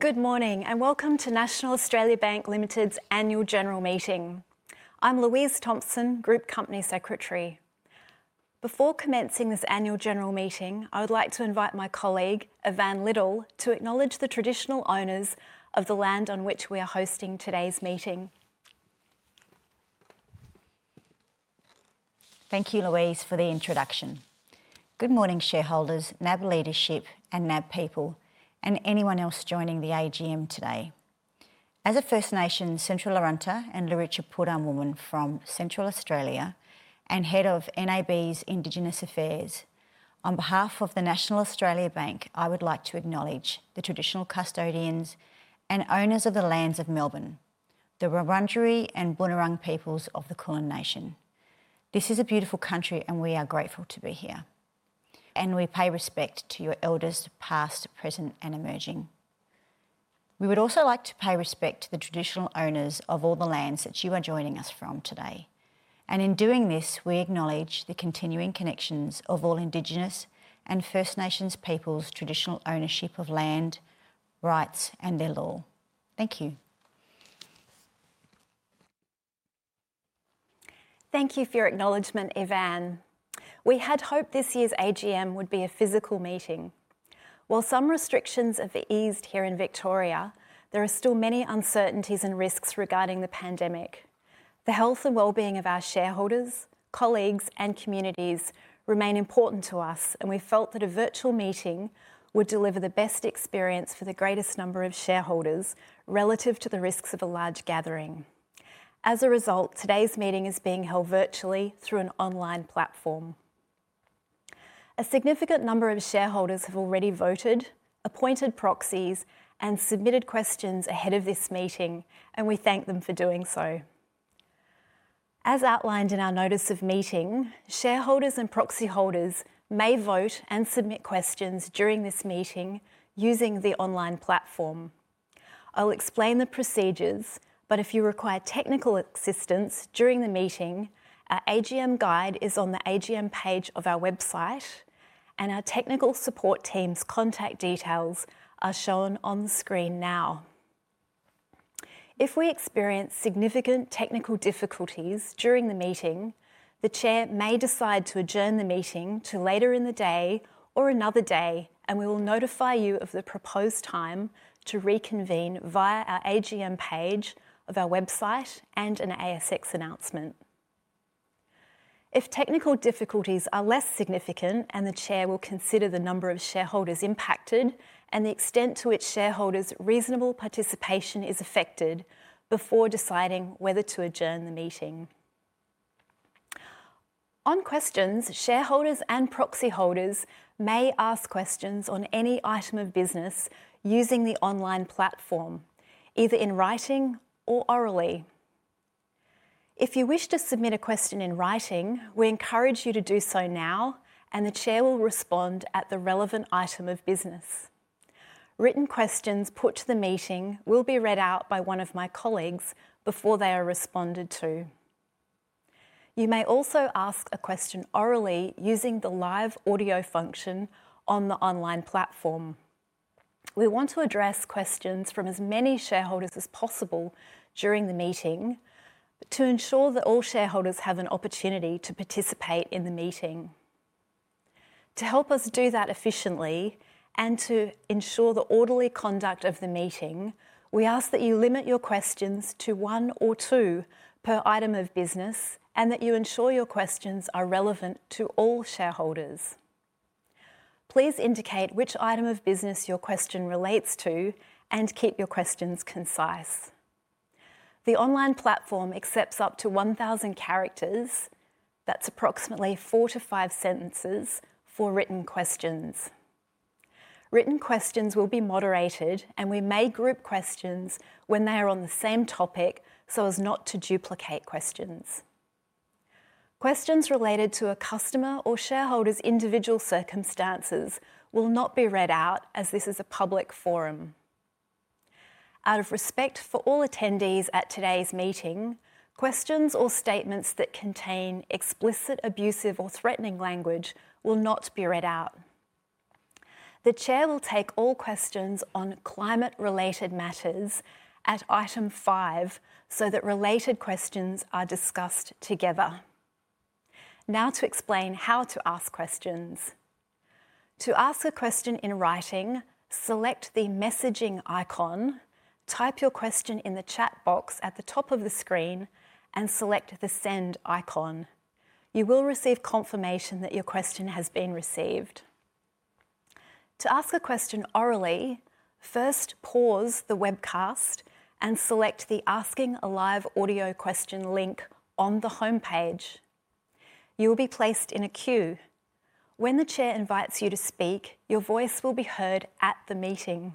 Good morning, and welcome to National Australia Bank Limited's annual general meeting. I'm Louise Thomson, Group Company Secretary. Before commencing this annual general meeting, I would like to invite my colleague, Evanne Little, to acknowledge the traditional owners of the land on which we are hosting today's meeting. Thank you, Louise, for the introduction. Good morning, shareholders, NAB leadership, and NAB people, and anyone else joining the AGM today. As a First Nations Central Arrernte and Luritja Purula woman from Central Australia, and head of NAB's Indigenous Affairs, on behalf of the National Australia Bank, I would like to acknowledge the traditional custodians and owners of the lands of Melbourne, the Wurundjeri and Boon Wurrung peoples of the Kulin Nation. This is a beautiful country, and we are grateful to be here. We pay respect to your elders past, present, and emerging. We would also like to pay respect to the traditional owners of all the lands that you are joining us from today. In doing this, we acknowledge the continuing connections of all Indigenous and First Nations peoples' traditional ownership of land, rights, and their law. Thank you. Thank you for your acknowledgement, Evanne. We had hoped this year's AGM would be a physical meeting. While some restrictions have eased here in Victoria, there are still many uncertainties and risks regarding the pandemic. The health and well-being of our shareholders, colleagues, and communities remain important to us, and we felt that a virtual meeting would deliver the best experience for the greatest number of shareholders relative to the risks of a large gathering. As a result, today's meeting is being held virtually through an online platform. A significant number of shareholders have already voted, appointed proxies, and submitted questions ahead of this meeting, and we thank them for doing so. As outlined in our notice of meeting, shareholders and proxy holders may vote and submit questions during this meeting using the online platform. I'll explain the procedures, but if you require technical assistance during the meeting, our AGM guide is on the AGM page of our website, and our technical support team's contact details are shown on the screen now. If we experience significant technical difficulties during the meeting, the chair may decide to adjourn the meeting to later in the day or another day, and we will notify you of the proposed time to reconvene via our AGM page of our website and an ASX announcement. If technical difficulties are less significant, the chair will consider the number of shareholders impacted and the extent to which shareholders' reasonable participation is affected before deciding whether to adjourn the meeting. Shareholders and proxy holders may ask questions on any item of business using the online platform, either in writing or orally. If you wish to submit a question in writing, we encourage you to do so now, and the chair will respond at the relevant item of business. Written questions put to the meeting will be read out by one of my colleagues before they are responded to. You may also ask a question orally using the live audio function on the online platform. We want to address questions from as many shareholders as possible during the meeting to ensure that all shareholders have an opportunity to participate in the meeting. To help us do that efficiently and to ensure the orderly conduct of the meeting, we ask that you limit your questions to one or two per item of business, and that you ensure your questions are relevant to all shareholders. Please indicate which item of business your question relates to and keep your questions concise. The online platform accepts up to 1000 characters. That's approximately 4 to 5 sentences for written questions. Written questions will be moderated, and we may group questions when they are on the same topic so as not to duplicate questions. Questions related to a customer or shareholder's individual circumstances will not be read out, as this is a public forum. Out of respect for all attendees at today's meeting, questions or statements that contain explicit, abusive, or threatening language will not be read out. The chair will take all questions on climate-related matters at item 5 so that related questions are discussed together. Now to explain how to ask questions. To ask a question in writing, select the messaging icon, type your question in the chat box at the top of the screen, and select the send icon. You will receive confirmation that your question has been received. To ask a question orally, first pause the webcast and select the Asking a Live Audio Question link on the homepage. You will be placed in a queue. When the chair invites you to speak, your voice will be heard at the meeting.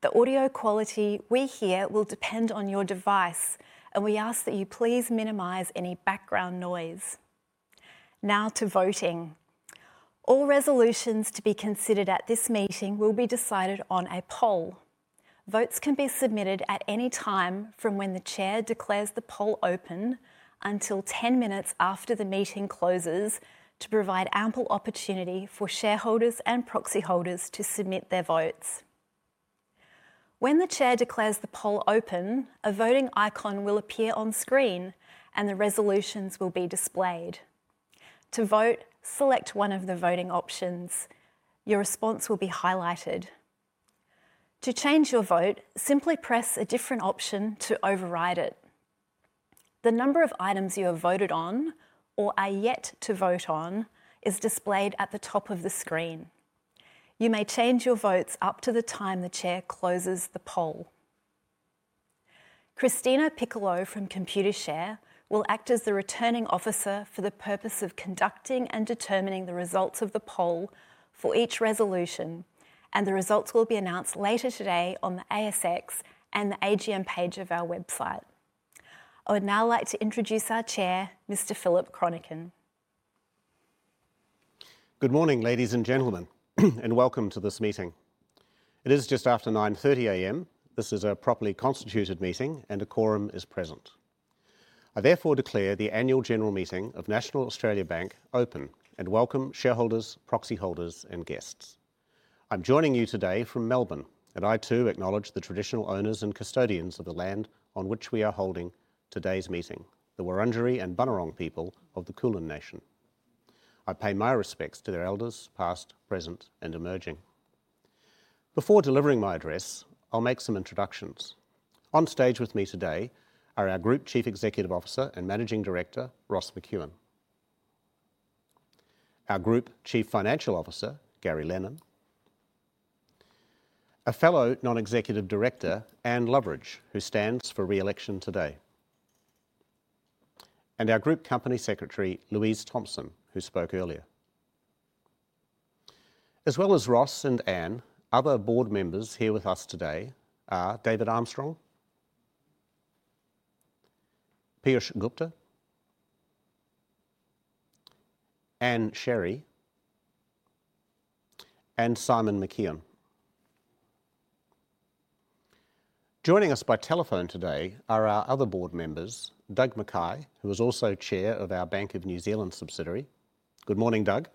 The audio quality we hear will depend on your device, and we ask that you please minimize any background noise. Now to voting. All resolutions to be considered at this meeting will be decided on a poll. Votes can be submitted at any time from when the chair declares the poll open until 10 minutes after the meeting closes to provide ample opportunity for shareholders and proxy holders to submit their votes. When the chair declares the poll open, a voting icon will appear on screen and the resolutions will be displayed. To vote, select one of the voting options. Your response will be highlighted. To change your vote, simply press a different option to override it. The number of items you have voted on or are yet to vote on is displayed at the top of the screen. You may change your votes up to the time the chair closes the poll. Christina Piccolo from Computershare will act as the Returning Officer for the purpose of conducting and determining the results of the poll for each resolution, and the results will be announced later today on the ASX and the AGM page of our website. I would now like to introduce our chair, Mr. Philip Chronican. Good morning, ladies and gentlemen, and welcome to this meeting. It is just after 9:30 A.M. This is a properly constituted meeting, and a quorum is present. I therefore declare the annual general meeting of National Australia Bank open, and welcome shareholders, proxy holders and guests. I'm joining you today from Melbourne, and I too acknowledge the traditional owners and custodians of the land on which we are holding today's meeting, the Wurundjeri and Bunurong people of the Kulin nation. I pay my respects to their elders, past, present, and emerging. Before delivering my address, I'll make some introductions. On stage with me today are our Group Chief Executive Officer and Managing Director, Ross McEwan. Our Group Chief Financial Officer, Gary Lennon. A fellow Non-Executive Director, Anne Loveridge, who stands for re-election today. And our Group Company Secretary, Louise Thomson, who spoke earlier. As well as Ross and Anne, other board members here with us today are David Armstrong, Piyush Gupta, Ann Sherry and Simon McKeon. Joining us by telephone today are our other board members, Doug McKay, who is also chair of our Bank of New Zealand subsidiary. Good morning, Doug.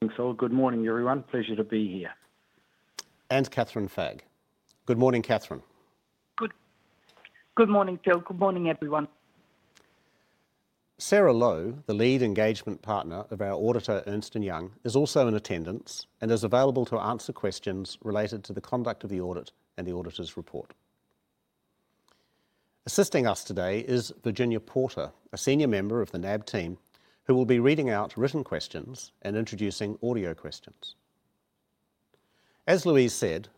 Thanks all. Good morning, everyone. Pleasure to be here. Kathryn Fagg. Good morning, Kathryn. Good morning too. Good morning, everyone. Sarah Lowe, the Lead Engagement Partner of our auditor, Ernst & Young, is also in attendance and is available to answer questions related to the conduct of the audit and the auditor's report. Assisting us today is Virginia Porter, a senior member of the NAB team, who will be reading out written questions and introducing audio questions. As Louise said,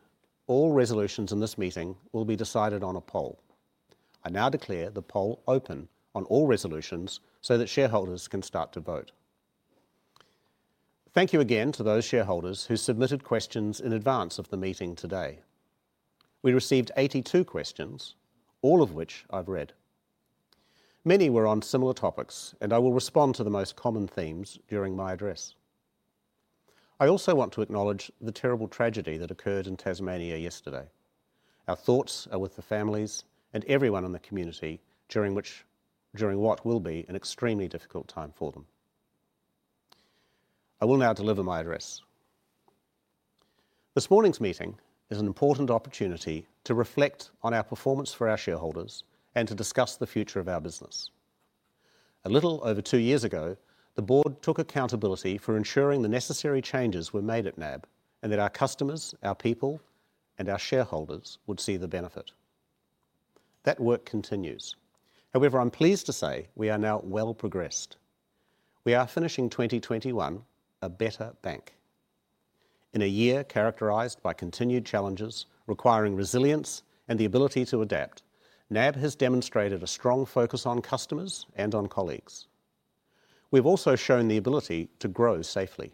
all resolutions in this meeting will be decided on a poll. I now declare the poll open on all resolutions so that shareholders can start to vote. Thank you again to those shareholders who submitted questions in advance of the meeting today. We received 82 questions, all of which I've read. Many were on similar topics, and I will respond to the most common themes during my address. I also want to acknowledge the terrible tragedy that occurred in Tasmania yesterday. Our thoughts are with the families and everyone in the community during what will be an extremely difficult time for them. I will now deliver my address. This morning's meeting is an important opportunity to reflect on our performance for our shareholders and to discuss the future of our business. A little over two years ago, the board took accountability for ensuring the necessary changes were made at NAB, and that our customers, our people and our shareholders would see the benefit. That work continues. However, I'm pleased to say we are now well progressed. We are finishing 2021 a better bank. In a year characterized by continued challenges requiring resilience and the ability to adapt, NAB has demonstrated a strong focus on customers and on colleagues. We've also shown the ability to grow safely.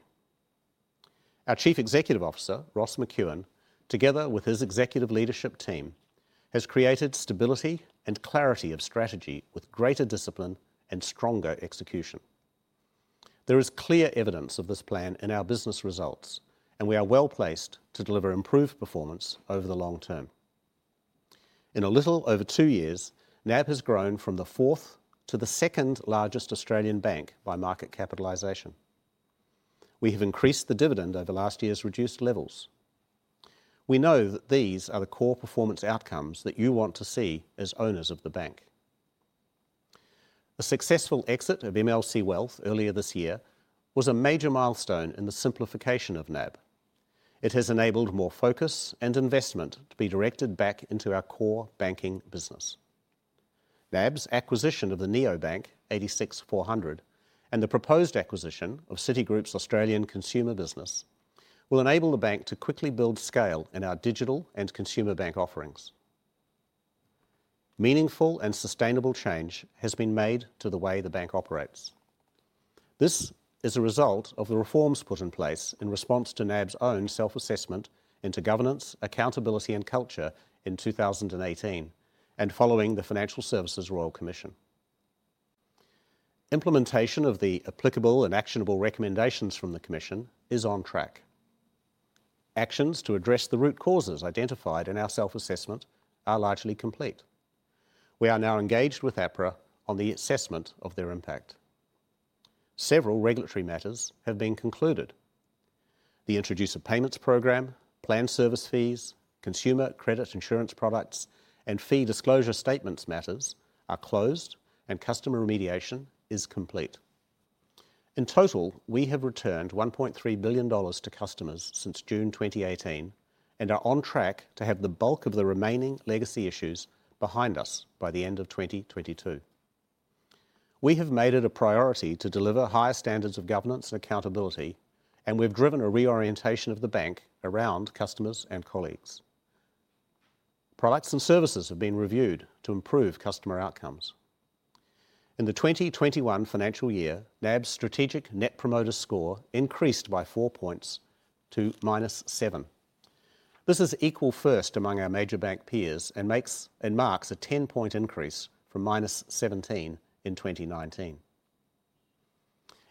Our Chief Executive Officer, Ross McEwan, together with his executive leadership team, has created stability and clarity of strategy with greater discipline and stronger execution. There is clear evidence of this plan in our business results, and we are well-placed to deliver improved performance over the long term. In a little over two years, NAB has grown from the fourth to the second largest Australian bank by market capitalization. We have increased the dividend over last year's reduced levels. We know that these are the core performance outcomes that you want to see as owners of the bank. The successful exit of MLC Wealth earlier this year was a major milestone in the simplification of NAB. It has enabled more focus and investment to be directed back into our core banking business. NAB's acquisition of the neobank 86, 400 and the proposed acquisition of Citigroup's Australian consumer business will enable the bank to quickly build scale in our digital and consumer bank offerings. Meaningful and sustainable change has been made to the way the bank operates. This is a result of the reforms put in place in response to NAB's own self-assessment into governance, accountability and culture in 2018, and following the Financial Services Royal Commission. Implementation of the applicable and actionable recommendations from the commission is on track. Actions to address the root causes identified in our self-assessment are largely complete. We are now engaged with APRA on the assessment of their impact. Several regulatory matters have been concluded. The Introducer Payments Program, Planned Service Fees, Consumer Credit Insurance Products, and Fee Disclosure Statements matters are closed, and customer remediation is complete. In total, we have returned 1.3 billion dollars to customers since June 2018, and are on track to have the bulk of the remaining legacy issues behind us by the end of 2022. We have made it a priority to deliver higher standards of governance and accountability, and we've driven a reorientation of the bank around customers and colleagues. Products and services have been reviewed to improve customer outcomes. In the 2021 financial year, NAB's strategic Net Promoter Score increased by 4 points to -7. This is equal first among our major bank peers and marks a 10-point increase from -17 in 2019.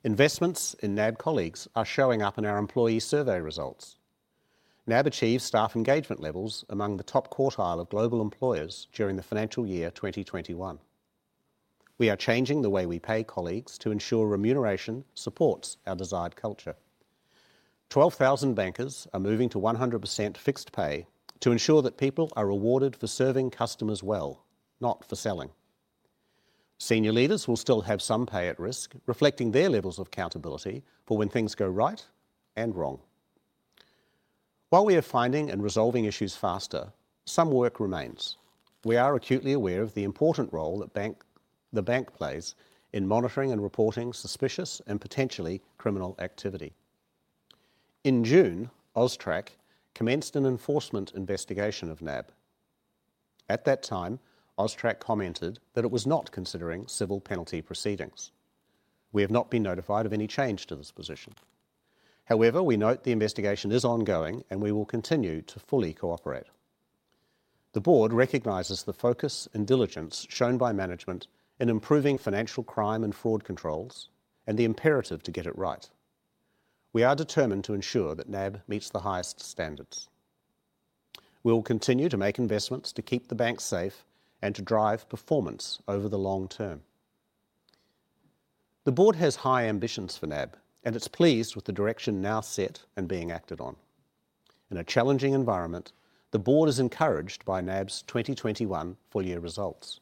Investments in NAB colleagues are showing up in our employee survey results. NAB achieved staff engagement levels among the top quartile of global employers during the financial year 2021. We are changing the way we pay colleagues to ensure remuneration supports our desired culture. 12,000 bankers are moving to 100% fixed pay to ensure that people are rewarded for serving customers well, not for selling. Senior leaders will still have some pay at risk, reflecting their levels of accountability for when things go right and wrong. While we are finding and resolving issues faster, some work remains. We are acutely aware of the important role that the bank plays in monitoring and reporting suspicious and potentially criminal activity. In June, AUSTRAC commenced an enforcement investigation of NAB. At that time, AUSTRAC commented that it was not considering civil penalty proceedings. We have not been notified of any change to this position. However, we note the investigation is ongoing, and we will continue to fully cooperate. The board recognizes the focus and diligence shown by management in improving financial crime and fraud controls and the imperative to get it right. We are determined to ensure that NAB meets the highest standards. We will continue to make investments to keep the bank safe and to drive performance over the long term. The board has high ambitions for NAB, and it's pleased with the direction now set and being acted on. In a challenging environment, the board is encouraged by NAB's 2021 full year results.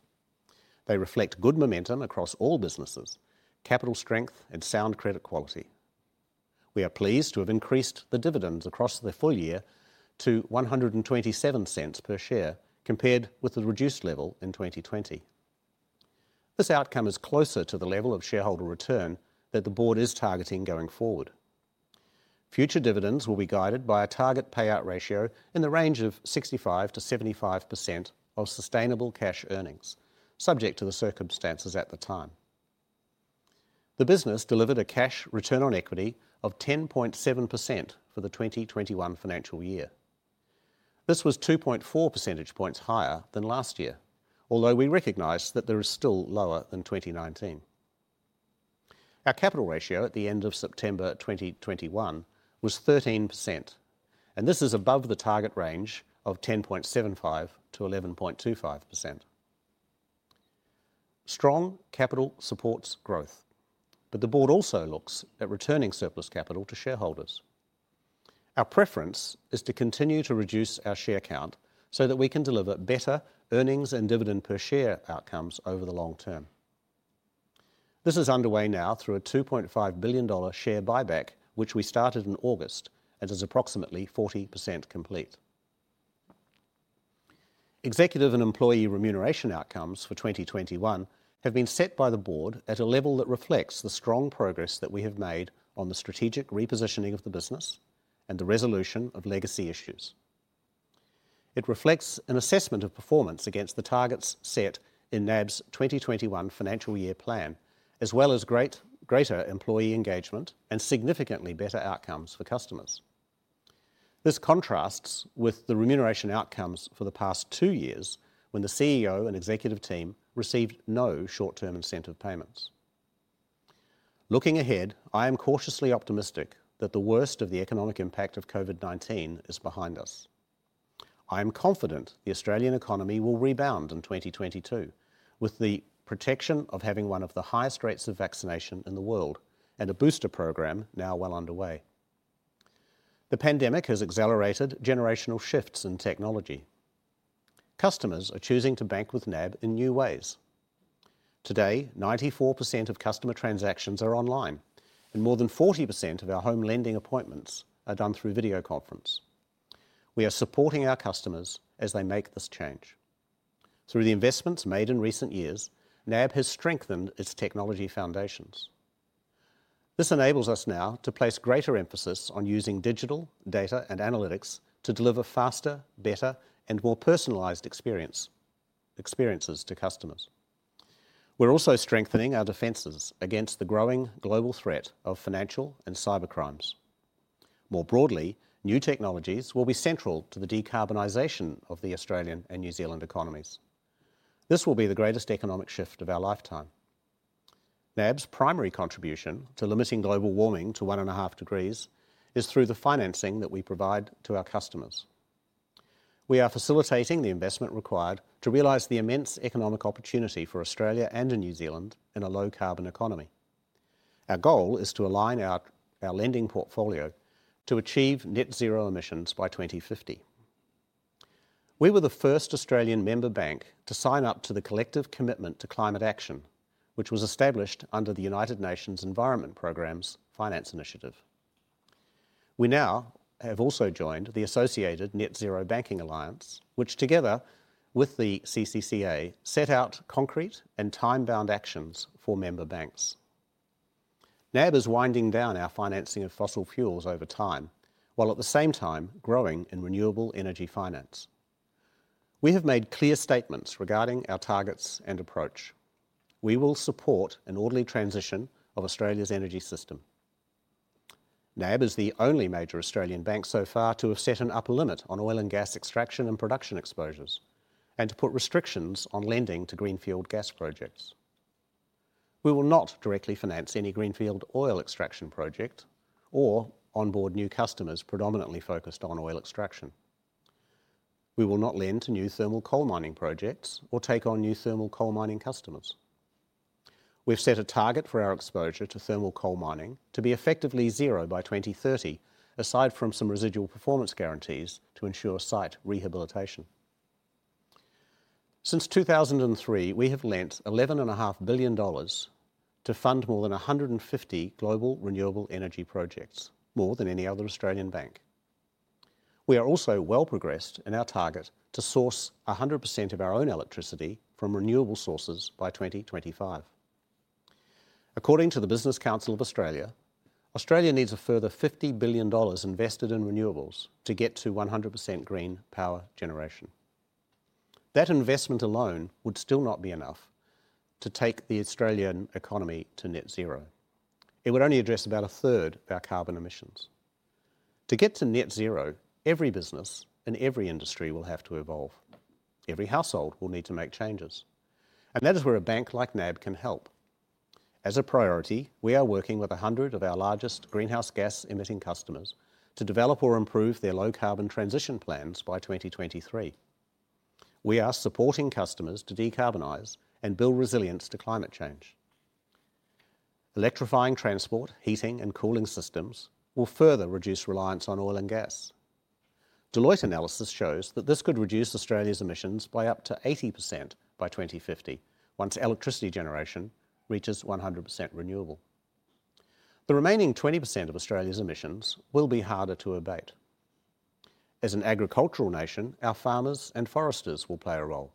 They reflect good momentum across all businesses, capital strength, and sound credit quality. We are pleased to have increased the dividends across the full year to 1.27 per share compared with the reduced level in 2020. This outcome is closer to the level of shareholder return that the board is targeting going forward. Future dividends will be guided by a target payout ratio in the range of 65%-75% of sustainable cash earnings, subject to the circumstances at the time. The business delivered a cash return on equity of 10.7% for the 2021 financial year. This was 2.4 percentage points higher than last year, although we recognize that it is still lower than 2019. Our capital ratio at the end of September 2021 was 13%, and this is above the target range of 10.75%-11.25%. Strong capital supports growth, but the board also looks at returning surplus capital to shareholders. Our preference is to continue to reduce our share count so that we can deliver better earnings and dividend per share outcomes over the long term. This is underway now through a 2.5 billion dollar share buyback, which we started in August and is approximately 40% complete. Executive and employee remuneration outcomes for 2021 have been set by the board at a level that reflects the strong progress that we have made on the strategic repositioning of the business and the resolution of legacy issues. It reflects an assessment of performance against the targets set in NAB's 2021 financial year plan, as well as greater employee engagement and significantly better outcomes for customers. This contrasts with the remuneration outcomes for the past two years, when the CEO and executive team received no short-term incentive payments. Looking ahead, I am cautiously optimistic that the worst of the economic impact of COVID-19 is behind us. I am confident the Australian economy will rebound in 2022, with the protection of having one of the highest rates of vaccination in the world and a booster program now well underway. The pandemic has accelerated generational shifts in technology. Customers are choosing to bank with NAB in new ways. Today, 94% of customer transactions are online and more than 40% of our home lending appointments are done through video conference. We are supporting our customers as they make this change. Through the investments made in recent years, NAB has strengthened its technology foundations. This enables us now to place greater emphasis on using digital, data, and analytics to deliver faster, better, and more personalized experiences to customers. We're also strengthening our defenses against the growing global threat of financial and cyber crimes. More broadly, new technologies will be central to the decarbonization of the Australian and New Zealand economies. This will be the greatest economic shift of our lifetime. NAB's primary contribution to limiting global warming to 1.5 degrees is through the financing that we provide to our customers. We are facilitating the investment required to realize the immense economic opportunity for Australia and in New Zealand in a low-carbon economy. Our goal is to align our lending portfolio to achieve net zero emissions by 2050. We were the first Australian member bank to sign up to the Collective Commitment to Climate Action, which was established under the United Nations Environment Programme's Finance Initiative. We now have also joined the associated Net-Zero Banking Alliance, which together with the CCCA, set out concrete and time-bound actions for member banks. NAB is winding down our financing of fossil fuels over time, while at the same time growing in renewable energy finance. We have made clear statements regarding our targets and approach. We will support an orderly transition of Australia's energy system. NAB is the only major Australian bank so far to have set an upper limit on oil and gas extraction and production exposures, and to put restrictions on lending to greenfield gas projects. We will not directly finance any greenfield oil extraction project or onboard new customers predominantly focused on oil extraction. We will not lend to new thermal coal mining projects or take on new thermal coal mining customers. We've set a target for our exposure to thermal coal mining to be effectively zero by 2030, aside from some residual performance guarantees to ensure site rehabilitation. Since 2003, we have lent 11.5 billion dollars to fund more than 150 global renewable energy projects, more than any other Australian bank. We are also well progressed in our target to source 100% of our own electricity from renewable sources by 2025. According to the Business Council of Australia needs a further 50 billion dollars invested in renewables to get to 100% green power generation. That investment alone would still not be enough to take the Australian economy to net zero. It would only address about a third of our carbon emissions. To get to net zero, every business and every industry will have to evolve. Every household will need to make changes, and that is where a bank like NAB can help. As a priority, we are working with 100 of our largest greenhouse gas-emitting customers to develop or improve their low-carbon transition plans by 2023. We are supporting customers to decarbonize and build resilience to climate change. Electrifying transport, heating, and cooling systems will further reduce reliance on oil and gas. Deloitte analysis shows that this could reduce Australia's emissions by up to 80% by 2050 once electricity generation reaches 100% renewable. The remaining 20% of Australia's emissions will be harder to abate. As an agricultural nation, our farmers and foresters will play a role.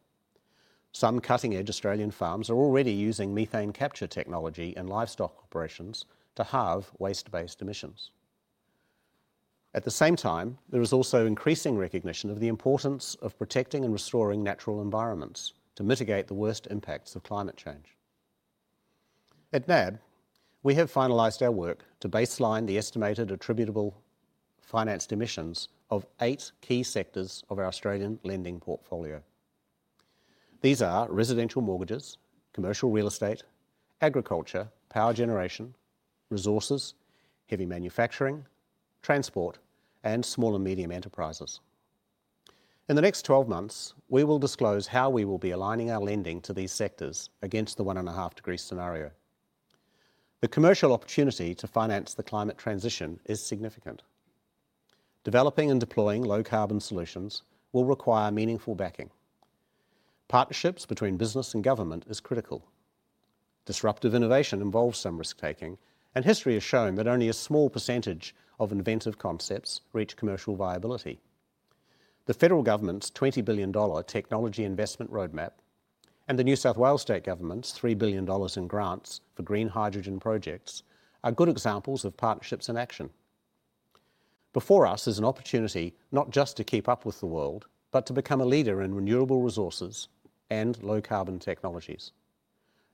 Some cutting-edge Australian farms are already using methane capture technology in livestock operations to halve waste-based emissions. At the same time, there is also increasing recognition of the importance of protecting and restoring natural environments to mitigate the worst impacts of climate change. At NAB, we have finalized our work to baseline the estimated attributable financed emissions of eight key sectors of our Australian lending portfolio. These are residential mortgages, commercial real estate, agriculture, power generation, resources, heavy manufacturing, transport, and small and medium enterprises. In the next twelve months, we will disclose how we will be aligning our lending to these sectors against the 1.5-degree scenario. The commercial opportunity to finance the climate transition is significant. Developing and deploying low-carbon solutions will require meaningful backing. Partnerships between business and government is critical. Disruptive innovation involves some risk-taking, and history has shown that only a small percentage of inventive concepts reach commercial viability. The federal government's 20 billion dollar Technology Investment Roadmap and the New South Wales State Government's 3 billion dollars in grants for green hydrogen projects are good examples of partnerships in action. Before us is an opportunity not just to keep up with the world, but to become a leader in renewable resources and low-carbon technologies.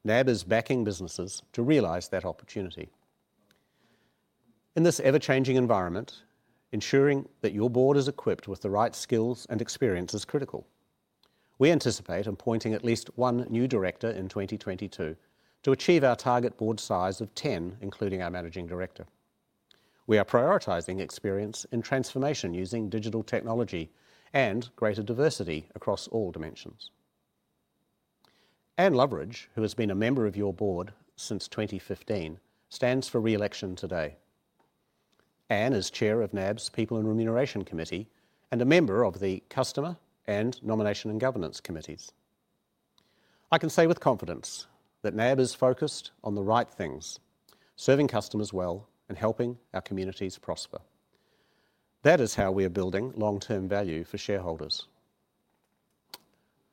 NAB is backing businesses to realize that opportunity. In this ever-changing environment, ensuring that your board is equipped with the right skills and experience is critical. We anticipate appointing at least one new director in 2022 to achieve our target board size of 10, including our managing director. We are prioritizing experience in transformation using digital technology and greater diversity across all dimensions. Anne Loveridge, who has been a member of your board since 2015, stands for re-election today. Anne is chair of NAB's People and Remuneration Committee and a member of the Customer and Nomination and Governance Committees. I can say with confidence that NAB is focused on the right things, serving customers well, and helping our communities prosper. That is how we are building long-term value for shareholders.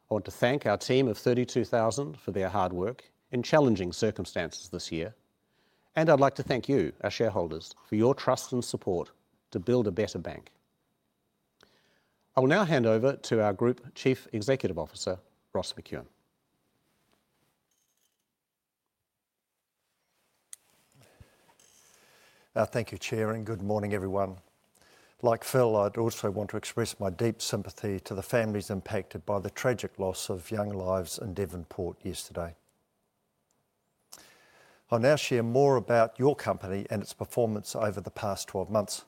I want to thank our team of 32,000 for their hard work in challenging circumstances this year, and I'd like to thank you, our shareholders, for your trust and support to build a better bank. I will now hand over to our Group Chief Executive Officer, Ross McEwan. Thank you, Chair, and good morning, everyone. Like Phil, I'd also want to express my deep sympathy to the families impacted by the tragic loss of young lives in Devonport yesterday. I'll now share more about your company and its performance over the past twelve months.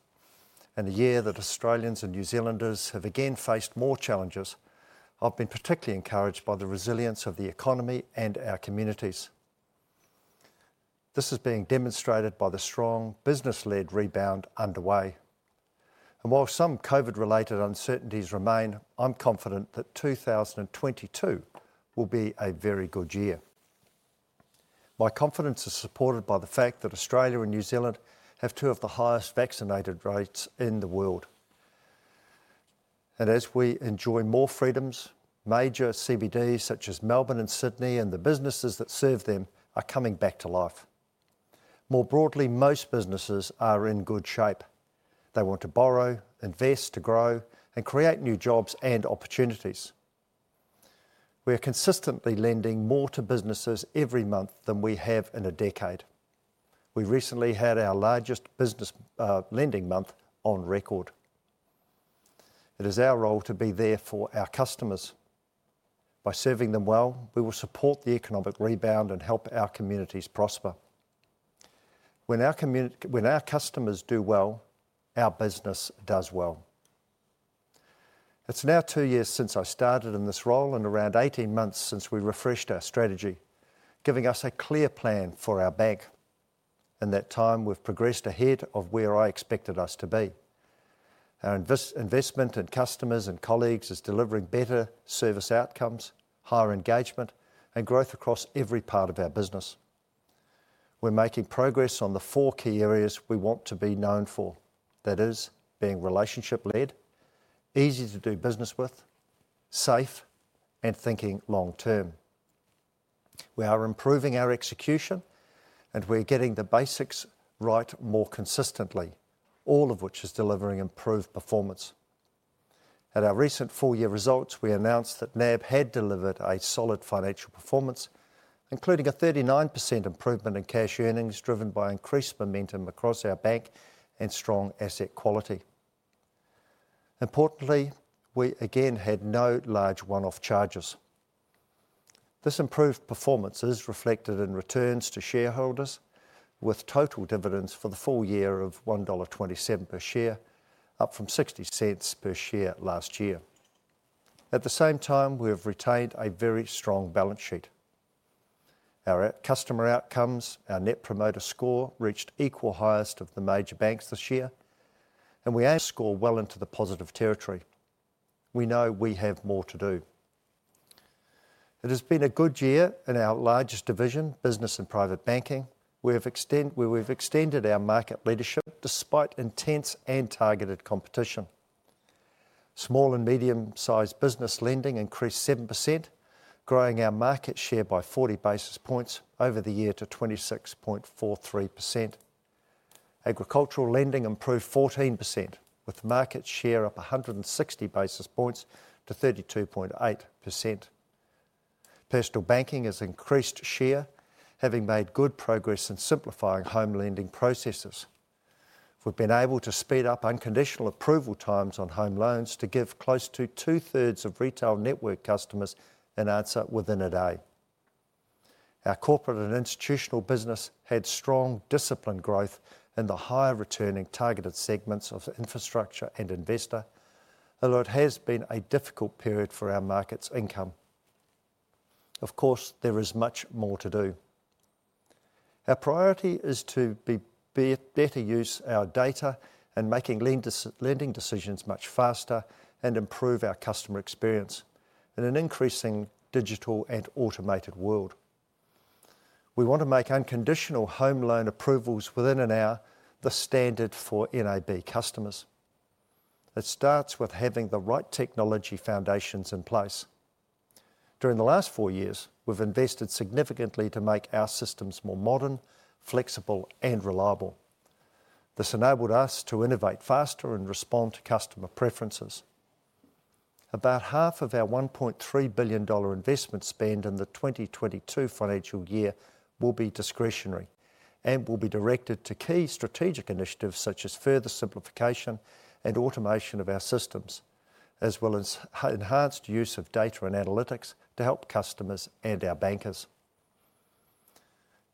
In the year that Australians and New Zealanders have again faced more challenges, I've been particularly encouraged by the resilience of the economy and our communities. This is being demonstrated by the strong business-led rebound underway. While some COVID-related uncertainties remain, I'm confident that 2022 will be a very good year. My confidence is supported by the fact that Australia and New Zealand have two of the highest vaccinated rates in the world. As we enjoy more freedoms, major CBDs such as Melbourne and Sydney, and the businesses that serve them, are coming back to life. More broadly, most businesses are in good shape. They want to borrow, invest, to grow and create new jobs and opportunities. We are consistently lending more to businesses every month than we have in a decade. We recently had our largest business lending month on record. It is our role to be there for our customers. By serving them well, we will support the economic rebound and help our communities prosper. When our customers do well, our business does well. It's now two years since I started in this role and around 18 months since we refreshed our strategy, giving us a clear plan for our bank. In that time, we've progressed ahead of where I expected us to be. Our investment in customers and colleagues is delivering better service outcomes, higher engagement and growth across every part of our business. We're making progress on the four key areas we want to be known for. That is, being relationship-led, easy to do business with, safe and thinking long-term. We are improving our execution, and we're getting the basics right more consistently, all of which is delivering improved performance. At our recent full year results, we announced that NAB had delivered a solid financial performance, including a 39% improvement in cash earnings, driven by increased momentum across our bank and strong asset quality. Importantly, we again had no large one-off charges. This improved performance is reflected in returns to shareholders, with total dividends for the full year of 1.27 dollar per share, up from 0.60 per share last year. At the same time, we have retained a very strong balance sheet. Our customer outcomes, our Net Promoter Score, reached equal highest of the major banks this year, and our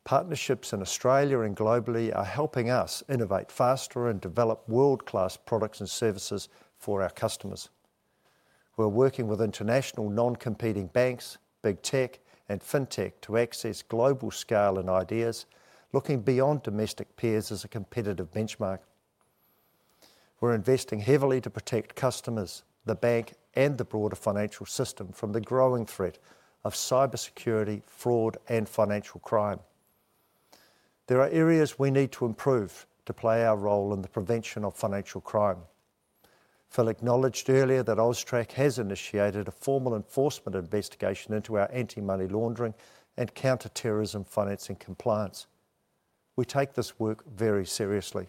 partnerships in Australia and globally are helping us innovate faster and develop world-class products and services for our customers. We're working with international non-competing banks, big tech and fintech to access global scale and ideas, looking beyond domestic peers as a competitive benchmark. We're investing heavily to protect customers, the bank and the broader financial system from the growing threat of cybersecurity, fraud and financial crime. There are areas we need to improve to play our role in the prevention of financial crime. Phil acknowledged earlier that AUSTRAC has initiated a formal enforcement investigation into our anti-money laundering and counter-terrorism financing compliance. We take this work very seriously.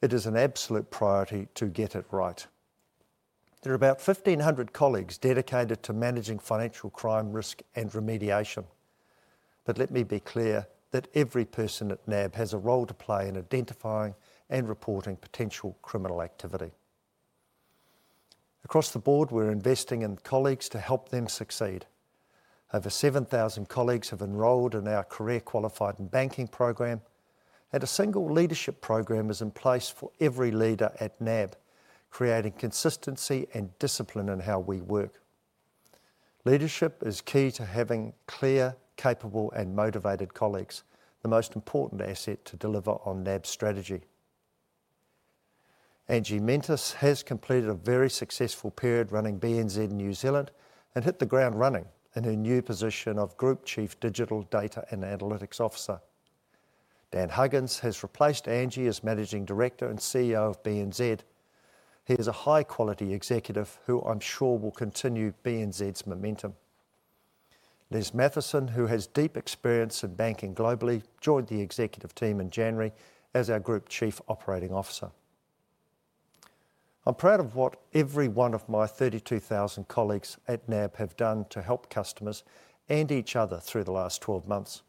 It is an absolute priority to get it right. There are about 1,500 colleagues dedicated to managing financial crime risk and remediation. Let me be clear that every person at NAB has a role to play in identifying and reporting potential criminal activity. Across the board, we're investing in colleagues to help them succeed. Over 7,000 colleagues have enrolled in our career qualified banking program, and a single leadership program is in place for every leader at NAB, creating consistency and discipline in how we work. Leadership is key to having clear, capable, and motivated colleagues, the most important asset to deliver on NAB's strategy. Angela Mentis has completed a very successful period running BNZ in New Zealand and hit the ground running in her new position of Group Chief Digital Data and Analytics Officer. Dan Huggins has replaced Angie as Managing Director and CEO of BNZ. He is a high-quality executive who I'm sure will continue BNZ's momentum. Les Matheson, who has deep experience in banking globally, joined the executive team in January as our Group Chief Operating Officer. I'm proud of what every one of my 32,000 colleagues at NAB have done to help customers and each other through the last 12 months.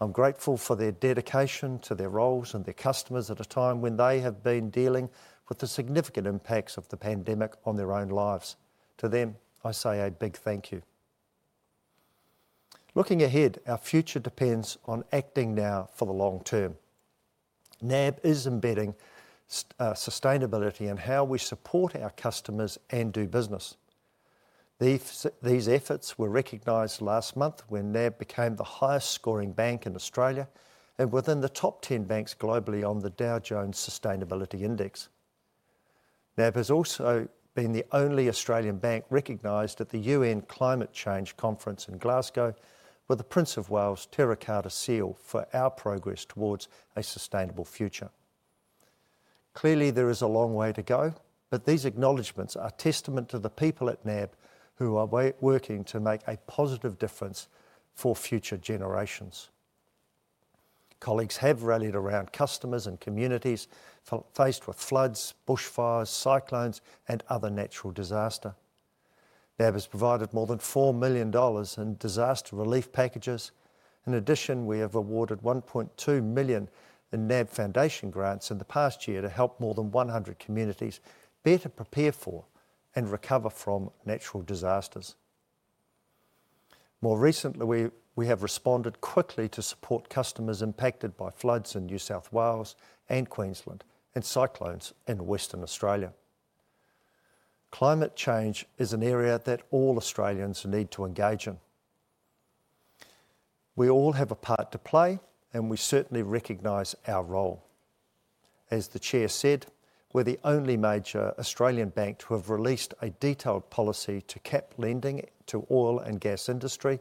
I'm grateful for their dedication to their roles and their customers at a time when they have been dealing with the significant impacts of the pandemic on their own lives. To them, I say a big thank you. Looking ahead, our future depends on acting now for the long term. NAB is embedding sustainability in how we support our customers and do business. These efforts were recognized last month when NAB became the highest scoring bank in Australia and within the top 10 banks globally on the Dow Jones Sustainability Index. NAB has also been the only Australian bank recognized at the UN Climate Change Conference in Glasgow with the Prince of Wales Terra Carta Seal for our progress towards a sustainable future. Clearly, there is a long way to go, but these acknowledgments are testament to the people at NAB who are working to make a positive difference for future generations. Colleagues have rallied around customers and communities faced with floods, bushfires, cyclones, and other natural disaster. NAB has provided more than 4 million dollars in disaster relief packages. In addition, we have awarded 1.2 million in NAB Foundation grants in the past year to help more than 100 communities better prepare for and recover from natural disasters. More recently, we have responded quickly to support customers impacted by floods in New South Wales and Queensland and cyclones in Western Australia. Climate change is an area that all Australians need to engage in. We all have a part to play, and we certainly recognize our role. As the chair said, we're the only major Australian bank to have released a detailed policy to cap lending to oil and gas industry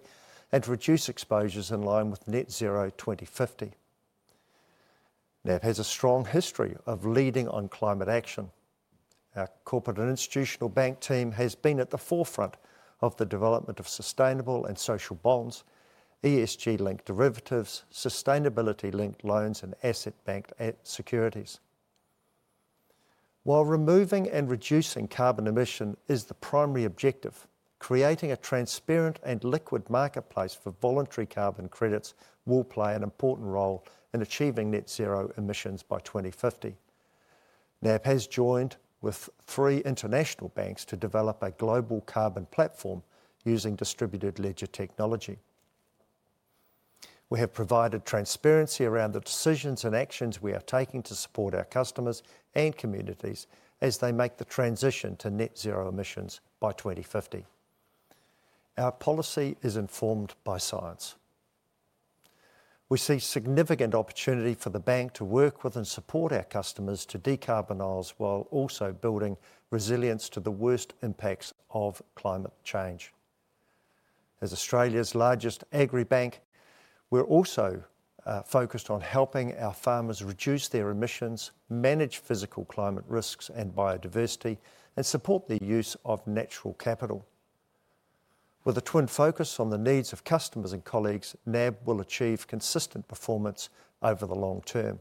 and reduce exposures in line with Net Zero 2050. NAB has a strong history of leading on climate action. Our corporate and institutional bank team has been at the forefront of the development of sustainable and social bonds, ESG-linked derivatives, sustainability-linked loans, and asset-backed securities. While removing and reducing carbon emission is the primary objective, creating a transparent and liquid marketplace for voluntary carbon credits will play an important role in achieving net zero emissions by 2050. NAB has joined with three international banks to develop a global carbon platform using distributed ledger technology. We have provided transparency around the decisions and actions we are taking to support our customers and communities as they make the transition to net zero emissions by 2050. Our policy is informed by science. We see significant opportunity for the bank to work with and support our customers to decarbonize while also building resilience to the worst impacts of climate change. As Australia's largest agri-bank, we're also focused on helping our farmers reduce their emissions, manage physical climate risks and biodiversity, and support the use of natural capital. With a twin focus on the needs of customers and colleagues, NAB will achieve consistent performance over the long term.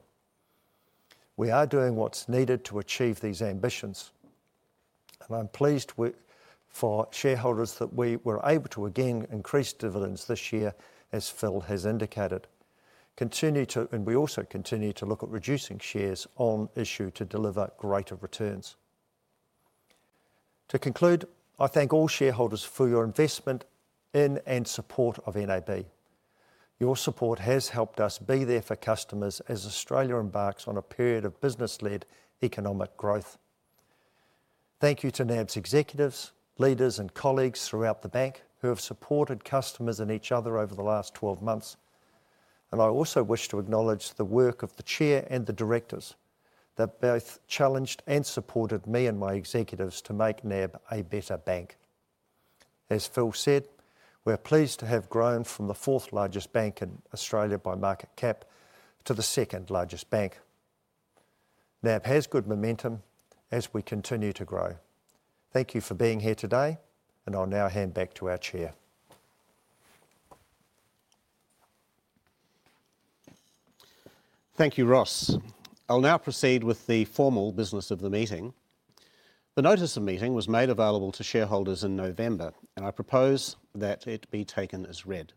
We are doing what's needed to achieve these ambitions, and I'm pleased for shareholders that we were able to again increase dividends this year, as Phil has indicated. We also continue to look at reducing shares on issue to deliver greater returns. To conclude, I thank all shareholders for your investment in and support of NAB. Your support has helped us be there for customers as Australia embarks on a period of business-led economic growth. Thank you to NAB's executives, leaders, and colleagues throughout the bank who have supported customers and each other over the last 12 months. I also wish to acknowledge the work of the Chair and the Directors. They've both challenged and supported me and my executives to make NAB a better bank. As Phil said, we're pleased to have grown from the fourth-largest bank in Australia by market cap to the second-largest bank. NAB has good momentum as we continue to grow. Thank you for being here today, and I'll now hand back to our Chair. Thank you, Ross. I'll now proceed with the formal business of the meeting. The notice of meeting was made available to shareholders in November, and I propose that it be taken as read.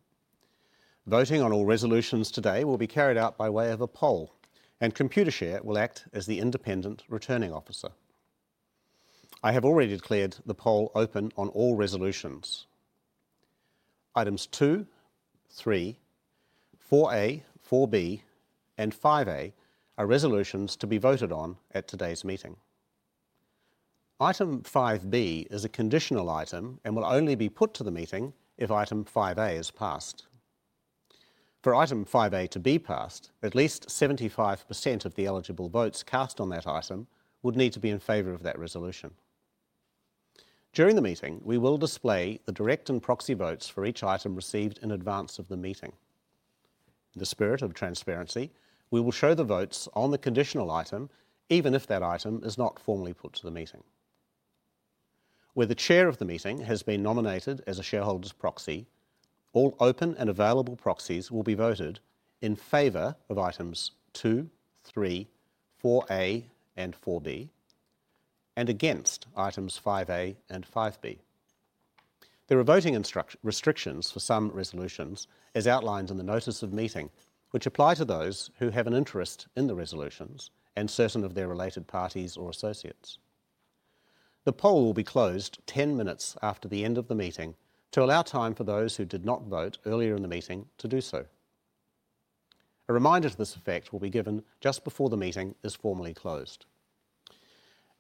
Voting on all resolutions today will be carried out by way of a poll, and Computershare will act as the independent returning officer. I have already declared the poll open on all resolutions. Items 2, 3, 4A, 4B, and 5A are resolutions to be voted on at today's meeting. Item 5B is a conditional item and will only be put to the meeting if item 5A is passed. For item 5A to be passed, at least 75% of the eligible votes cast on that item would need to be in favor of that resolution. During the meeting, we will display the direct and proxy votes for each item received in advance of the meeting. In the spirit of transparency, we will show the votes on the conditional item even if that item is not formally put to the meeting. Where the Chair of the meeting has been nominated as a shareholder's proxy, all open and available proxies will be voted in favor of items 2, 3, 4A, and 4B, and against Items 5A and 5B. There are voting restrictions for some resolutions, as outlined in the notice of meeting, which apply to those who have an interest in the resolutions and certain of their related parties or associates. The poll will be closed 10 minutes after the end of the meeting to allow time for those who did not vote earlier in the meeting to do so. A reminder to this effect will be given just before the meeting is formally closed.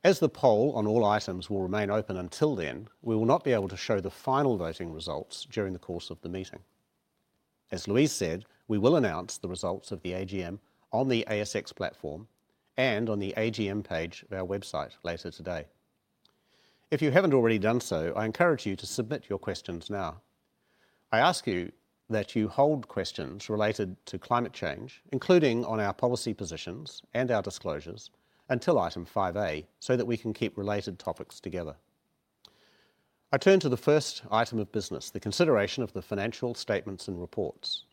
As the poll on all items will remain open until then, we will not be able to show the final voting results during the course of the meeting. As Louise said, we will announce the results of the AGM on the ASX platform and on the AGM page of our website later today. If you haven't already done so, I encourage you to submit your questions now. I ask you that you hold questions related to climate change, including on our policy positions and our disclosures, until item 5A, so that we can keep related topics together. I turn to the first item of business, the consideration of the financial statements and reports.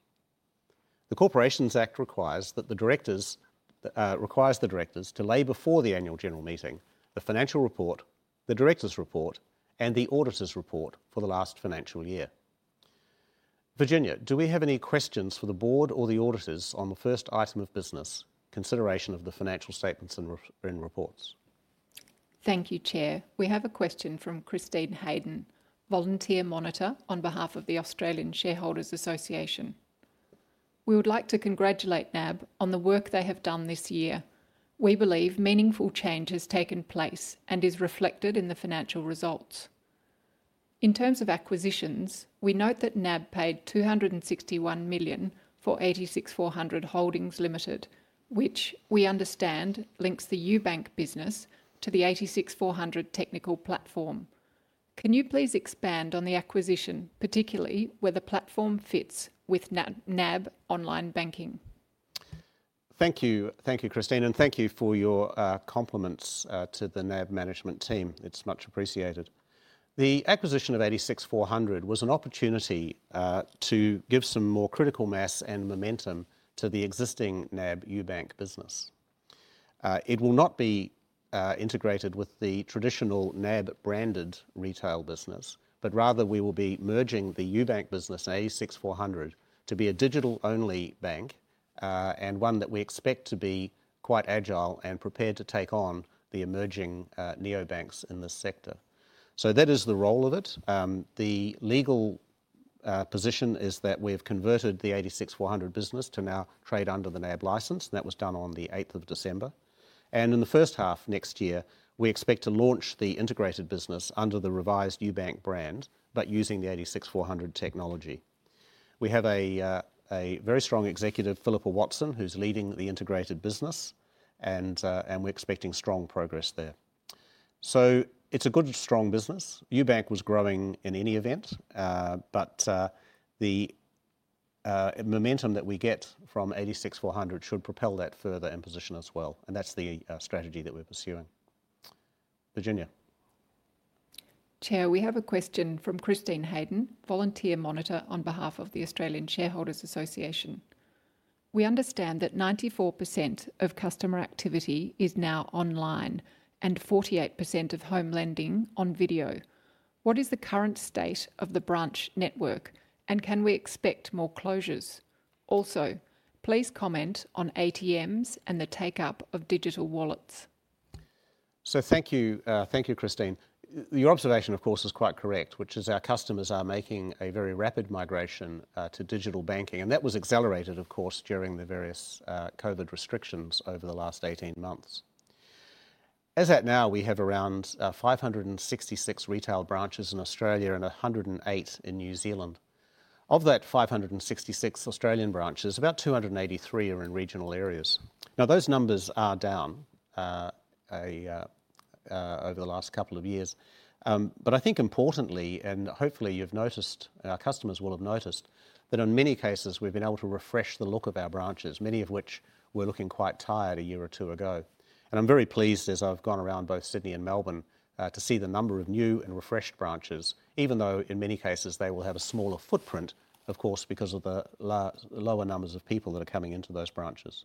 The Corporations Act requires the directors to lay before the annual general meeting the financial report, the directors' report, and the auditor's report for the last financial year. Virginia, do we have any questions for the board or the auditors on the first item of business, consideration of the financial statements and reports? Thank you, Chair. We have a question from Christine Hayden, Volunteer Monitor on behalf of the Australian Shareholders' Association. We would like to congratulate NAB on the work they have done this year. We believe meaningful change has taken place and is reflected in the financial results. In terms of acquisitions, we note that NAB paid 261 million for 86 400 Holdings Limited, which we understand links the UBank business to the 86 400 technical platform. Can you please expand on the acquisition, particularly where the platform fits with NAB online banking? Thank you. Thank you, Christine, and thank you for your compliments to the NAB management team. It's much appreciated. The acquisition of 86 400 was an opportunity to give some more critical mass and momentum to the existing NAB UBank business. It will not be integrated with the traditional NAB branded retail business, but rather we will be merging the UBank business and 86 400 to be a digital-only bank, and one that we expect to be quite agile and prepared to take on the emerging neobanks in this sector. That is the role of it. The legal position is that we've converted the 86 400 business to now trade under the NAB license. That was done on the eighth of December. In the first half next year, we expect to launch the integrated business under the revised UBank brand, but using the 86 400 technology. We have a very strong executive, Philippa Watson, who's leading the integrated business, and we're expecting strong progress there. It's a good, strong business. UBank was growing in any event, but the momentum that we get from 86 400 should propel that further and position us well, and that's the strate`gy that we're pursuing. Virginia. Chair, we have a question from Christine Hayden, volunteer monitor on behalf of the Australian Shareholders' Association. We understand that 94% of customer activity is now online and 48% of home lending on video. What is the current state of the branch network, and can we expect more closures? Also, please comment on ATMs and the take-up of digital wallets. Thank you. Thank you, Christine. Your observation, of course, is quite correct, which is our customers are making a very rapid migration to digital banking, and that was accelerated, of course, during the various COVID restrictions over the last 18 months. As at now, we have around 566 retail branches in Australia and 108 in New Zealand. Of that 566 Australian branches, about 283 are in regional areas. Now, those numbers are down over the last couple of years. But I think importantly, and hopefully you've noticed, our customers will have noticed, that in many cases, we've been able to refresh the look of our branches, many of which were looking quite tired a year or two ago. I'm very pleased as I've gone around both Sydney and Melbourne, to see the number of new and refreshed branches, even though in many cases they will have a smaller footprint, of course, because of the lower numbers of people that are coming into those branches.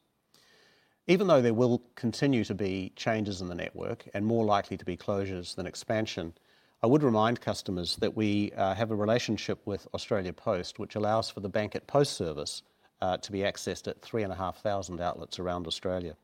Even though there will continue to be changes in the network, and more likely to be closures than expansion, I would remind customers that we have a relationship with Australia Post, which allows for the Bank@Post service to be accessed at 3,500 outlets around Australia.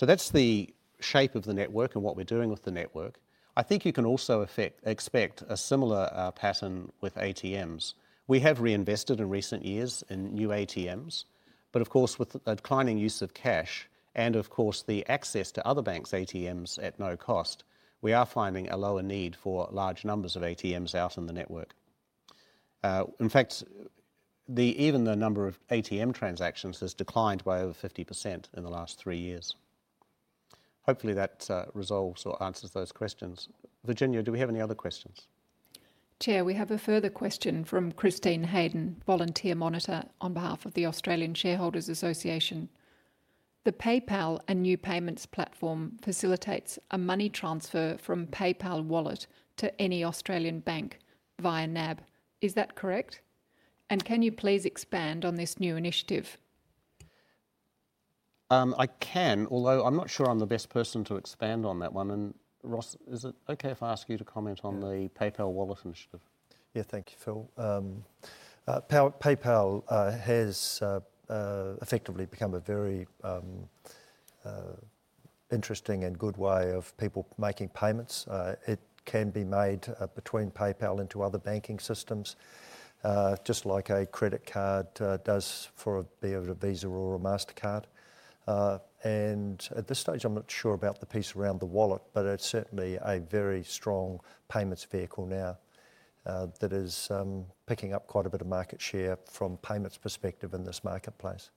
That's the shape of the network and what we're doing with the network. I think you can also expect a similar pattern with ATMs. We have reinvested in recent years in new ATMs, but of course with the declining use of cash and of course the access to other banks' ATMs at no cost, we are finding a lower need for large numbers of ATMs out in the network. In fact, even the number of ATM transactions has declined by over 50% in the last three years. Hopefully that resolves or answers those questions. Virginia, do we have any other questions? Chair, we have a further question from Christine Hayden, volunteer monitor on behalf of the Australian Shareholders' Association. The PayPal and New Payments Platform facilitates a money transfer from PayPal wallet to any Australian bank via NAB. Is that correct? And can you please expand on this new initiative? I can, although I'm not sure I'm the best person to expand on that one. Ross, is it okay if I ask you to comment on the PayPal wallet initiative? Yeah, thank you, Phil. PayPal has effectively become a very interesting and good way of people making payments. It can be made between PayPal into other banking systems, just like a credit card does for a, be it a Visa or a Mastercard. At this stage, I'm not sure about the piece around the wallet, but it's certainly a very strong payments vehicle now that is picking up quite a bit of market share from payments perspective in this marketplace.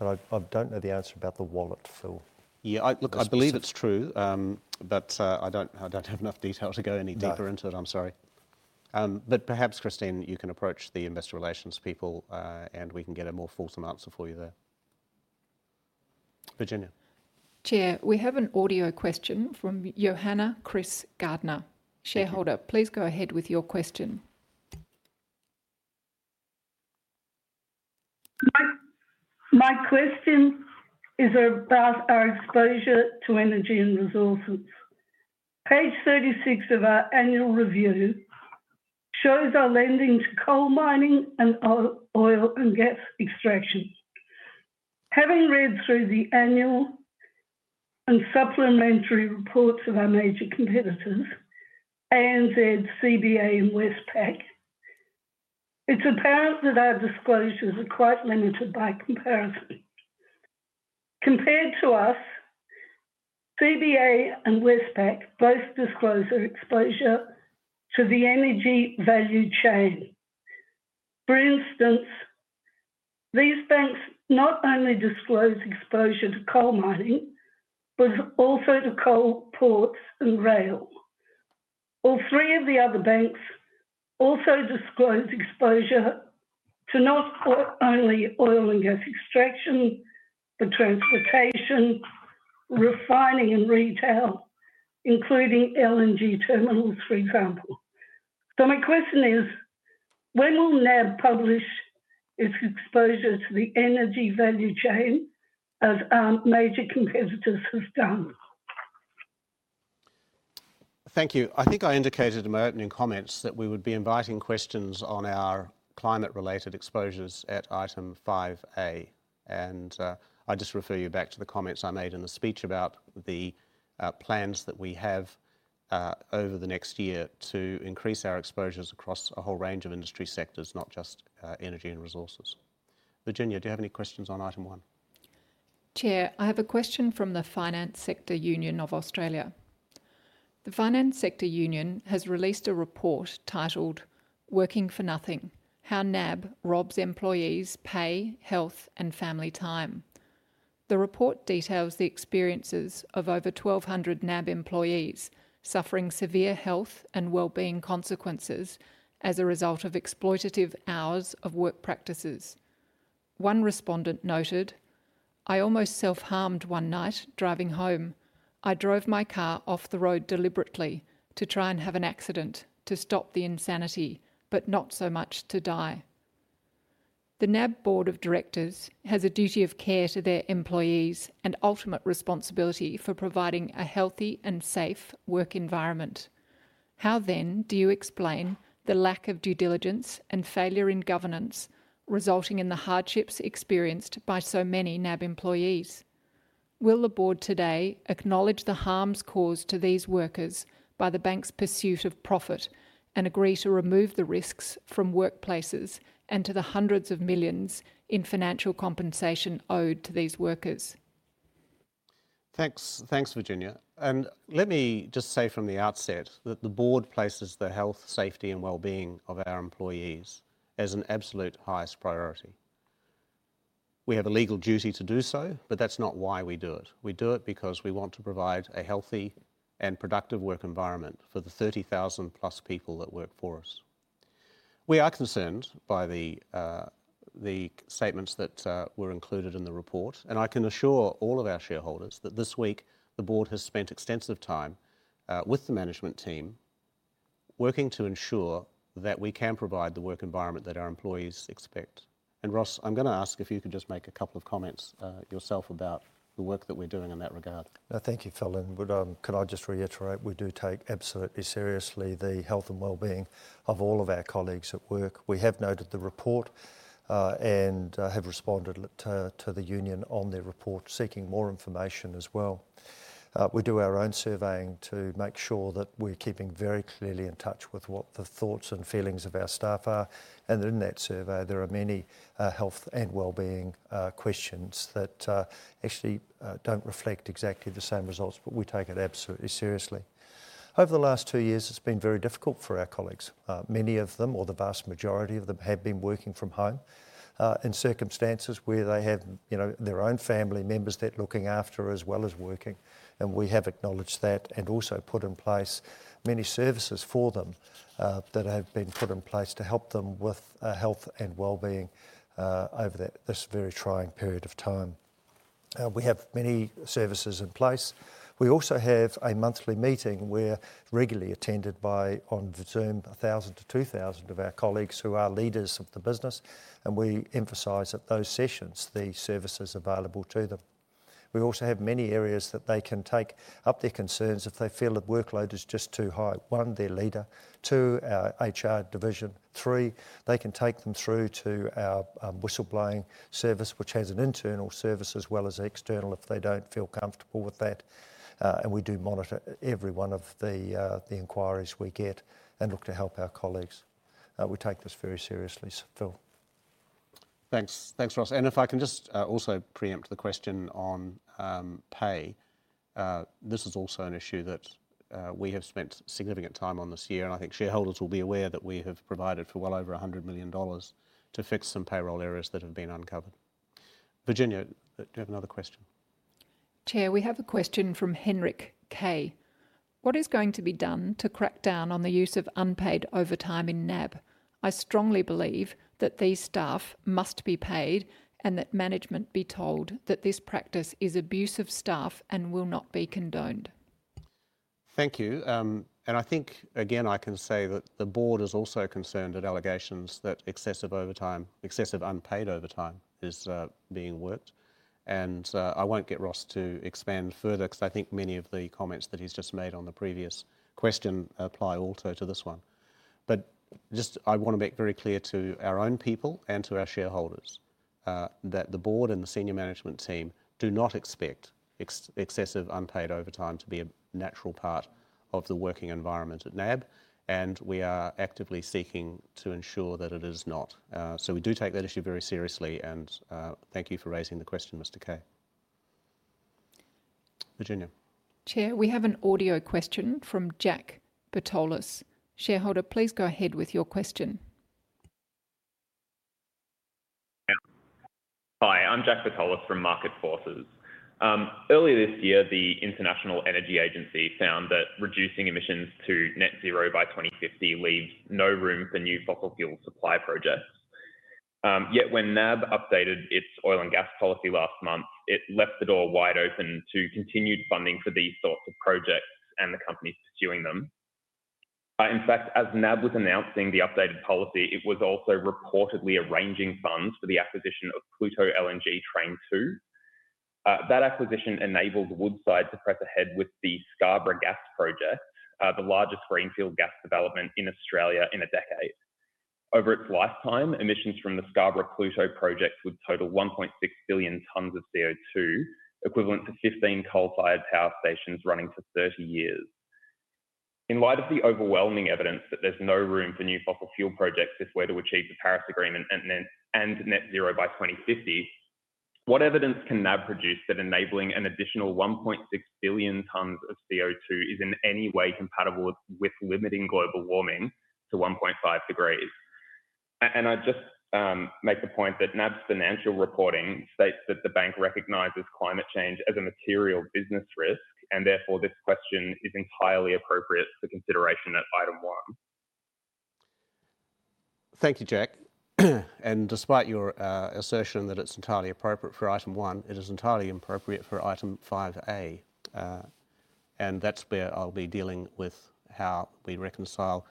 I don't know the answer about the wallet, Phil. Yeah. Look, I believe it's true. I don't have enough detail to go any deeper into it, I'm sorry. Perhaps Christine, you can approach the investor relations people, and we can get a more fulsome answer for you there. Virginia. Chair, we have an audio question from Johanna Kriz Gardner, shareholder. Please go ahead with your question. My question is about our exposure to energy and resources. Page 36 of our annual review shows our lending to coal mining and oil and gas extraction. Having read through the annual and supplementary reports of our major competitors, ANZ, CBA and Westpac, it's apparent that our disclosures are quite limited by comparison. Compared to us, CBA and Westpac both disclose their exposure to the energy value chain. For instance, these banks not only disclose exposure to coal mining, but also to coal ports and rail. All three of the other banks also disclose exposure to not only oil and gas extraction, but transportation, refining and retail, including LNG terminals, for example. My question is, when will NAB publish its exposure to the energy value chain as our major competitors have done? Thank you. I think I indicated in my opening comments that we would be inviting questions on our climate-related exposures at item five A. I just refer you back to the comments I made in the speech about the plans that we have over the next year to increase our exposures across a whole range of industry sectors, not just energy and resources. Virginia, do you have any questions on item one? Chair, I have a question from the Finance Sector Union of Australia. The Finance Sector Union has released a report titled Working for Nothing: How NAB Robs Employees Pay, Health and Family Time. The report details the experiences of over 1,200 NAB employees suffering severe health and well-being consequences as a result of exploitative hours of work practices. One respondent noted, "I almost self-harmed one night driving home. I drove my car off the road deliberately to try and have an accident to stop the insanity, but not so much to die." The NAB Board of Directors has a duty of care to their employees and ultimate responsibility for providing a healthy and safe work environment. How then do you explain the lack of due diligence and failure in governance resulting in the hardships experienced by so many NAB employees? Will the board today acknowledge the harms caused to these workers by the bank's pursuit of profit and agree to remove the risks from workplaces and to the hundreds of millions in financial compensation owed to these workers? Thanks. Thanks, Virginia. Let me just say from the outset that the board places the health, safety, and wellbeing of our employees as an absolute highest priority. We have a legal duty to do so, but that's not why we do it. We do it because we want to provide a healthy and productive work environment for the 30,000-plus people that work for us. We are concerned by the statements that were included in the report, and I can assure all of our shareholders that this week the board has spent extensive time with the management team working to ensure that we can provide the work environment that our employees expect. Ross, I'm gonna ask if you can just make a couple of comments yourself about the work that we're doing in that regard. Thank you, Phil, and could I just reiterate, we do take absolutely seriously the health and wellbeing of all of our colleagues at work. We have noted the report, and have responded to the union on their report, seeking more information as well. We do our own surveying to make sure that we're keeping very clearly in touch with what the thoughts and feelings of our staff are. In that survey, there are many health and wellbeing questions that actually don't reflect exactly the same results, but we take it absolutely seriously. Over the last two years, it's been very difficult for our colleagues. Many of them, or the vast majority of them, have been working from home, in circumstances where they have, you know, their own family members they're looking after as well as working, and we have acknowledged that and also put in place many services for them, that have been put in place to help them with health and wellbeing, over this very trying period of time. We have many services in place. We also have a monthly meeting we're regularly attended by, on Zoom, 1,000-2,000 of our colleagues who are leaders of the business, and we emphasize at those sessions the services available to them. We also have many areas that they can take up their concerns if they feel the workload is just too high. One, their leader, two, our HR division, three, they can take them through to our whistleblowing service, which has an internal service as well as external if they don't feel comfortable with that. We do monitor every one of the inquiries we get and look to help our colleagues. We take this very seriously, Phil. Thanks. Thanks, Ross. If I can just also preempt the question on pay. This is also an issue that we have spent significant time on this year, and I think shareholders will be aware that we have provided for well over 100 million dollars to fix some payroll errors that have been uncovered. Virginia, do you have another question? Chair, we have a question from Henrik K. "What is going to be done to crack down on the use of unpaid overtime in NAB? I strongly believe that these staff must be paid, and that management be told that this practice is abuse of staff and will not be condoned. Thank you. I think, again, I can say that the board is also concerned at allegations that excessive overtime, excessive unpaid overtime is being worked. I won't get Ross to expand further because I think many of the comments that he's just made on the previous question apply also to this one. Just I want to make very clear to our own people and to our shareholders that the board and the senior management team do not expect excessive unpaid overtime to be a natural part of the working environment at NAB, and we are actively seeking to ensure that it is not. We do take that issue very seriously, and thank you for raising the question, Mr. K. Virginia. Chair, we have an audio question from Jack Bertolus. Shareholder, please go ahead with your question. Hi, I'm Jack Bertolus from Market Forces. Earlier this year, the International Energy Agency found that reducing emissions to net zero by 2050 leaves no room for new fossil fuel supply projects. When NAB updated its oil and gas policy last month, it left the door wide open to continued funding for these sorts of projects and the companies pursuing them. In fact, as NAB was announcing the updated policy, it was also reportedly arranging funds for the acquisition of Pluto Train 2. That acquisition enabled Woodside to press ahead with the Scarborough Gas Project, the largest greenfield gas development in Australia in a decade. Over its lifetime, emissions from the Scarborough Pluto project would total 1.6 billion tons of CO2, equivalent to 15 coal-fired power stations running for 30 years. In light of the overwhelming evidence that there's no room for new fossil fuel projects if we're to achieve the Paris Agreement and net zero by 2050, what evidence can NAB produce that enabling an additional 1.6 billion tons of CO2 is in any way compatible with limiting global warming to 1.5 degrees? I'd just make the point that NAB's financial reporting states that the bank recognizes climate change as a material business risk, and therefore this question is entirely appropriate for consideration at item one. Thank you, Jack. Despite your assertion that it's entirely appropriate for item 1, it is entirely inappropriate for item 5A. That's where I'll be dealing with how we reconcile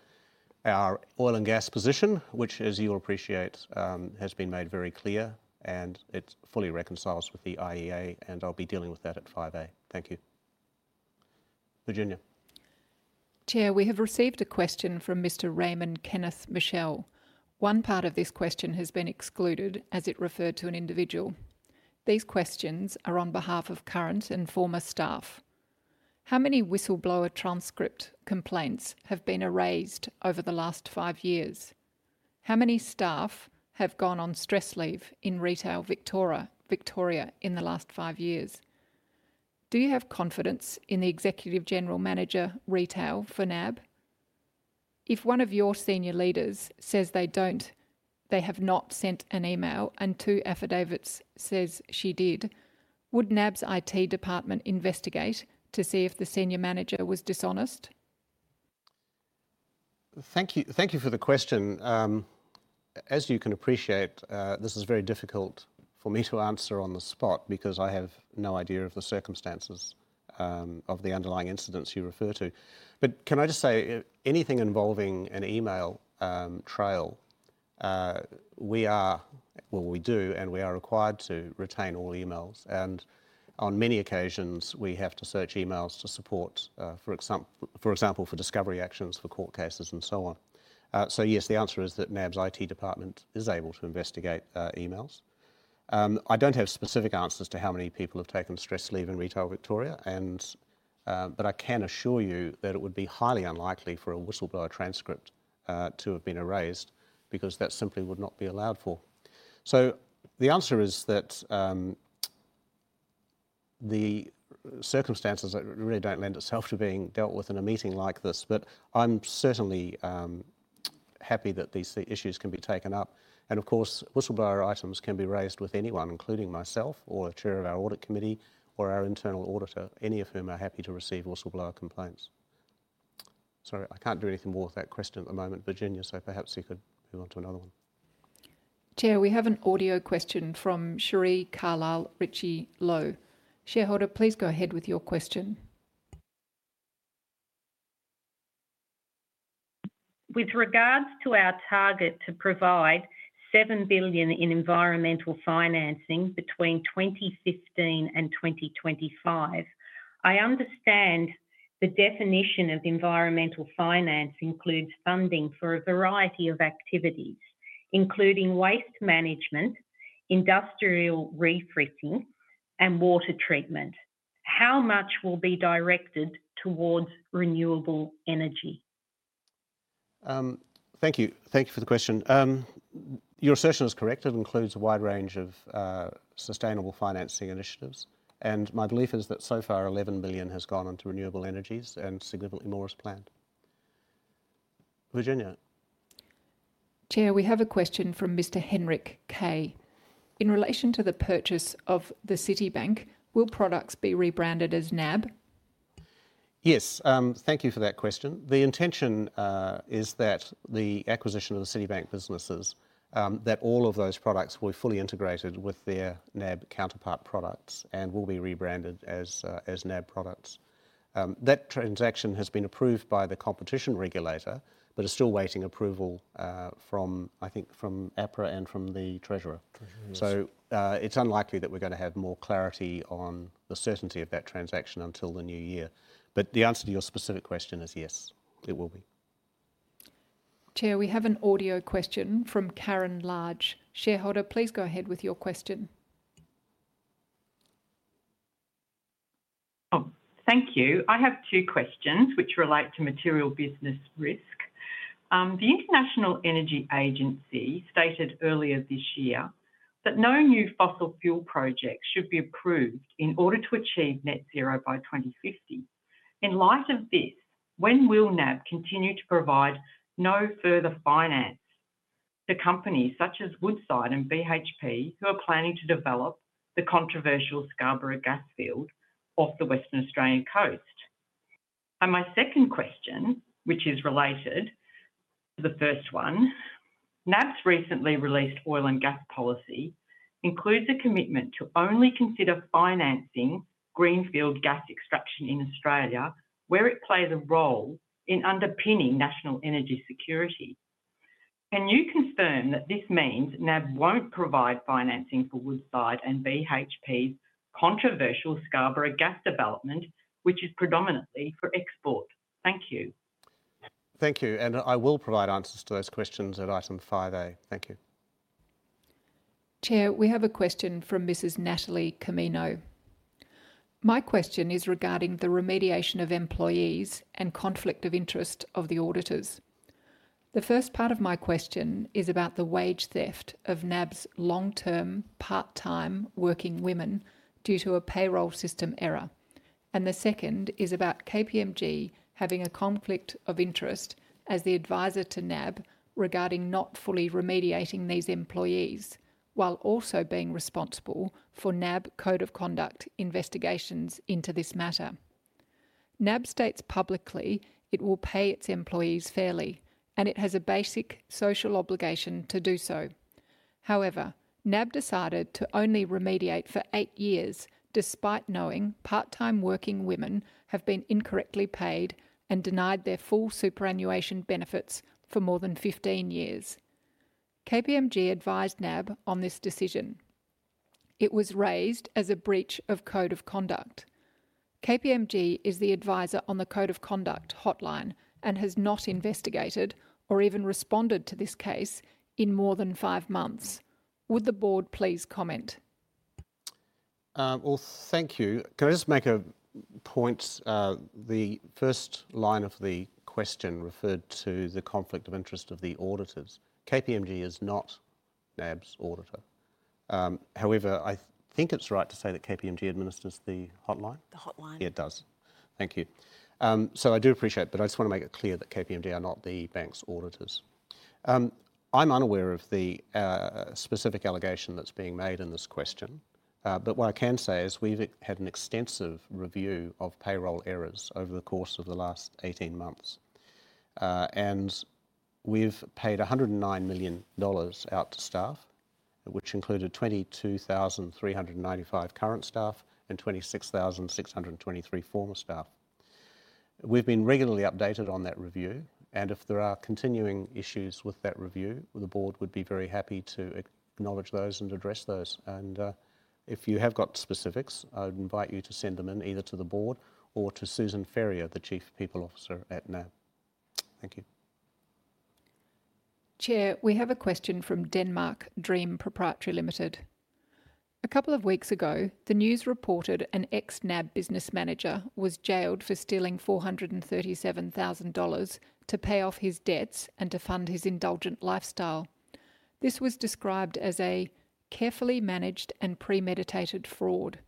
our oil and gas position, which as you'll appreciate, has been made very clear and it fully reconciles with the IEA, and I'll be dealing with that at 5A. Thank you. Virginia. Chair, we have received a question from Mr. Raymond Kenneth Mitchell. One part of this question has been excluded as it referred to an individual. These questions are on behalf of current and former staff. How many whistleblower transcript complaints have been erased over the last five years? How many staff have gone on stress leave in retail Victoria in the last five years? Do you have confidence in the Executive General Manager, Retail for NAB? If one of your senior leaders says they don't, they have not sent an email and two affidavits says she did, would NAB's IT department investigate to see if the senior manager was dishonest? Thank you for the question. As you can appreciate, this is very difficult for me to answer on the spot because I have no idea of the circumstances of the underlying incidents you refer to, but can I just say anything involving an email trail, we do and we are required to retain all emails and on many occasions, we have to search emails to support, for example, for discovery actions, for court cases and so on. Yes, the answer is that NAB's IT department is able to investigate emails. I don't have specific answers to how many people have taken stress leave in Retail Victoria and, but I can assure you that it would be highly unlikely for a whistleblower transcript to have been erased because that simply would not be allowed for. The answer is that the circumstances really don't lend itself to being dealt with in a meeting like this, but I'm certainly happy that these issues can be taken up. Of course, whistleblower items can be raised with anyone, including myself or a chair of our audit committee or our internal auditor, any of whom are happy to receive whistleblower complaints. Sorry, I can't do anything more with that question at the moment, Virginia, so perhaps you could move on to another one. Chair, we have an audio question from Cherie Carlisle-Ritchey Lowe. Shareholder, please go ahead with your question. With regards to our target to provide 7 billion in environmental financing between 2015 and 2025, I understand the definition of environmental finance includes funding for a variety of activities, including waste management, industrial refitting and water treatment. How much will be directed towards renewable energy? Thank you. Thank you for the question. Your assertion is correct. It includes a wide range of sustainable financing initiatives, and my belief is that so far 11 billion has gone onto renewable energies and significantly more is planned. Virginia. Chair, we have a question from Mr. Henrik Kaye. In relation to the purchase of the Citibank, will products be rebranded as NAB? Yes. Thank you for that question. The intention is that the acquisition of the Citibank businesses, that all of those products will be fully integrated with their NAB counterpart products and will be rebranded as NAB products. That transaction has been approved by the competition regulator, but is still waiting approval from, I think, APRA and the treasurer. It's unlikely that we're gonna have more clarity on the certainty of that transaction until the new year. The answer to your specific question is yes, it will be. Chair, we have an audio question from Karen Large. Shareholder, please go ahead with your question. Oh, thank you. I have two questions which relate to material business risk. The International Energy Agency stated earlier this year that no new fossil fuel projects should be approved in order to achieve net zero by 2050. In light of this, when will NAB continue to provide no further finance to companies such as Woodside and BHP who are planning to develop the controversial Scarborough gas field off the Western Australian coast? My second question, which is related to the first one, NAB's recently released oil and gas policy includes a commitment to only consider financing greenfield gas extraction in Australia, where it plays a role in underpinning national energy security. Can you confirm that this means NAB won't provide financing for Woodside and BHP's controversial Scarborough gas development, which is predominantly for export? Thank you. Thank you, and I will provide answers to those questions at item five A. Thank you. Chair, we have a question from Mrs. Natalie Camino. My question is regarding the remediation of employees and conflict of interest of the auditors. The first part of my question is about the wage theft of NAB's long-term, part-time working women due to a payroll system error. The second is about KPMG having a conflict of interest as the advisor to NAB regarding not fully remediating these employees, while also being responsible for NAB code of conduct investigations into this matter. NAB states publicly it will pay its employees fairly, and it has a basic social obligation to do so. However, NAB decided to only remediate for 8 years, despite knowing part-time working women have been incorrectly paid and denied their full superannuation benefits for more than 15 years. KPMG advised NAB on this decision. It was raised as a breach of code of conduct. KPMG is the advisor on the code of conduct hotline, and has not investigated or even responded to this case in more than five months. Would the board please comment? Well, thank you. Can I just make a point? The first line of the question referred to the conflict of interest of the auditors. KPMG is not NAB's auditor. However, I think it's right to say that KPMG administers the hotline. The hotline. Yeah, it does. Thank you. So I do appreciate, but I just want to make it clear that KPMG are not the bank's auditors. I'm unaware of the specific allegation that's being made in this question. What I can say is we've had an extensive review of payroll errors over the course of the last 18 months. We've paid 109 million dollars out to staff, which included 22,395 current staff and 26,623 former staff. We've been regularly updated on that review, and if there are continuing issues with that review, the board would be very happy to acknowledge those and address those. If you have got specifics, I would invite you to send them in either to the board or to Susan Ferrier, the Chief People Officer at NAB. Thank you. Chair, we have a question from Denmark Dream Proprietary Limited. A couple of weeks ago, the news reported an ex-NAB business manager was jailed for stealing 437 thousand dollars to pay off his debts and to fund his indulgent lifestyle. This was described as a carefully managed and premeditated fraud.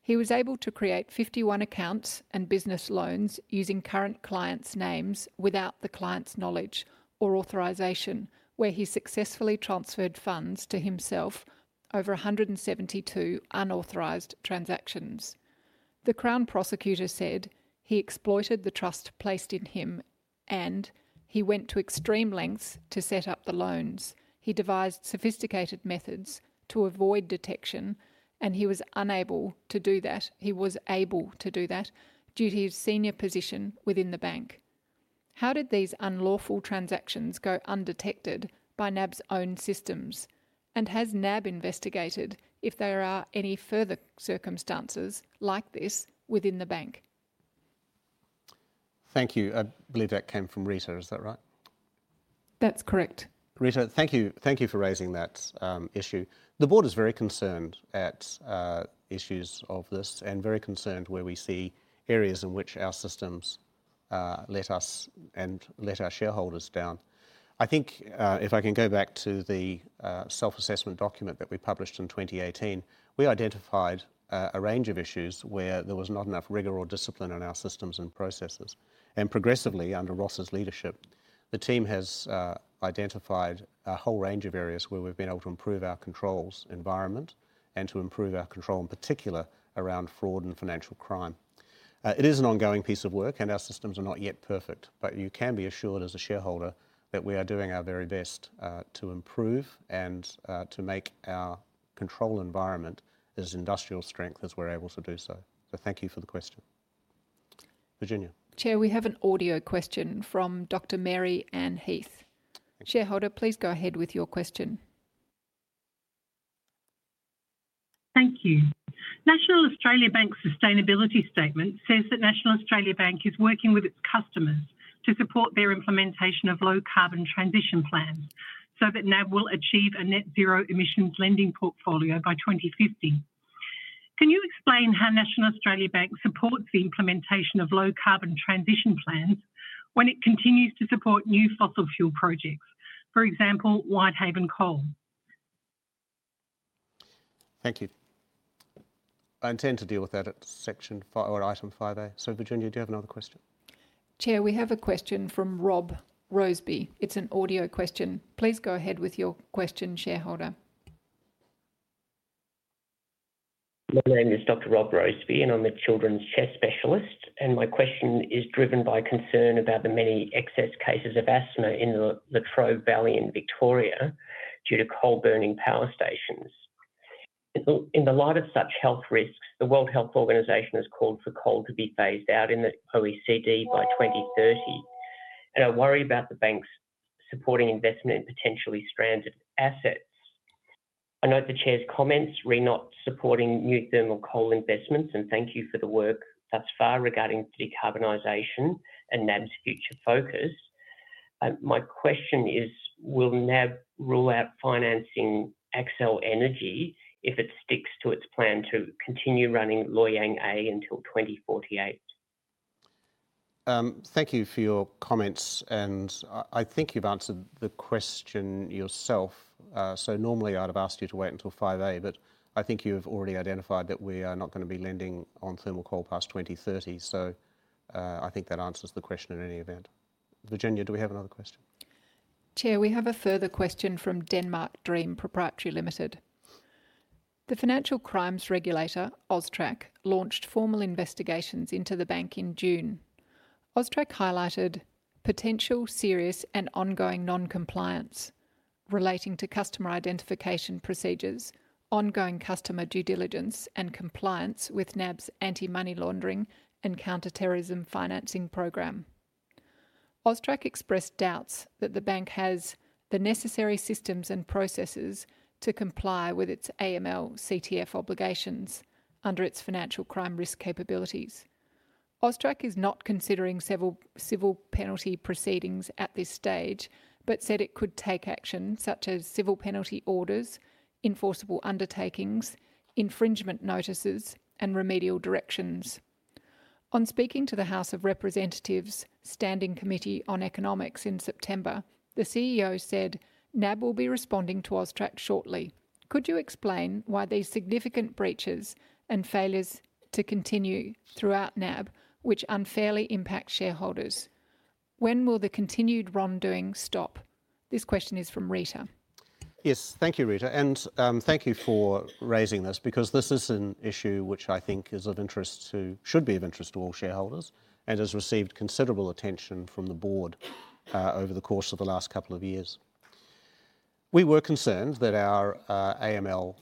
He was able to create 51 accounts and business loans using current clients' names without the clients' knowledge or authorization, where he successfully transferred funds to himself over 172 unauthorized transactions. The crown prosecutor said he exploited the trust placed in him, and he went to extreme lengths to set up the loans. He devised sophisticated methods to avoid detection, and he was able to do that due to his senior position within the bank. How did these unlawful transactions go undetected by NAB's own systems? Has NAB investigated if there are any further circumstances like this within the bank? Thank you. I believe that came from Rita. Is that right? That's correct. Rita, thank you. Thank you for raising that, issue. The board is very concerned at issues of this and very concerned where we see areas in which our systems let us and let our shareholders down. I think, if I can go back to the self-assessment document that we published in 2018, we identified a range of issues where there was not enough rigor or discipline in our systems and processes. Progressively, under Ross' leadership, the team has identified a whole range of areas where we've been able to improve our controls environment and to improve our control, in particular, around fraud and financial crime. It is an ongoing piece of work, and our systems are not yet perfect. You can be assured as a shareholder that we are doing our very best to improve and to make our control environment as industrial strength as we're able to do so. Thank you for the question. Virginia. Chair, we have an audio question from Dr. Mary Ann Heath. Shareholder, please go ahead with your question. Thank you. National Australia Bank sustainability statement says that National Australia Bank is working with its customers to support their implementation of low carbon transition plans so that NAB will achieve a net zero emissions lending portfolio by 2050. Can you explain how National Australia Bank supports the implementation of low carbon transition plans when it continues to support new fossil fuel projects, for example, Whitehaven Coal? Thank you. I intend to deal with that at section five or item 5A. Virginia, do you have another question? Chair, we have a question from Rob Roseby. It's an audio question. Please go ahead with your question, shareholder. My name is Dr. Rob Roseby, and I'm a children's chest specialist, and my question is driven by concern about the many excess cases of asthma in the Latrobe Valley in Victoria due to coal burning power stations. In the light of such health risks, the World Health Organization has called for coal to be phased out in the OECD by 2030, and I worry about the banks supporting investment in potentially stranded assets. I note the chair's comments re not supporting new thermal coal investments, and thank you for the work thus far regarding decarbonization and NAB's future focus. My question is, will NAB rule out financing AGL Energy if it sticks to its plan to continue running Loy Yang A until 2048? Thank you for your comments, and I think you've answered the question yourself. Normally I'd have asked you to wait until 5 p.m., but I think you've already identified that we are not gonna be lending on thermal coal past 2030. I think that answers the question in any event. Virginia, do we have another question? Chair, we have a further question from Denmark Dream Proprietary Limited. The financial crimes regulator, AUSTRAC, launched formal investigations into the bank in June. AUSTRAC highlighted potential serious and ongoing non-compliance relating to customer identification procedures, ongoing customer due diligence, and compliance with NAB's anti-money laundering and counter-terrorism financing program. AUSTRAC expressed doubts that the bank has the necessary systems and processes to comply with its AML/CTF obligations under its financial crime risk capabilities. AUSTRAC is not considering several civil penalty proceedings at this stage but said it could take action such as civil penalty orders, enforceable undertakings, infringement notices, and remedial directions. When speaking to the House of Representatives' Standing Committee on Economics in September, the CEO said NAB will be responding to AUSTRAC shortly. Could you explain why these significant breaches and failures continue throughout NAB, which unfairly impact shareholders? When will the continued wrongdoing stop? This question is from Rita. Yes. Thank you, Rita. Thank you for raising this because this is an issue which I think is of interest to, should be of interest to all shareholders and has received considerable attention from the board over the course of the last couple of years. We were concerned that our AML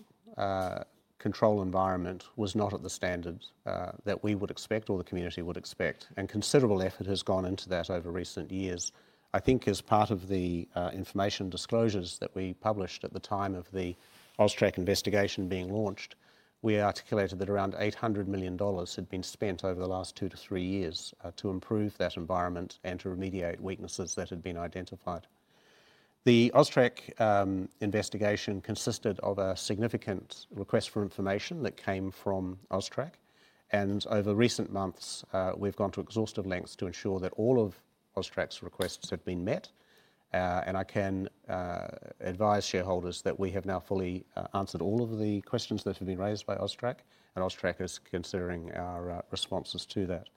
control environment was not at the standard that we would expect or the community would expect, and considerable effort has gone into that over recent years. I think as part of the information disclosures that we published at the time of the AUSTRAC investigation being launched, we articulated that around 800 million dollars had been spent over the last 2-3 years to improve that environment and to remediate weaknesses that had been identified. The AUSTRAC investigation consisted of a significant request for information that came from AUSTRAC, and over recent months, we've gone to exhaustive lengths to ensure that all of AUSTRAC's requests have been met. I can advise shareholders that we have now fully answered all of the questions that have been raised by AUSTRAC, and AUSTRAC is considering our responses to that.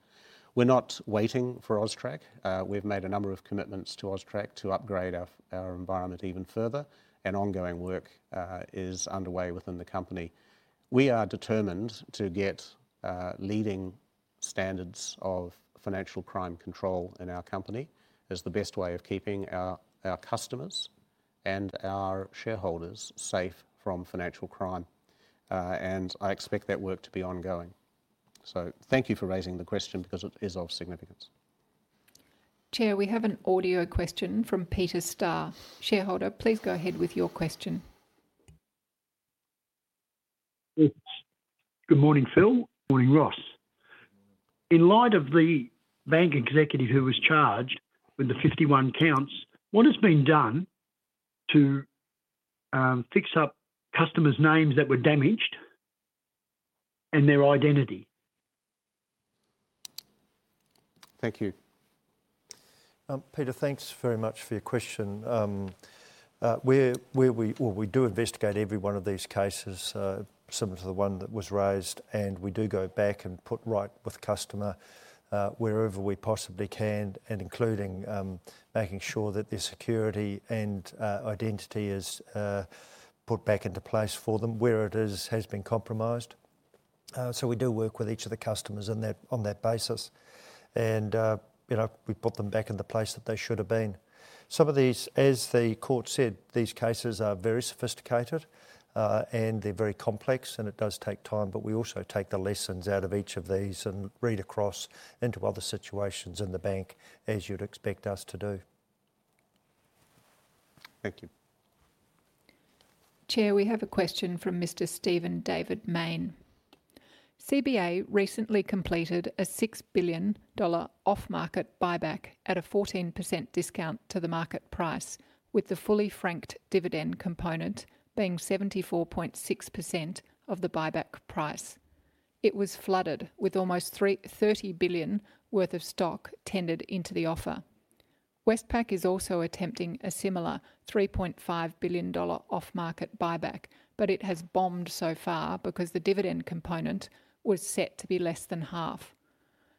We're not waiting for AUSTRAC. We've made a number of commitments to AUSTRAC to upgrade our environment even further, and ongoing work is underway within the company. We are determined to get leading standards of financial crime control in our company as the best way of keeping our customers and our shareholders safe from financial crime. I expect that work to be ongoing. Thank you for raising the question because it is of significance. Chair, we have an audio question from Peter Starr. Shareholder, please go ahead with your question. Yes. Good morning, Phil. Morning, Ross. In light of the bank executive who was charged with the 51 counts, what has been done to fix up customers' names that were damaged and their identity? Thank you. Peter, thanks very much for your question. Well, we do investigate every one of these cases, similar to the one that was raised, and we do go back and put right with the customer, wherever we possibly can, and including, making sure that their security and, identity is, put back into place for them where it is, has been compromised. We do work with each of the customers in that, on that basis. You know, we put them back in the place that they should have been. Some of these, as the court said, these cases are very sophisticated, and they're very complex, and it does take time, but we also take the lessons out of each of these and read across into other situations in the bank, as you'd expect us to do. Thank you. Chair, we have a question from Mr. Steven David Main. CBA recently completed an 6 billion dollar off-market buyback at a 14% discount to the market price, with the fully franked dividend component being 74.6% of the buyback price. It was flooded with almost 330 billion worth of stock tendered into the offer. Westpac is also attempting a similar 3.5 billion dollar off-market buyback, but it has bombed so far because the dividend component was set to be less than half.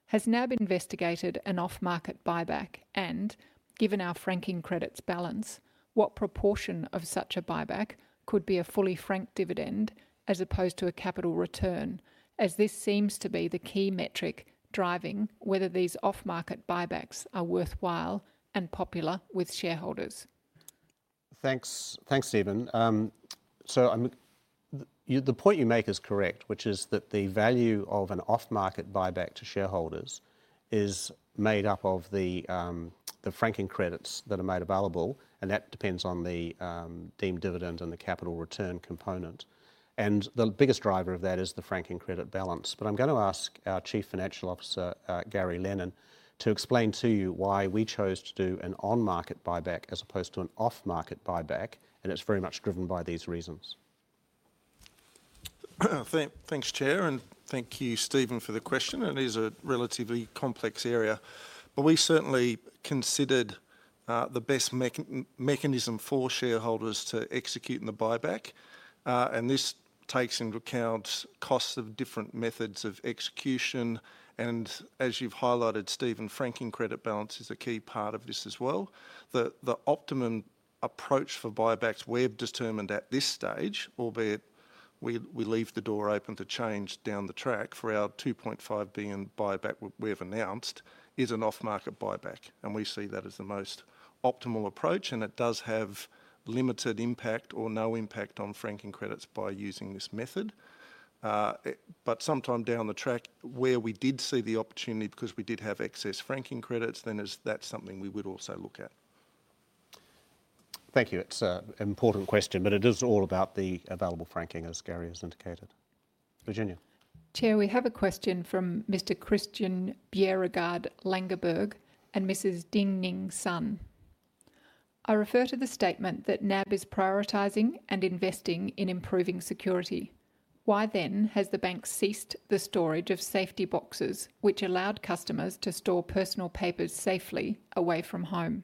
Has NAB investigated an off-market buyback, and given our franking credits balance, what proportion of such a buyback could be a fully franked dividend as opposed to a capital return, as this seems to be the key metric driving whether these off-market buybacks are worthwhile and popular with shareholders? Thanks, Steven. The point you make is correct, which is that the value of an off-market buyback to shareholders is made up of the franking credits that are made available, and that depends on the deemed dividend and the capital return component. The biggest driver of that is the franking credit balance. I'm gonna ask our Chief Financial Officer, Gary Lennon to explain to you why we chose to do an on-market buyback as opposed to an off-market buyback, and it's very much driven by these reasons. Thanks, Chair, and thank you, Steven, for the question. It is a relatively complex area. We certainly considered the best mechanism for shareholders to execute in the buyback. This takes into account costs of different methods of execution and as you've highlighted, Steven, franking credit balance is a key part of this as well. The optimum approach for buybacks we've determined at this stage, albeit we leave the door open to change down the track for our 2.5 billion buyback we've announced, is an off-market buyback. We see that as the most optimal approach, and it does have limited impact or no impact on franking credits by using this method. Sometime down the track, where we did see the opportunity because we did have excess franking credits, that's something we would also look at. Thank you. It's a important question, but it is all about the available franking, as Gary has indicated. Virginia. Chair, we have a question from Mr. Christian Bjerregaard Langeberg and Mrs. Ding Ning Sun. I refer to the statement that NAB is prioritizing and investing in improving security. Why then has the bank ceased the storage of safety boxes which allowed customers to store personal papers safely away from home?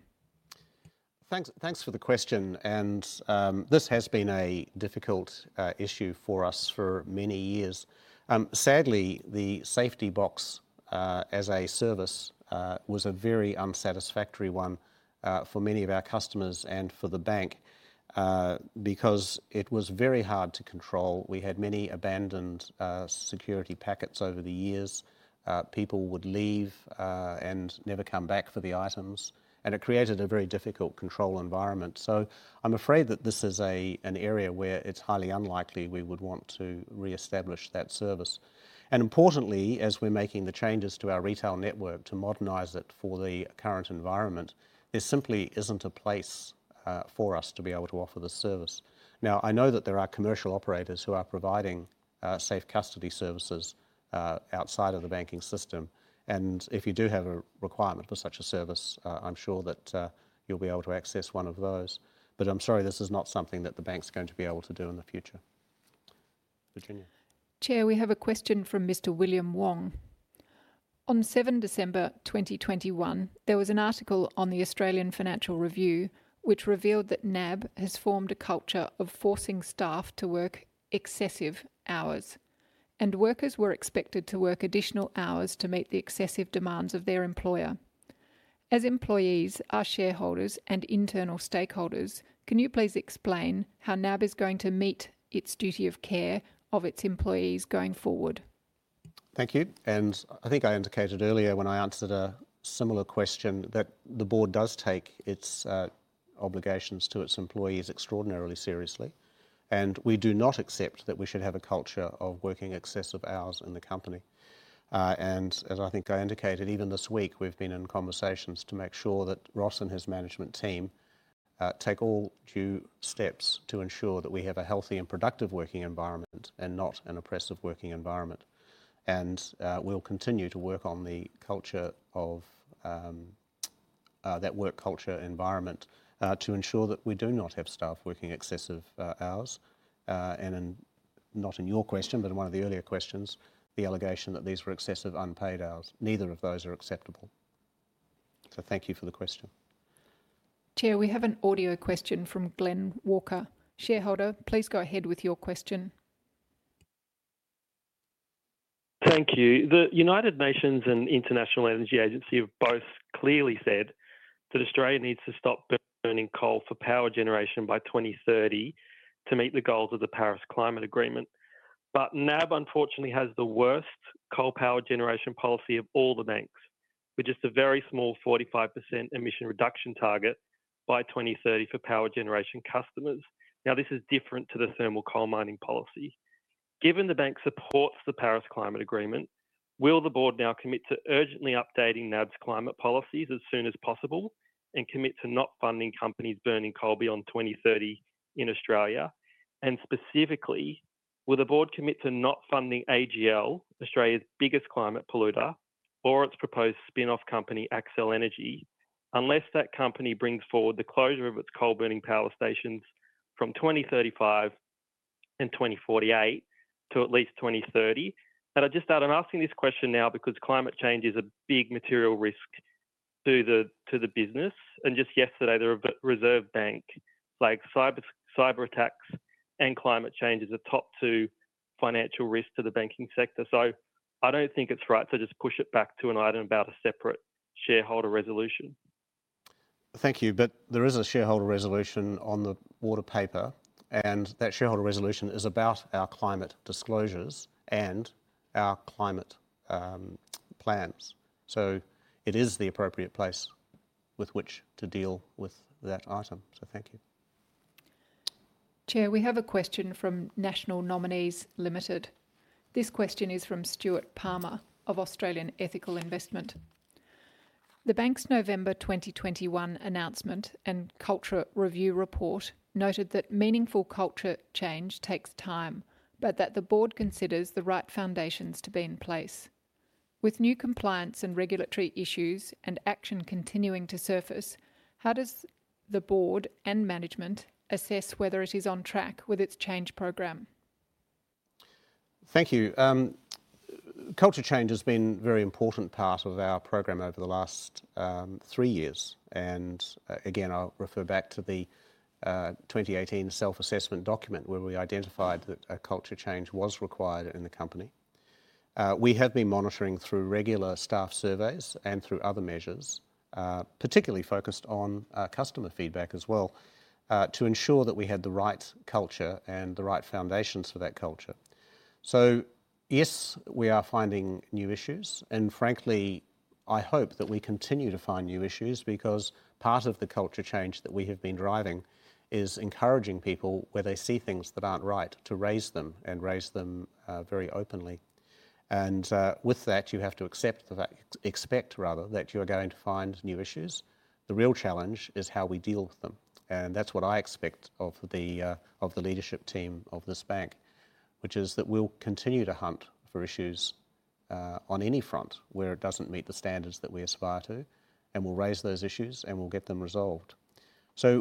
Thanks for the question. This has been a difficult issue for us for many years. Sadly, the safety box as a service was a very unsatisfactory one for many of our customers and for the bank because it was very hard to control. We had many abandoned security packets over the years. People would leave and never come back for the items, and it created a very difficult control environment. I'm afraid that this is an area where it's highly unlikely we would want to reestablish that service. Importantly, as we're making the changes to our retail network to modernize it for the current environment, there simply isn't a place for us to be able to offer this service. Now, I know that there are commercial operators who are providing safe custody services outside of the banking system, and if you do have a requirement for such a service, I'm sure that you'll be able to access one of those. I'm sorry, this is not something that the bank's going to be able to do in the future. Virginia. Chair, we have a question from Mr. William Wong. On 7 December 2021, there was an article on the Australian Financial Review which revealed that NAB has formed a culture of forcing staff to work excessive hours, and workers were expected to work additional hours to meet the excessive demands of their employer. As employees are shareholders and internal stakeholders, can you please explain how NAB is going to meet its duty of care of its employees going forward? Thank you. I think I indicated earlier when I answered a similar question that the board does take its obligations to its employees extraordinarily seriously, and we do not accept that we should have a culture of working excessive hours in the company. As I think I indicated, even this week, we've been in conversations to make sure that Ross and his management team take all due steps to ensure that we have a healthy and productive working environment and not an oppressive working environment. We'll continue to work on the culture of that work culture environment to ensure that we do not have staff working excessive hours. Not in your question, but in one of the earlier questions, the allegation that these were excessive unpaid hours. Neither of those are acceptable. Thank you for the question. Chair, we have an audio question from Glenn Walker. Shareholder, please go ahead with your question. Thank you. The United Nations and International Energy Agency have both clearly said that Australia needs to stop burning coal for power generation by 2030 to meet the goals of the Paris Agreement. NAB, unfortunately, has the worst coal power generation policy of all the banks, with just a very small 45% emission reduction target by 2030 for power generation customers. Now, this is different to the thermal coal mining policy. Given the bank supports the Paris Agreement, will the board now commit to urgently updating NAB's climate policies as soon as possible and commit to not funding companies burning coal beyond 2030 in Australia? Specifically, will the board commit to not funding AGL, Australia's biggest climate polluter, or its proposed spin-off company, Accel Energy, unless that company brings forward the closure of its coal burning power stations from 2035 and 2048 to at least 2030? I'm asking this question now because climate change is a big material risk to the business. Just yesterday, the Reserve Bank flagged cyber attacks and climate change as the top two financial risks to the banking sector. I don't think it's right to just push it back to an item about a separate shareholder resolution. Thank you. There is a shareholder resolution on the white paper, and that shareholder resolution is about our climate disclosures and our climate plans. It is the appropriate place with which to deal with that item. Thank you. Chair, we have a question from National Nominees Limited. This question is from Stuart Palmer of Australian Ethical Investment. The bank's November 2021 announcement and culture review report noted that meaningful culture change takes time, but that the board considers the right foundations to be in place. With new compliance and regulatory issues and action continuing to surface, how does the board and management assess whether it is on track with its change program? Thank you. Culture change has been very important part of our program over the last three years. Again, I'll refer back to the 2018 self-assessment document where we identified that a culture change was required in the company. We have been monitoring through regular staff surveys and through other measures, particularly focused on customer feedback as well, to ensure that we had the right culture and the right foundations for that culture. Yes, we are finding new issues, and frankly, I hope that we continue to find new issues because part of the culture change that we have been driving is encouraging people, where they see things that aren't right, to raise them very openly. With that, you have to accept that, expect rather, that you're going to find new issues. The real challenge is how we deal with them, and that's what I expect of the leadership team of this bank, which is that we'll continue to hunt for issues on any front where it doesn't meet the standards that we aspire to, and we'll raise those issues, and we'll get them resolved.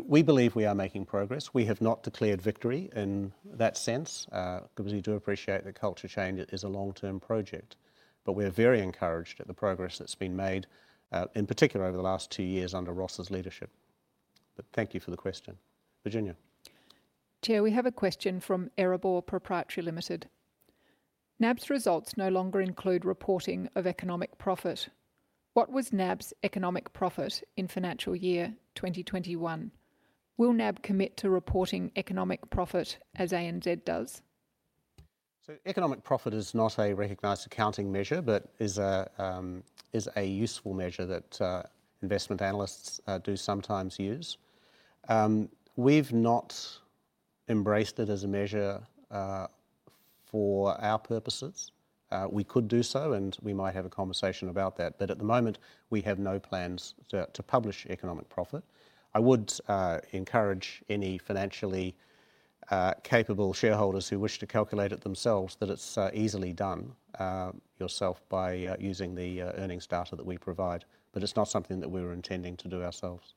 We believe we are making progress. We have not declared victory in that sense, because we do appreciate that culture change is a long-term project. We're very encouraged at the progress that's been made, in particular over the last two years under Ross's leadership. Thank you for the question. Virginia. Chair, we have a question from Erebor Proprietary Limited. NAB's results no longer include reporting of economic profit. What was NAB's economic profit in financial year 2021? Will NAB commit to reporting economic profit as ANZ does? Economic profit is not a recognized accounting measure, but is a useful measure that investment analysts do sometimes use. We've not embraced it as a measure for our purposes. We could do so, and we might have a conversation about that. But at the moment, we have no plans to publish economic profit. I would encourage any financially capable shareholders who wish to calculate it themselves that it's easily done yourself by using the earnings data that we provide. But it's not something that we're intending to do ourselves.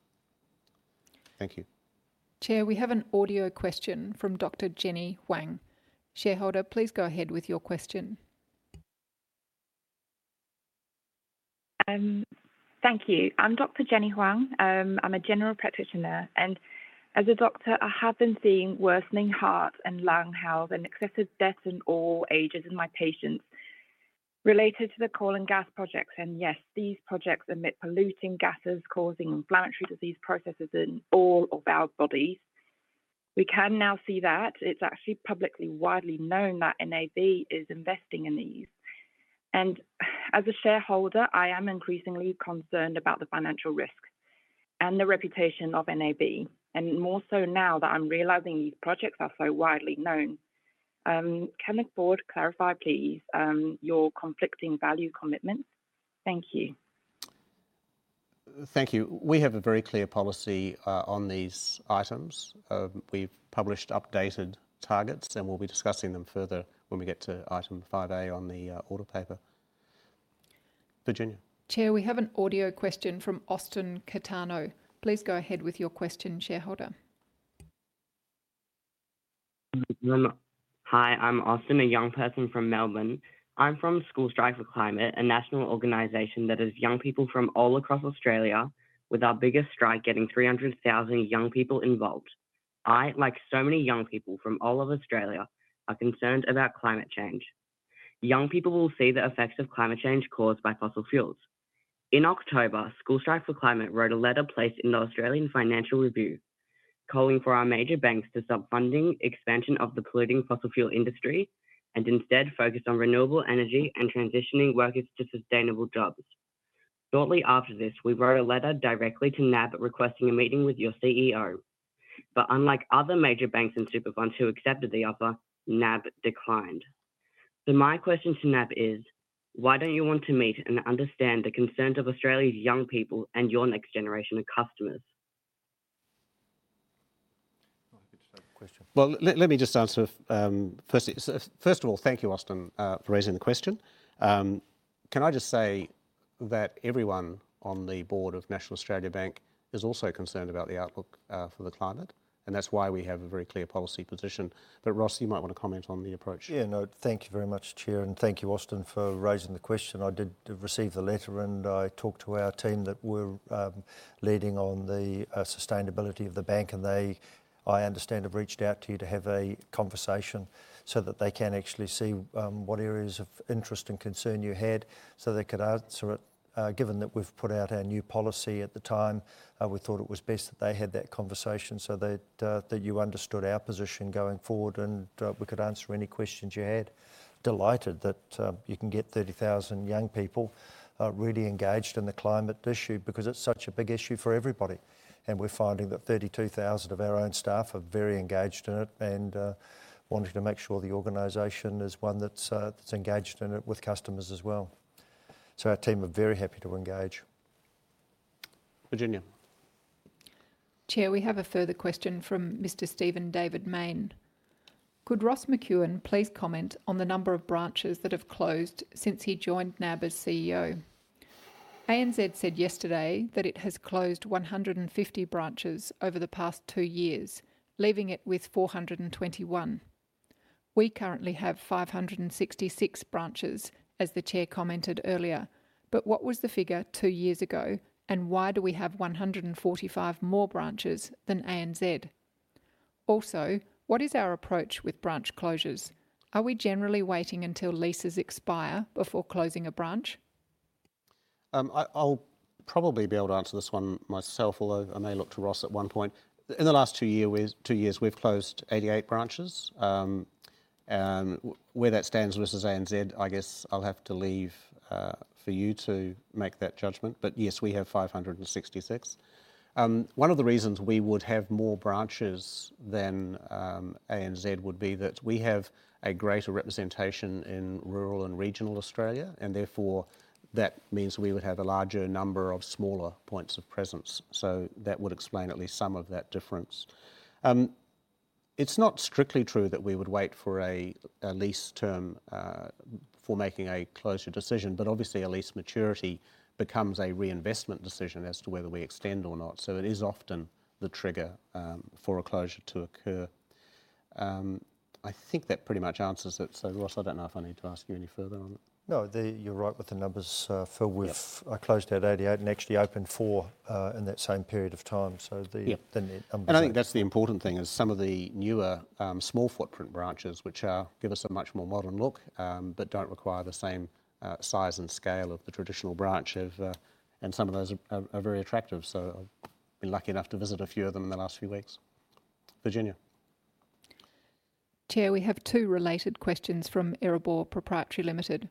Thank you. Chair, we have an audio question from Dr Jenny Huang. Shareholder, please go ahead with your question. Thank you. I'm Dr Jenny Huang. I'm a general practitioner. As a doctor, I have been seeing worsening heart and lung health and excessive deaths in all ages in my patients related to the coal and gas projects. Yes, these projects emit polluting gases causing inflammatory disease processes in all of our bodies. We can now see that. It's actually publicly widely known that NAB is investing in these. As a shareholder, I am increasingly concerned about the financial risk and the reputation of NAB, and more so now that I'm realizing these projects are so widely known. Can the board clarify, please, your conflicting value commitments? Thank you. Thank you. We have a very clear policy on these items. We've published updated targets, and we'll be discussing them further when we get to item 5A on the order paper. Virginia. Chair, we have an audio question from Austin Catano. Please go ahead with your question, shareholder. Hi, I'm Austin, a young person from Melbourne. I'm from School Strike 4 Climate, a national organization that has young people from all across Australia, with our biggest strike getting 300,000 young people involved. I, like so many young people from all over Australia, are concerned about climate change. Young people will see the effects of climate change caused by fossil fuels. In October, School Strike 4 Climate wrote a letter placed in the Australian Financial Review, calling for our major banks to stop funding expansion of the polluting fossil fuel industry, and instead focus on renewable energy and transitioning workers to sustainable jobs. Shortly after this, we wrote a letter directly to NAB requesting a meeting with your CEO. Unlike other major banks and super funds who accepted the offer, NAB declined. My question to NAB is: Why don't you want to meet and understand the concerns of Australia's young people and your next generation of customers? Happy to take the question. Well, let me just answer, firstly. First of all, thank you, Austin, for raising the question. Can I just say that everyone on the board of National Australia Bank is also concerned about the outlook for the climate, and that's why we have a very clear policy position. Ross, you might want to comment on the approach. Yeah, no. Thank you very much, Chair, and thank you, Austin, for raising the question. I did receive the letter, and I talked to our team that we're leading on the sustainability of the bank, and they, I understand, have reached out to you to have a conversation so that they can actually see what areas of interest and concern you had so they could answer it. Given that we've put out our new policy at the time, we thought it was best that they had that conversation so that you understood our position going forward and we could answer any questions you had. Delighted that you can get 30,000 young people really engaged in the climate issue because it's such a big issue for everybody. We're finding that 32,000 of our own staff are very engaged in it and wanting to make sure the organization is one that's engaged in it with customers as well. Our team are very happy to engage. Virginia. Chair, we have a further question from Mr. Stephen David Mayne. Could Ross McEwan please comment on the number of branches that have closed since he joined NAB as CEO? ANZ said yesterday that it has closed 150 branches over the past two years, leaving it with 421. We currently have 566 branches, as the chair commented earlier. What was the figure two years ago, and why do we have 145 more branches than ANZ? Also, what is our approach with branch closures? Are we generally waiting until leases expire before closing a branch? I'll probably be able to answer this one myself, although I may look to Ross at one point. In the last two years, we've closed 88 branches. Where that stands versus ANZ, I guess I'll have to leave for you to make that judgment. Yes, we have 566. One of the reasons we would have more branches than ANZ would be that we have a greater representation in rural and regional Australia, and therefore that means we would have a larger number of smaller points of presence. That would explain at least some of that difference. It's not strictly true that we would wait for a lease term for making a closure decision, but obviously a lease maturity becomes a reinvestment decision as to whether we extend or not. It is often the trigger for a closure to occur. I think that pretty much answers it. Ross, I don't know if I need to ask you any further on it. No, you're right with the numbers, Phil. Yeah. We've closed down 88 and actually opened 4 in that same period of time. Yeah The net numbers are. I think that's the important thing is some of the newer small footprint branches, which give us a much more modern look, but don't require the same size and scale of the traditional branch have. Some of those are very attractive. So I've been lucky enough to visit a few of them in the last few weeks. Virginia. Chair, we have two related questions from Erabor Proprietary Limited.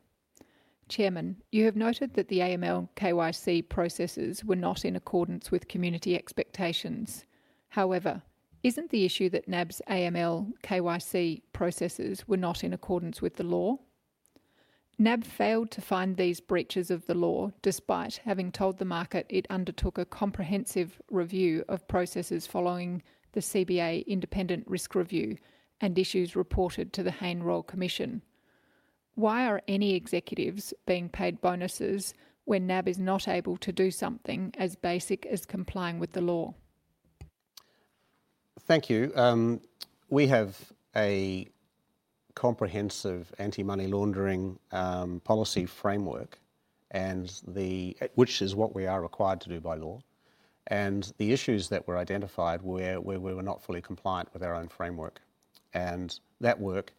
Chairman, you have noted that the AML/KYC processes were not in accordance with community expectations. However, isn't the issue that NAB's AML/KYC processes were not in accordance with the law? NAB failed to find these breaches of the law, despite having told the market it undertook a comprehensive review of processes following the CBA independent risk review and issues reported to the Hayne Royal Commission. Why are any executives being paid bonuses when NAB is not able to do something as basic as complying with the law? Thank you. We have a comprehensive anti-money laundering policy framework, which is what we are required to do by law, and the issues that were identified where we were not fully compliant with our own framework. That work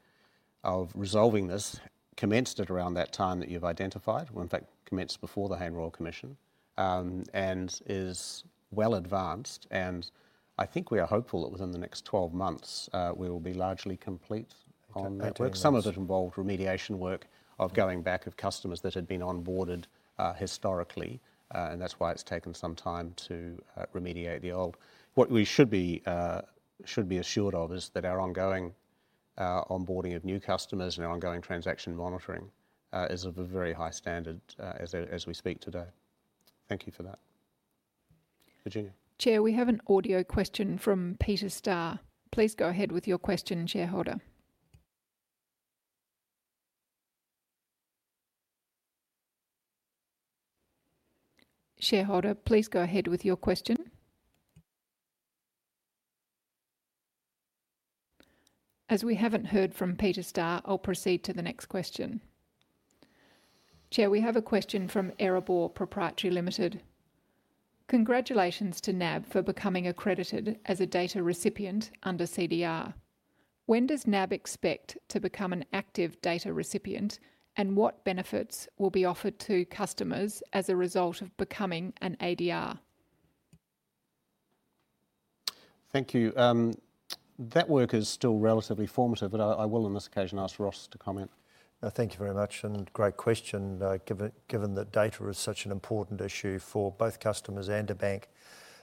of resolving this commenced at around that time that you've identified. Well, in fact, commenced before the Hayne Royal Commission, and is well advanced, and I think we are hopeful that within the next 12 months, we will be largely complete on that work. Complete, yes. Some of it involved remediation work of going back to customers that had been onboarded historically, and that's why it's taken some time to remediate the old. What we should be assured of is that our ongoing onboarding of new customers and our ongoing transaction monitoring is of a very high standard, as we speak today. Thank you for that, Virginia. Chair, we have an audio question from Peter Starr. Please go ahead with your question, shareholder. Shareholder, please go ahead with your question. As we haven't heard from Peter Starr, I'll proceed to the next question. Chair, we have a question from Erabor Proprietary Limited. Congratulations to NAB for becoming accredited as a data recipient under CDR. When does NAB expect to become an active data recipient, and what benefits will be offered to customers as a result of becoming an ADR? Thank you. That work is still relatively formative, but I will on this occasion ask Ross to comment. Thank you very much and great question, given that data is such an important issue for both customers and a bank.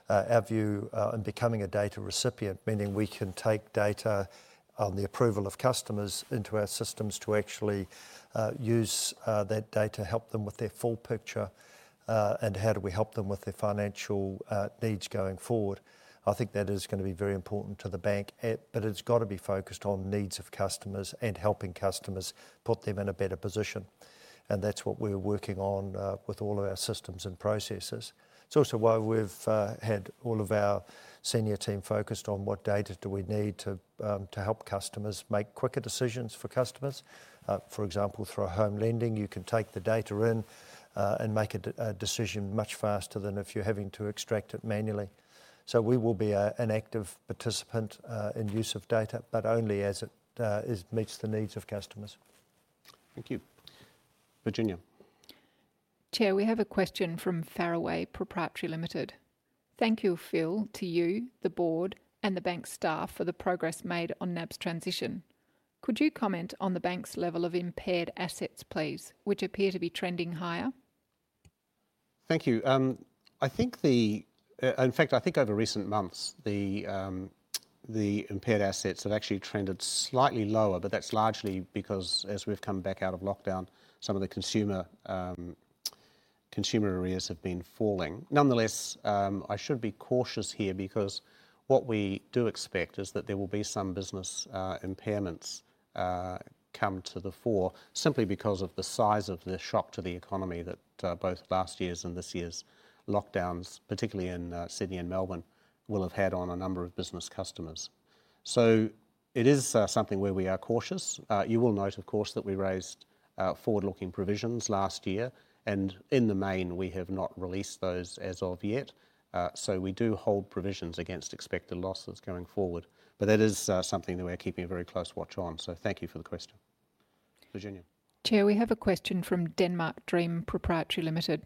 Our view in becoming a data recipient, meaning we can take data on the approval of customers into our systems to actually use that data, help them with their full picture, and how do we help them with their financial needs going forward, I think that is gonna be very important to the bank. But it's gotta be focused on needs of customers and helping customers, put them in a better position, and that's what we're working on with all of our systems and processes. It's also why we've had all of our senior team focused on what data do we need to help customers make quicker decisions for customers. For example, through our home lending, you can take the data in, and make a decision much faster than if you're having to extract it manually. We will be an active participant in use of data, but only as it meets the needs of customers. Thank you, Virginia. Chair, we have a question from Faraway Proprietary Limited. Thank you, Phil, to you, the board, and the bank staff for the progress made on NAB's transition. Could you comment on the bank's level of impaired assets, please, which appear to be trending higher? Thank you. I think in fact, I think over recent months the impaired assets have actually trended slightly lower, but that's largely because as we've come back out of lockdown, some of the consumer arrears have been falling. Nonetheless, I should be cautious here because what we do expect is that there will be some business impairments come to the fore simply because of the size of the shock to the economy that both last year's and this year's lockdowns, particularly in Sydney and Melbourne, will have had on a number of business customers. It is something where we are cautious. You will note, of course, that we raised forward-looking provisions last year, and in the main we have not released those as of yet. We do hold provisions against expected losses going forward. That is something that we're keeping a very close watch on, so thank you for the question. Virginia. Chair, we have a question from Denmark Dream Proprietary Limited.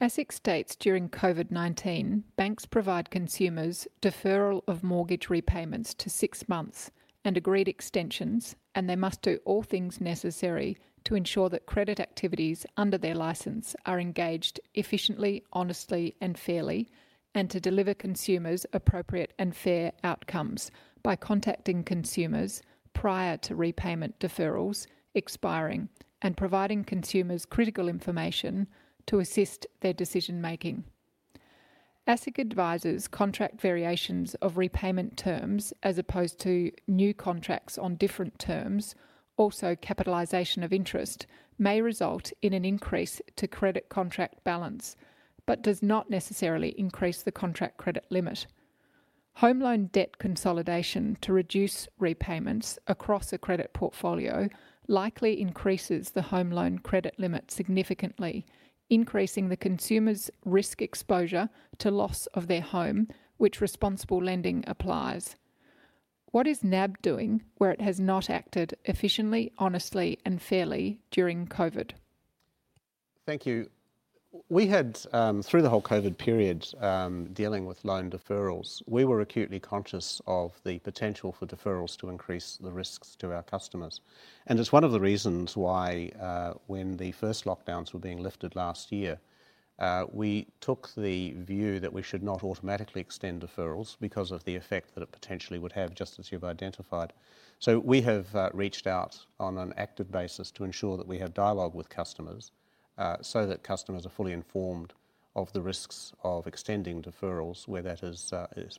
ASIC states during COVID-19, banks provide consumers deferral of mortgage repayments to six months and agreed extensions, and they must do all things necessary to ensure that credit activities under their license are engaged efficiently, honestly, and fairly, and to deliver consumers appropriate and fair outcomes by contacting consumers prior to repayment deferrals expiring and providing consumers critical information to assist their decision-making. ASIC advises contract variations of repayment terms as opposed to new contracts on different terms, also capitalization of interest, may result in an increase to credit contract balance but does not necessarily increase the contract credit limit. Home loan debt consolidation to reduce repayments across a credit portfolio likely increases the home loan credit limit significantly, increasing the consumer's risk exposure to loss of their home, which responsible lending applies. What is NAB doing where it has not acted efficiently, honestly and fairly during COVID? Thank you. We had, through the whole COVID period, dealing with loan deferrals, we were acutely conscious of the potential for deferrals to increase the risks to our customers. It's one of the reasons why, when the first lockdowns were being lifted last year, we took the view that we should not automatically extend deferrals because of the effect that it potentially would have, just as you've identified. We have reached out on an active basis to ensure that we have dialogue with customers, so that customers are fully informed of the risks of extending deferrals where that has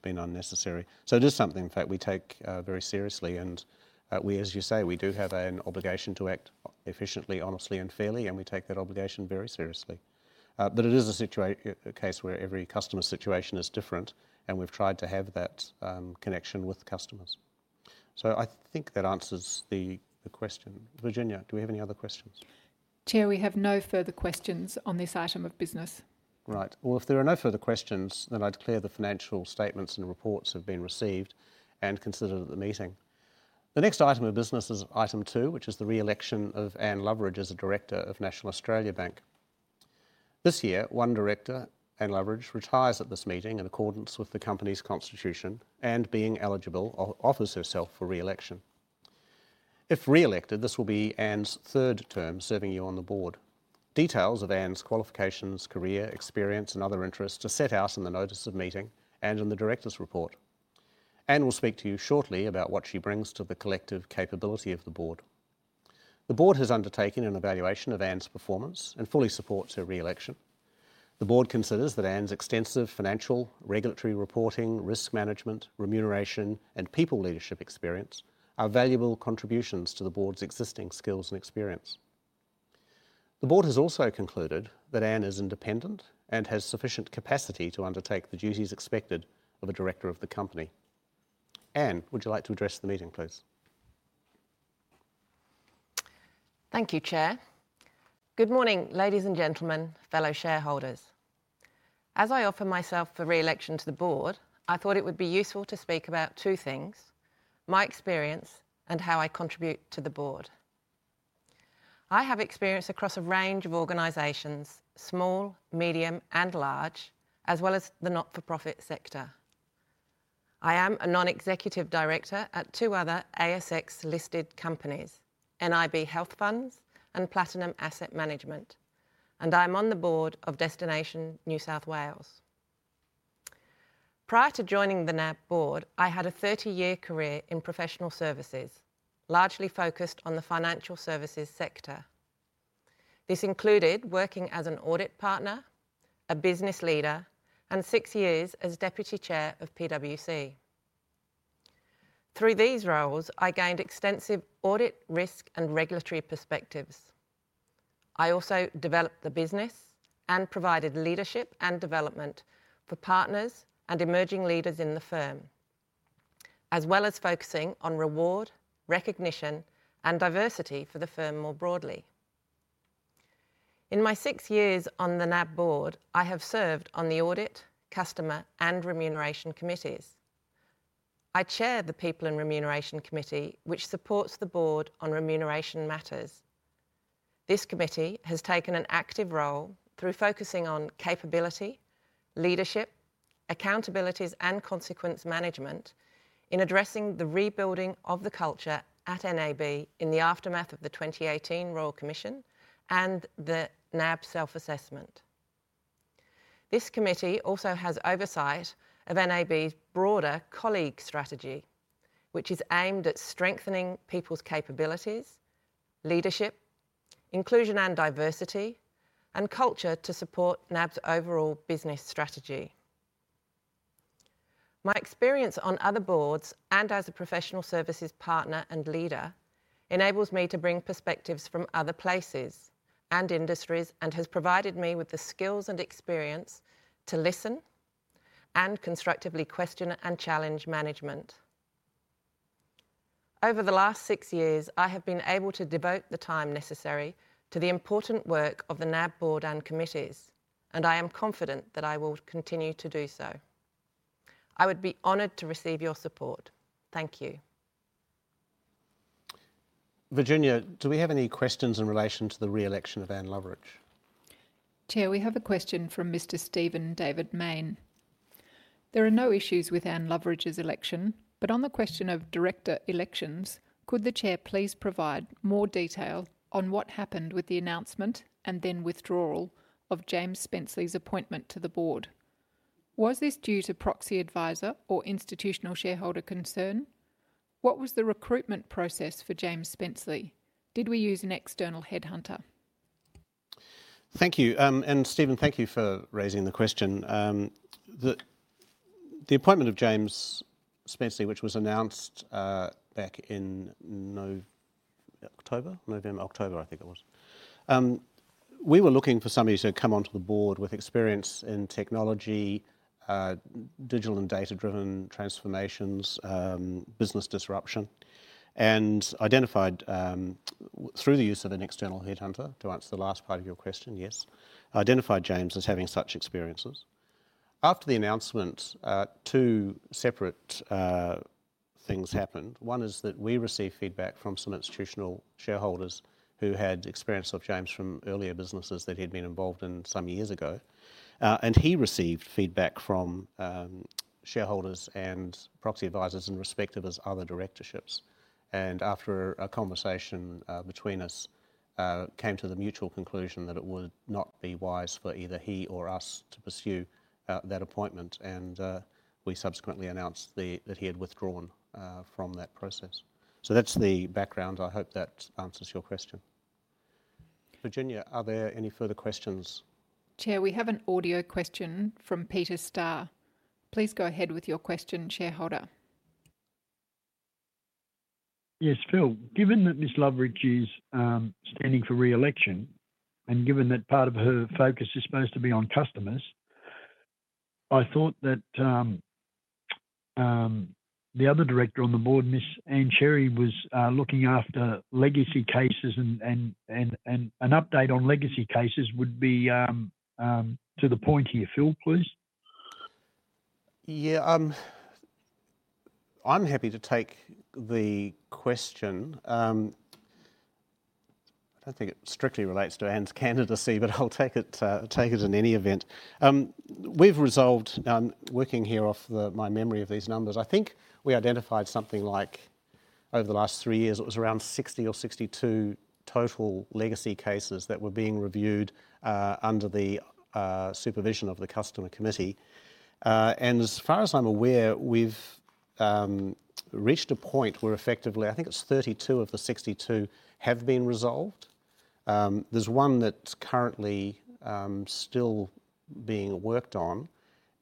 been unnecessary. It is something in fact we take very seriously. We as you say, we do have an obligation to act efficiently, honestly and fairly, and we take that obligation very seriously. It is a case where every customer's situation is different, and we've tried to have that connection with customers. I think that answers the question. Virginia, do we have any other questions? Chair, we have no further questions on this item of business. Right. Well, if there are no further questions, then I'd declare the financial statements and reports have been received and considered at the meeting. The next item of business is item two, which is the re-election of Anne Loveridge as a director of National Australia Bank. This year, one director, Anne Loveridge, retires at this meeting in accordance with the company's constitution, and being eligible offers herself for re-election. If re-elected, this will be Anne's third term serving you on the board. Details of Anne's qualifications, career, experience and other interests are set out in the notice of meeting and in the directors' report. Anne will speak to you shortly about what she brings to the collective capability of the board. The board has undertaken an evaluation of Anne's performance and fully supports her re-election. The board considers that Ann's extensive financial, regulatory reporting, risk management, remuneration, and people leadership experience are valuable contributions to the board's existing skills and experience. The board has also concluded that Ann is independent and has sufficient capacity to undertake the duties expected of a director of the company. Anne, would you like to address the meeting, please? Thank you, Chair. Good morning, ladies and gentlemen, fellow shareholders. As I offer myself for re-election to the board, I thought it would be useful to speak about two things, my experience and how I contribute to the board. I have experience across a range of organizations, small, medium and large, as well as the not-for-profit sector. I am a non-executive director at two other ASX-listed companies, nib and Platinum Asset Management, and I'm on the board of Destination NSW. Prior to joining the NAB board, I had a 30-year career in professional services, largely focused on the financial services sector. This included working as an audit partner, a business leader, and six years as deputy chair of PwC. Through these roles, I gained extensive audit, risk, and regulatory perspectives. I also developed the business and provided leadership and development for partners and emerging leaders in the firm, as well as focusing on reward, recognition, and diversity for the firm more broadly. In my six years on the NAB board, I have served on the audit, customer, and remuneration committees. I chair the people and remuneration committee, which supports the board on remuneration matters. This committee has taken an active role through focusing on capability, leadership, accountabilities, and consequence management in addressing the rebuilding of the culture at NAB in the aftermath of the 2018 Royal Commission and the NAB self-assessment. This committee also has oversight of NAB's broader colleague strategy, which is aimed at strengthening people's capabilities, leadership, inclusion and diversity, and culture to support NAB's overall business strategy. My experience on other boards and as a professional services partner and leader enables me to bring perspectives from other places and industries, and has provided me with the skills and experience to listen and constructively question and challenge management. Over the last six years, I have been able to devote the time necessary to the important work of the NAB board and committees, and I am confident that I will continue to do so. I would be honored to receive your support. Thank you. Virginia, do we have any questions in relation to the re-election of Anne Loveridge? Chair, we have a question from Mr. Steven David Main. There are no issues with Anne Loveridge's election, but on the question of director elections, could the chair please provide more detail on what happened with the announcement and then withdrawal of James Spenceley's appointment to the board? Was this due to proxy advisor or institutional shareholder concern? What was the recruitment process for James Spenceley? Did we use an external headhunter? Thank you. Steven, thank you for raising the question. The appointment of James Spenceley, which was announced back in November, October, I think it was. We were looking for somebody to come onto the board with experience in technology, digital and data-driven transformations, business disruption and identified through the use of an external headhunter, to answer the last part of your question, yes. Identified James as having such experiences. After the announcement, two separate things happened. One is that we received feedback from some institutional shareholders who had experience of James from earlier businesses that he'd been involved in some years ago. He received feedback from shareholders and proxy advisors in respect of his other directorships. After a conversation between us, we came to the mutual conclusion that it would not be wise for either he or us to pursue that appointment. We subsequently announced that he had withdrawn from that process. That's the background. I hope that answers your question. Virginia, are there any further questions? Chair, we have an audio question from Peter Starr. Please go ahead with your question, shareholder. Yes. Phil, given that Ms. Anne Loveridge is standing for re-election, and given that part of her focus is supposed to be on customers, I thought that the other director on the board, Ms. Ann Sherry, was looking after legacy cases and an update on legacy cases would be to the point here. Phil, please. Yeah. I'm happy to take the question. I don't think it strictly relates to Anne's candidacy, but I'll take it in any event. We've resolved, working here off the, my memory of these numbers. I think we identified something like, over the last three years, it was around 60 or 62 total legacy cases that were being reviewed, under the supervision of the customer committee. As far as I'm aware, we've reached a point where effectively, I think it's 32 of the 62 have been resolved. There's one that's currently still being worked on,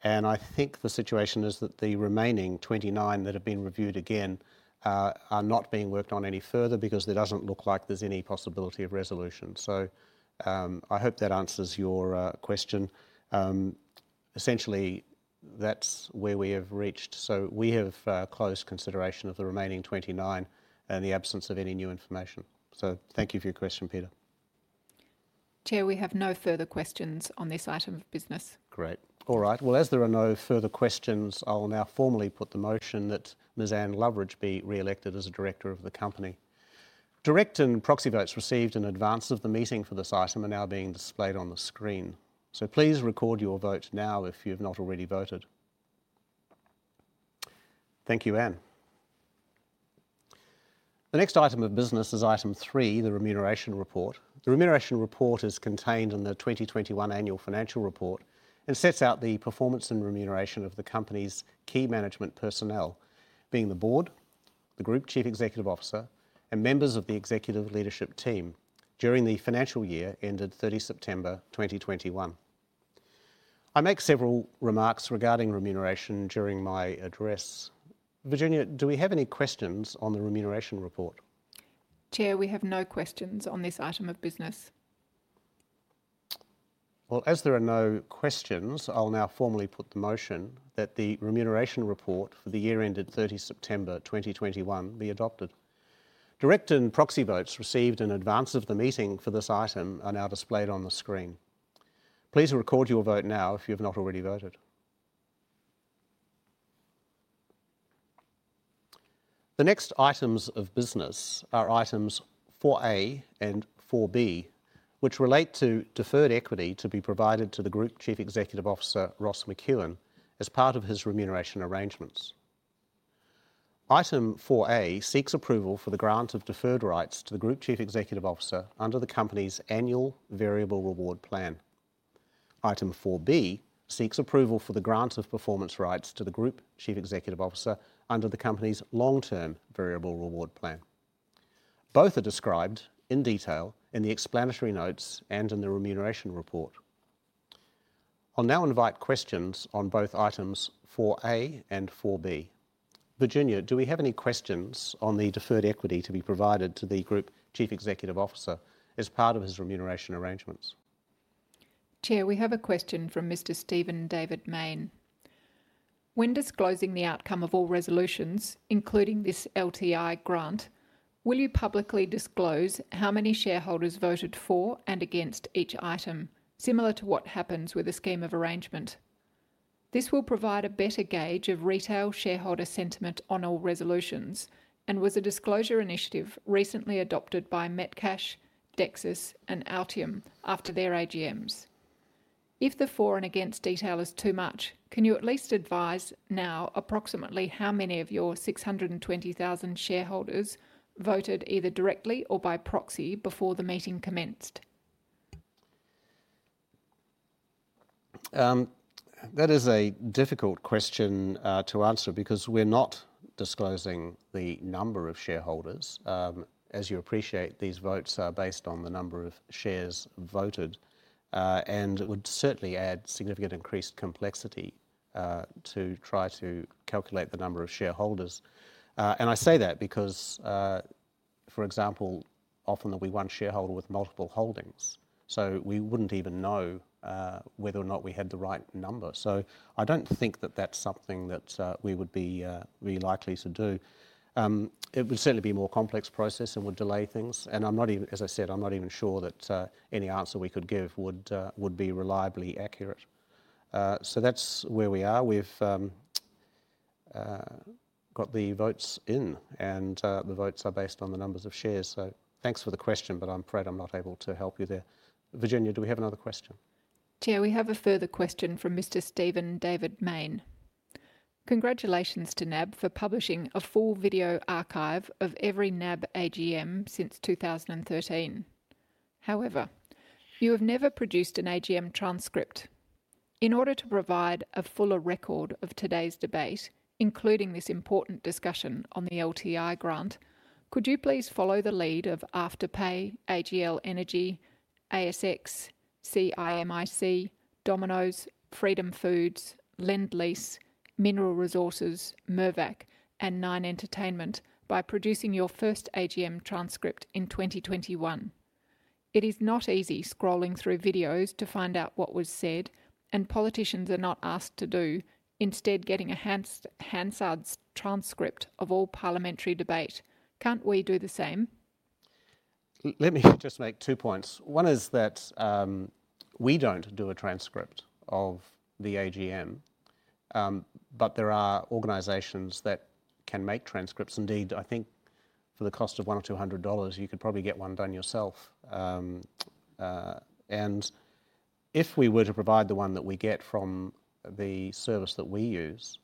and I think the situation is that the remaining 29 that have been reviewed again are not being worked on any further because there doesn't look like there's any possibility of resolution. I hope that answers your question. Essentially, that's where we have reached. We have closed consideration of the remaining 29 in the absence of any new information. Thank you for your question, Peter. Chair, we have no further questions on this item of business. Great. All right. Well, as there are no further questions, I'll now formally put the motion that Ms. Anne Loveridge be re-elected as a director of the company. Direct and proxy votes received in advance of the meeting for this item are now being displayed on the screen. Please record your vote now if you have not already voted. Thank you, Anne. The next item of business is item 3, the remuneration report. The remuneration report is contained in the 2021 annual financial report and sets out the performance and remuneration of the company's key management personnel, being the Board, the Group Chief Executive Officer, and members of the Executive Leadership Team during the financial year ended 30 September 2021. I make several remarks regarding remuneration during my address. Virginia, do we have any questions on the remuneration report? Chair, we have no questions on this item of business. Well, as there are no questions, I'll now formally put the motion that the remuneration report for the year ended 30 September 2021 be adopted. Direct and proxy votes received in advance of the meeting for this item are now displayed on the screen. Please record your vote now if you have not already voted. The next items of business are items 4A and 4B, which relate to deferred equity to be provided to the Group Chief Executive Officer, Ross McEwan, as part of his remuneration arrangements. Item 4A seeks approval for the grant of deferred rights to the Group Chief Executive Officer under the company's annual variable reward plan. Item 4B seeks approval for the grant of performance rights to the Group Chief Executive Officer under the company's long-term variable reward plan. Both are described in detail in the explanatory notes and in the remuneration report. I'll now invite questions on both items four A and four B. Virginia, do we have any questions on the deferred equity to be provided to the Group Chief Executive Officer as part of his remuneration arrangements? Chair, we have a question from Mr. Steven David Main. When disclosing the outcome of all resolutions, including this LTI grant, will you publicly disclose how many shareholders voted for and against each item, similar to what happens with a scheme of arrangement? This will provide a better gauge of retail shareholder sentiment on all resolutions, and was a disclosure initiative recently adopted by Metcash, Dexus, and Altium after their AGMs. If the for and against detail is too much, can you at least advise now approximately how many of your 620,000 shareholders voted either directly or by proxy before the meeting commenced? That is a difficult question to answer because we're not disclosing the number of shareholders. As you appreciate, these votes are based on the number of shares voted. It would certainly add significant increased complexity to try to calculate the number of shareholders. I say that because, for example, often there'll be one shareholder with multiple holdings, so we wouldn't even know whether or not we had the right number. I don't think that that's something that we would be really likely to do. It would certainly be a more complex process and would delay things, and, as I said, I'm not even sure that any answer we could give would be reliably accurate. That's where we are. We've got the votes in, and the votes are based on the numbers of shares. Thanks for the question, but I'm afraid I'm not able to help you there. Virginia, do we have another question? Chair, we have a further question from Mr. Steven David Main. "Congratulations to NAB for publishing a full video archive of every NAB AGM since 2013. However, you have never produced an AGM transcript. In order to provide a fuller record of today's debate, including this important discussion on the LTI grant, could you please follow the lead of Afterpay, AGL Energy, ASX, CIMIC, Domino's, Freedom Foods, Lendlease, Mineral Resources, Mirvac, and Nine Entertainment by producing your first AGM transcript in 2021? It is not easy scrolling through videos to find out what was said, and politicians are not asked to do, instead getting a Hansard transcript of all parliamentary debate. Can't we do the same? Let me just make two points. One is that we don't do a transcript of the AGM, but there are organizations that can make transcripts. Indeed, I think for the cost of 100 or 200 dollars, you could probably get one done yourself. If we were to provide the one that we get from the service that we use,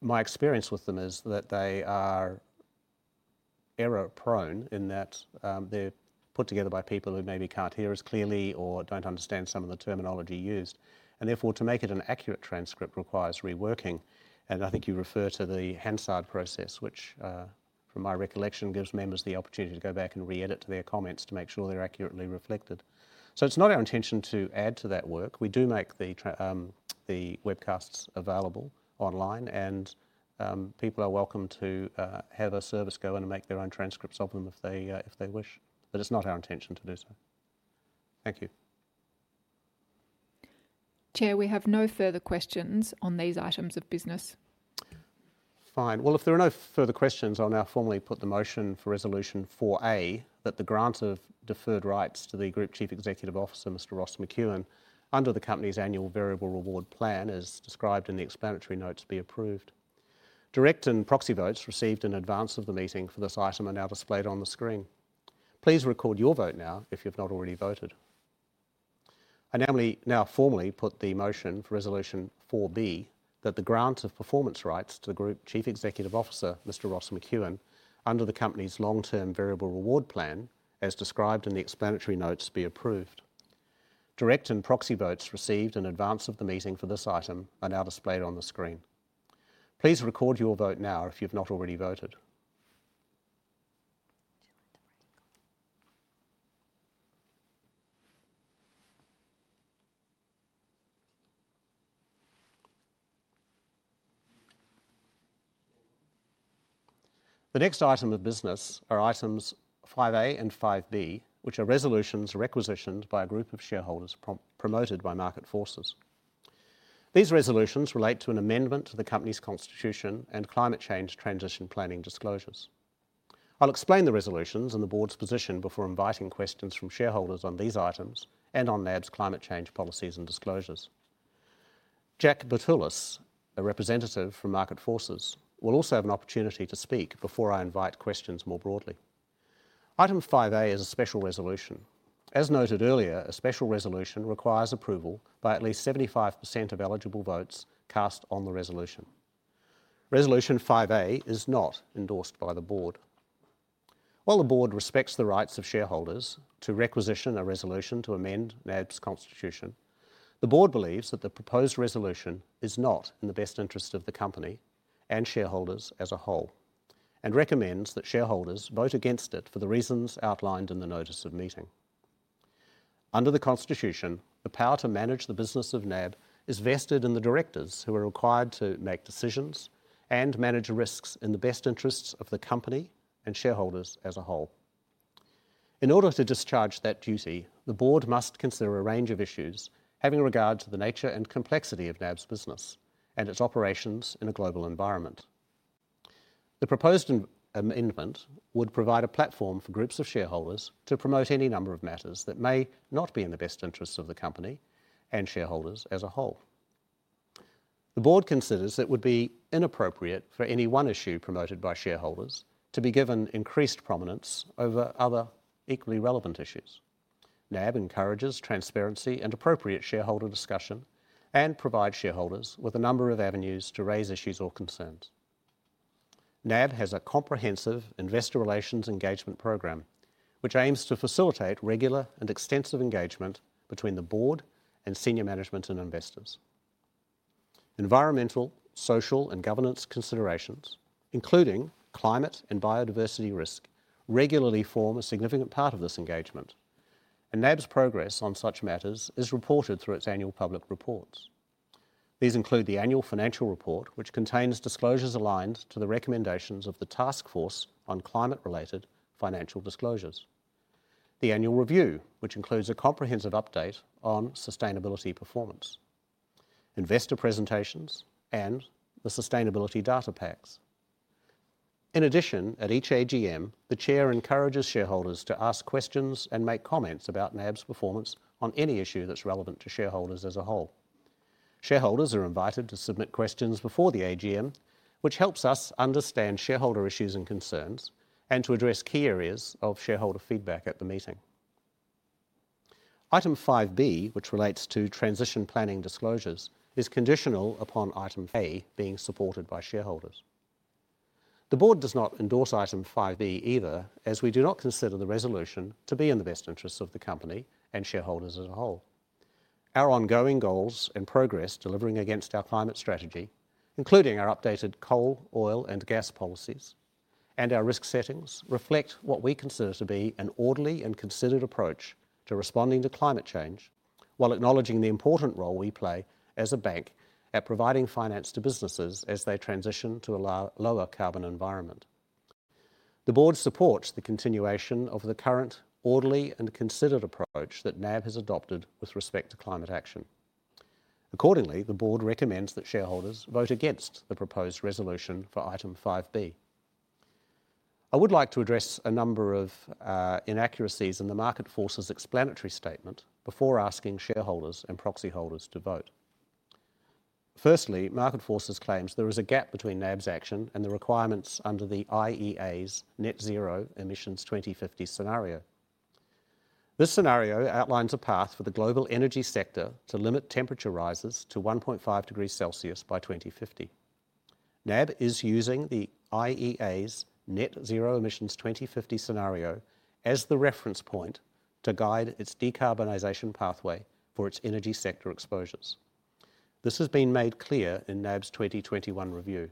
my experience with them is that they are error-prone in that they're put together by people who maybe can't hear as clearly or don't understand some of the terminology used, and therefore to make it an accurate transcript requires reworking. I think you refer to the Hansard process, which from my recollection gives members the opportunity to go back and re-edit their comments to make sure they're accurately reflected. It's not our intention to add to that work. We do make the webcasts available online, and people are welcome to have a service go in and make their own transcripts of them if they wish. It's not our intention to do so. Thank you. Chair, we have no further questions on these items of business. Fine. Well, if there are no further questions, I'll now formally put the motion for Resolution 4A, that the grant of deferred rights to the Group Chief Executive Officer, Mr. Ross McEwan, under the company's annual variable reward plan, as described in the explanatory notes, be approved. Direct and proxy votes received in advance of the meeting for this item are now displayed on the screen. Please record your vote now if you've not already voted. I'll now formally put the motion for Resolution 4B, that the grant of performance rights to the Group Chief Executive Officer, Mr. Ross McEwan, under the company's long-term variable reward plan, as described in the explanatory notes, be approved. Direct and proxy votes received in advance of the meeting for this item are now displayed on the screen. Please record your vote now if you've not already voted. The next item of business are items 5A and 5B, which are resolutions requisitioned by a group of shareholders promoted by Market Forces. These resolutions relate to an amendment to the company's constitution and climate change transition planning disclosures. I'll explain the resolutions and the board's position before inviting questions from shareholders on these items and on NAB's climate change policies and disclosures. Jack Bertolus, a representative from Market Forces, will also have an opportunity to speak before I invite questions more broadly. Item 5A is a special resolution. As noted earlier, a special resolution requires approval by at least 75% of eligible votes cast on the resolution. Resolution 5A is not endorsed by the board. While the board respects the rights of shareholders to requisition a resolution to amend NAB's constitution, the board believes that the proposed resolution is not in the best interest of the company and shareholders as a whole and recommends that shareholders vote against it for the reasons outlined in the notice of meeting. Under the constitution, the power to manage the business of NAB is vested in the directors, who are required to make decisions and manage risks in the best interests of the company and shareholders as a whole. In order to discharge that duty, the board must consider a range of issues having regard to the nature and complexity of NAB's business and its operations in a global environment. The proposed amendment would provide a platform for groups of shareholders to promote any number of matters that may not be in the best interests of the company and shareholders as a whole. The board considers it would be inappropriate for any one issue promoted by shareholders to be given increased prominence over other equally relevant issues. NAB encourages transparency and appropriate shareholder discussion and provides shareholders with a number of avenues to raise issues or concerns. NAB has a comprehensive investor relations engagement program, which aims to facilitate regular and extensive engagement between the board and senior management and investors. Environmental, social, and governance considerations, including climate and biodiversity risk, regularly form a significant part of this engagement. NAB's progress on such matters is reported through its annual public reports. These include the annual financial report, which contains disclosures aligned to the recommendations of the Task Force on Climate-related Financial Disclosures, the annual review, which includes a comprehensive update on sustainability performance, investor presentations, and the sustainability data packs. In addition, at each AGM, the chair encourages shareholders to ask questions and make comments about NAB's performance on any issue that's relevant to shareholders as a whole. Shareholders are invited to submit questions before the AGM, which helps us understand shareholder issues and concerns, and to address key areas of shareholder feedback at the meeting. Item five B, which relates to transition planning disclosures, is conditional upon item A being supported by shareholders. The board does not endorse item 5B either, as we do not consider the resolution to be in the best interests of the company and shareholders as a whole. Our ongoing goals and progress delivering against our climate strategy, including our updated coal, oil, and gas policies and our risk settings, reflect what we consider to be an orderly and considered approach to responding to climate change while acknowledging the important role we play as a bank at providing finance to businesses as they transition to a lower carbon environment. The board supports the continuation of the current orderly and considered approach that NAB has adopted with respect to climate action. Accordingly, the board recommends that shareholders vote against the proposed resolution for item 5B. I would like to address a number of inaccuracies in the Market Forces explanatory statement before asking shareholders and proxy holders to vote. Firstly, Market Forces claims there is a gap between NAB's action and the requirements under the IEA's net zero emissions 2050 scenario. This scenario outlines a path for the global energy sector to limit temperature rises to 1.5 degrees Celsius by 2050. NAB is using the IEA's net zero emissions 2050 scenario as the reference point to guide its decarbonization pathway for its energy sector exposures. This has been made clear in NAB's 2021 review.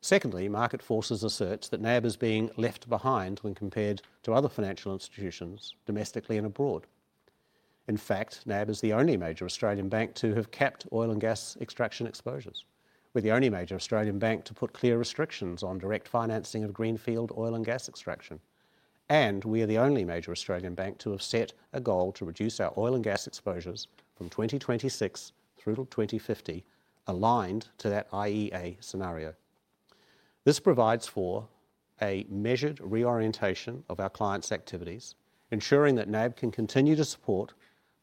Secondly, Market Forces asserts that NAB is being left behind when compared to other financial institutions domestically and abroad. In fact, NAB is the only major Australian bank to have capped oil and gas extraction exposures. We're the only major Australian bank to put clear restrictions on direct financing of greenfield oil and gas extraction. We are the only major Australian bank to have set a goal to reduce our oil and gas exposures from 2026 through till 2050 aligned to that IEA scenario. This provides for a measured reorientation of our clients' activities, ensuring that NAB can continue to support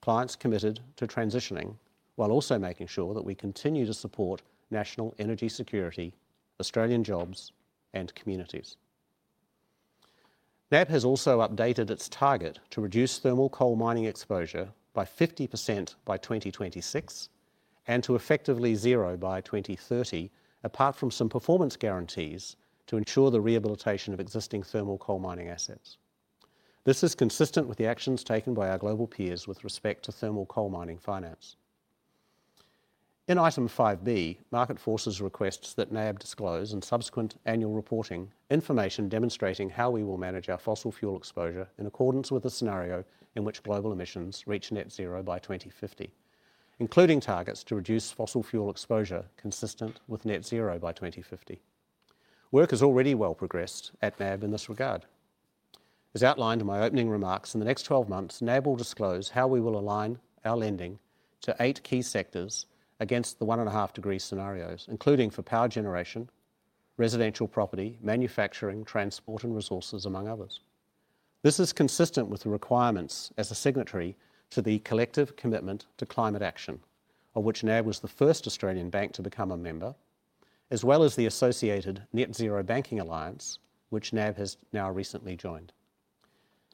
clients committed to transitioning while also making sure that we continue to support national energy security, Australian jobs, and communities. NAB has also updated its target to reduce thermal coal mining exposure by 50% by 2026 and to effectively zero by 2030, apart from some performance guarantees to ensure the rehabilitation of existing thermal coal mining assets. This is consistent with the actions taken by our global peers with respect to thermal coal mining finance. In item 5 B, Market Forces requests that NAB disclose in subsequent annual reporting information demonstrating how we will manage our fossil fuel exposure in accordance with the scenario in which global emissions reach net zero by 2050, including targets to reduce fossil fuel exposure consistent with net zero by 2050. Work is already well progressed at NAB in this regard. As outlined in my opening remarks, in the next 12 months, NAB will disclose how we will align our lending to eight key sectors against the 1.5 degree scenarios, including for power generation, residential property, manufacturing, transport, and resources, among others. This is consistent with the requirements as a signatory to the Collective Commitment to Climate Action, of which NAB was the first Australian bank to become a member, as well as the associated Net-Zero Banking Alliance, which NAB has now recently joined.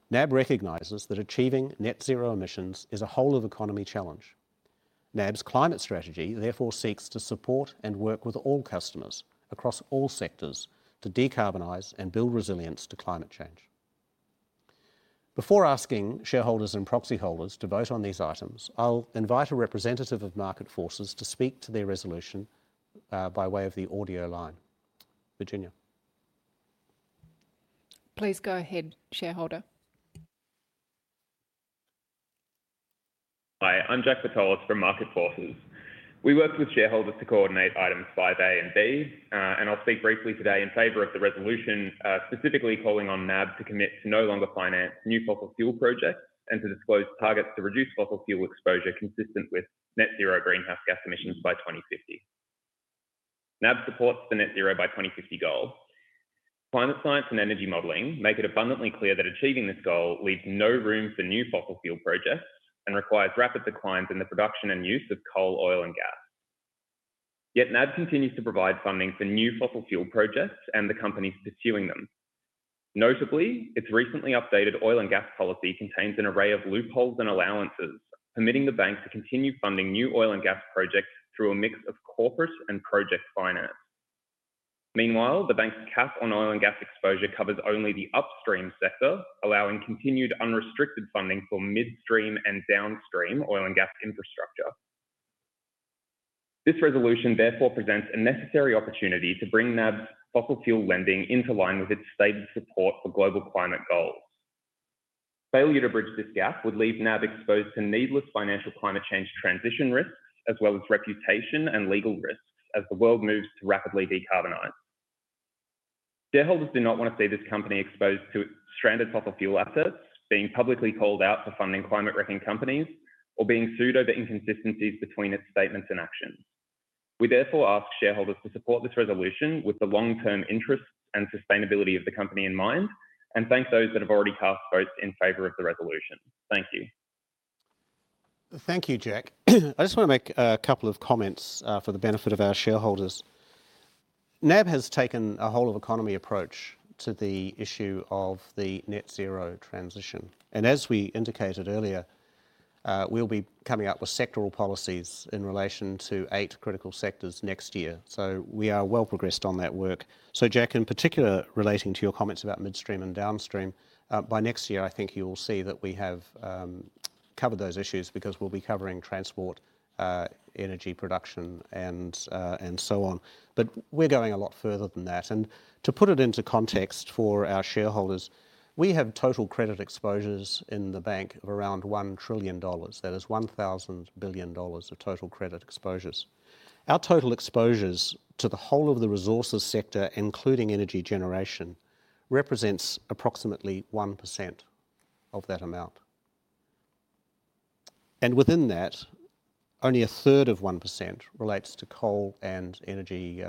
NAB recognizes that achieving net zero emissions is a whole-of-economy challenge. NAB's climate strategy therefore seeks to support and work with all customers across all sectors to decarbonize and build resilience to climate change. Before asking shareholders and proxy holders to vote on these items, I'll invite a representative of Market Forces to speak to their resolution by way of the audio line. Virginia. Please go ahead, shareholder. Hi, I'm Jack Bertolus from Market Forces. We worked with shareholders to coordinate items 5A and 5B. I'll speak briefly today in favor of the resolution, specifically calling on NAB to commit to no longer finance new fossil fuel projects and to disclose targets to reduce fossil fuel exposure consistent with net zero greenhouse gas emissions by 2050. NAB supports the net zero by 2050 goal. Climate science and energy modeling make it abundantly clear that achieving this goal leaves no room for new fossil fuel projects and requires rapid declines in the production and use of coal, oil, and gas. Yet NAB continues to provide funding for new fossil fuel projects and the companies pursuing them. Notably, its recently updated oil and gas policy contains an array of loopholes and allowances, permitting the bank to continue funding new oil and gas projects through a mix of corporate and project finance. Meanwhile, the bank's cap on oil and gas exposure covers only the upstream sector, allowing continued unrestricted funding for midstream and downstream oil and gas infrastructure. This resolution therefore presents a necessary opportunity to bring NAB's fossil fuel lending into line with its stated support for global climate goals. Failure to bridge this gap would leave NAB exposed to needless financial climate change transition risks as well as reputation and legal risks as the world moves to rapidly decarbonize. Shareholders do not want to see this company exposed to stranded fossil fuel assets, being publicly called out for funding climate-wrecking companies, or being sued over inconsistencies between its statements and actions. We therefore ask shareholders to support this resolution with the long-term interests and sustainability of the company in mind, and thank those that have already cast votes in favor of the resolution. Thank you. Thank you, Jack. I just wanna make a couple of comments for the benefit of our shareholders. NAB has taken a whole-of-economy approach to the issue of the net zero transition. As we indicated earlier, we'll be coming out with sectoral policies in relation to eight critical sectors next year. We are well progressed on that work. Jack, in particular relating to your comments about midstream and downstream, by next year, I think you'll see that we have covered those issues because we'll be covering transport, energy production, and so on. We're going a lot further than that. To put it into context for our shareholders, we have total credit exposures in the bank of around 1 trillion dollars. That is 1,000 billion dollars of total credit exposures. Our total exposures to the whole of the resources sector, including energy generation, represents approximately 1% of that amount. Within that, only a third of 1% relates to coal and energy,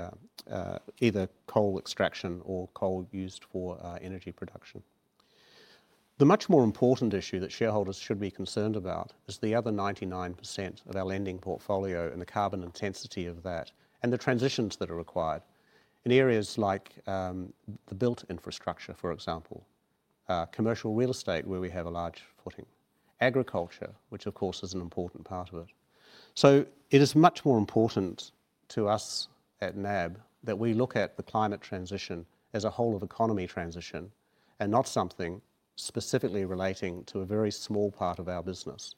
either coal extraction or coal used for energy production. The much more important issue that shareholders should be concerned about is the other 99% of our lending portfolio and the carbon intensity of that, and the transitions that are required in areas like the built infrastructure, for example, commercial real estate, where we have a large footing, agriculture, which of course is an important part of it. It is much more important to us at NAB that we look at the climate transition as a whole-of-economy transition and not something specifically relating to a very small part of our business,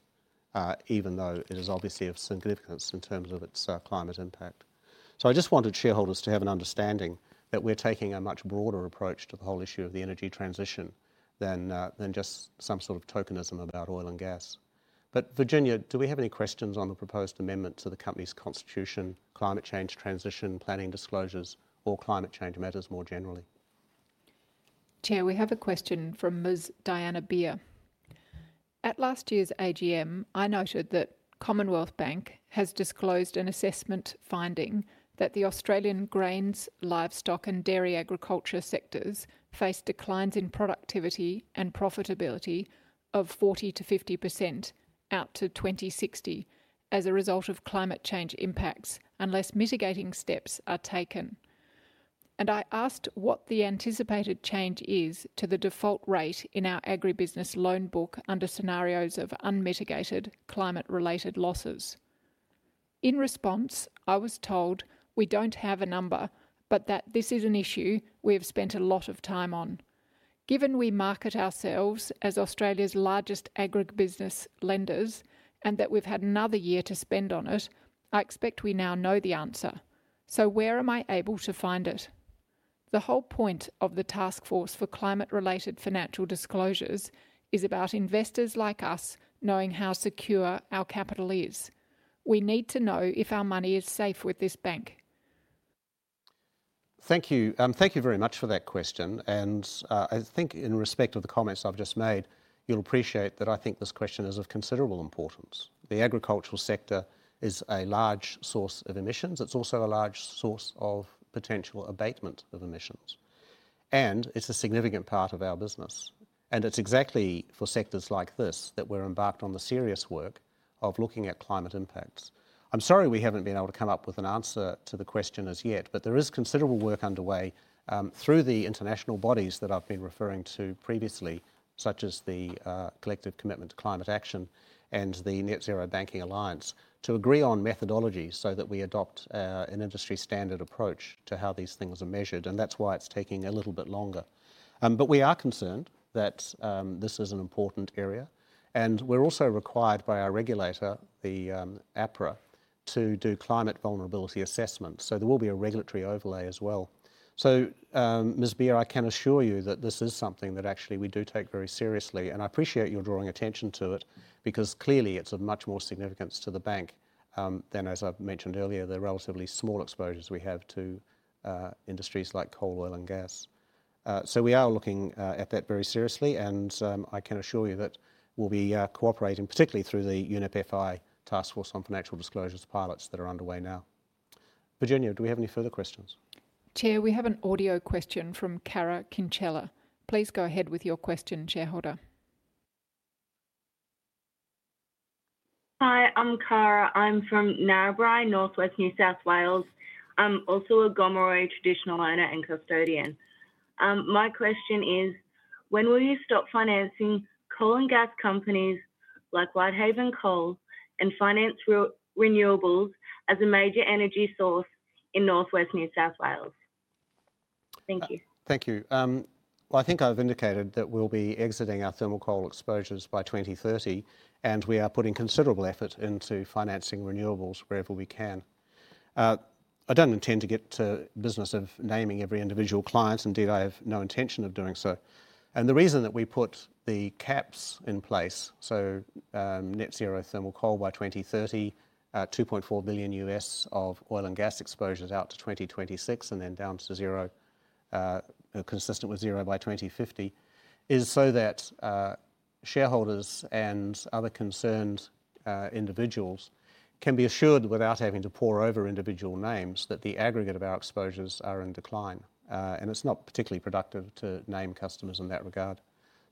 even though it is obviously of significance in terms of its climate impact. I just wanted shareholders to have an understanding that we're taking a much broader approach to the whole issue of the energy transition than than just some sort of tokenism about oil and gas. Virginia, do we have any questions on the proposed amendment to the company's constitution, climate change transition planning disclosures, or climate change matters more generally? Chair, we have a question from Ms. Diana Beer. "At last year's AGM, I noted that Commonwealth Bank has disclosed an assessment finding that the Australian grains, livestock, and dairy agriculture sectors face declines in productivity and profitability of 40%-50% out to 2060 as a result of climate change impacts unless mitigating steps are taken. I asked what the anticipated change is to the default rate in our agribusiness loan book under scenarios of unmitigated climate-related losses. In response, I was told we don't have a number, but that this is an issue we have spent a lot of time on. Given we market ourselves as Australia's largest agribusiness lenders and that we've had another year to spend on it, I expect we now know the answer. Where am I able to find it? The whole point of the Task Force on Climate-related Financial Disclosures is about investors like us knowing how secure our capital is. We need to know if our money is safe with this bank. Thank you. Thank you very much for that question. I think in respect of the comments I've just made, you'll appreciate that I think this question is of considerable importance. The agricultural sector is a large source of emissions. It's also a large source of potential abatement of emissions. It's a significant part of our business. It's exactly for sectors like this that we're embarked on the serious work of looking at climate impacts. I'm sorry we haven't been able to come up with an answer to the question as yet, but there is considerable work underway through the international bodies that I've been referring to previously, such as the Collective Commitment to Climate Action and the Net Zero Banking Alliance, to agree on methodologies so that we adopt an industry standard approach to how these things are measured, and that's why it's taking a little bit longer. We are concerned that this is an important area. We're also required by our regulator, the APRA, to do climate vulnerability assessments. There will be a regulatory overlay as well. Ms. Beer, I can assure you that this is something that actually we do take very seriously, and I appreciate your drawing attention to it because clearly it's of much more significance to the bank than as I've mentioned earlier, the relatively small exposures we have to industries like coal, oil, and gas. We are looking at that very seriously and I can assure you that we'll be cooperating, particularly through the UNEP FI task force on financial disclosures pilots that are underway now. Virginia, do we have any further questions? Chair, we have an audio question from Karra Kinchela. Please go ahead with your question, shareholder. Hi, I'm Kara. I'm from Narrabri, northwest New South Wales. I'm also a Gomeroi traditional owner and custodian. My question is When will you stop financing coal and gas companies like Whitehaven Coal and finance renewables as a major energy source in Northwest New South Wales? Thank you. Thank you. Well, I think I've indicated that we'll be exiting our thermal coal exposures by 2030, and we are putting considerable effort into financing renewables wherever we can. I don't intend to get to business of naming every individual client. Indeed, I have no intention of doing so. The reason that we put the caps in place, net zero thermal coal by 2030, $2.4 billion of oil and gas exposures out to 2026 and then down to zero, consistent with zero by 2050, is so that shareholders and other concerned individuals can be assured without having to pore over individual names that the aggregate of our exposures are in decline. It's not particularly productive to name customers in that regard.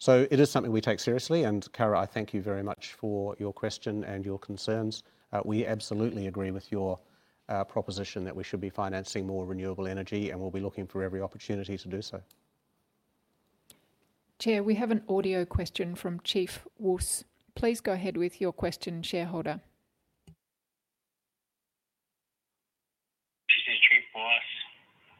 It is something we take seriously. Karra, I thank you very much for your question and your concerns. We absolutely agree with your proposition that we should be financing more renewable energy, and we'll be looking for every opportunity to do so. Chair, we have an audio question from Chief Woos. Please go ahead with your question, shareholder. This is Chief Woos.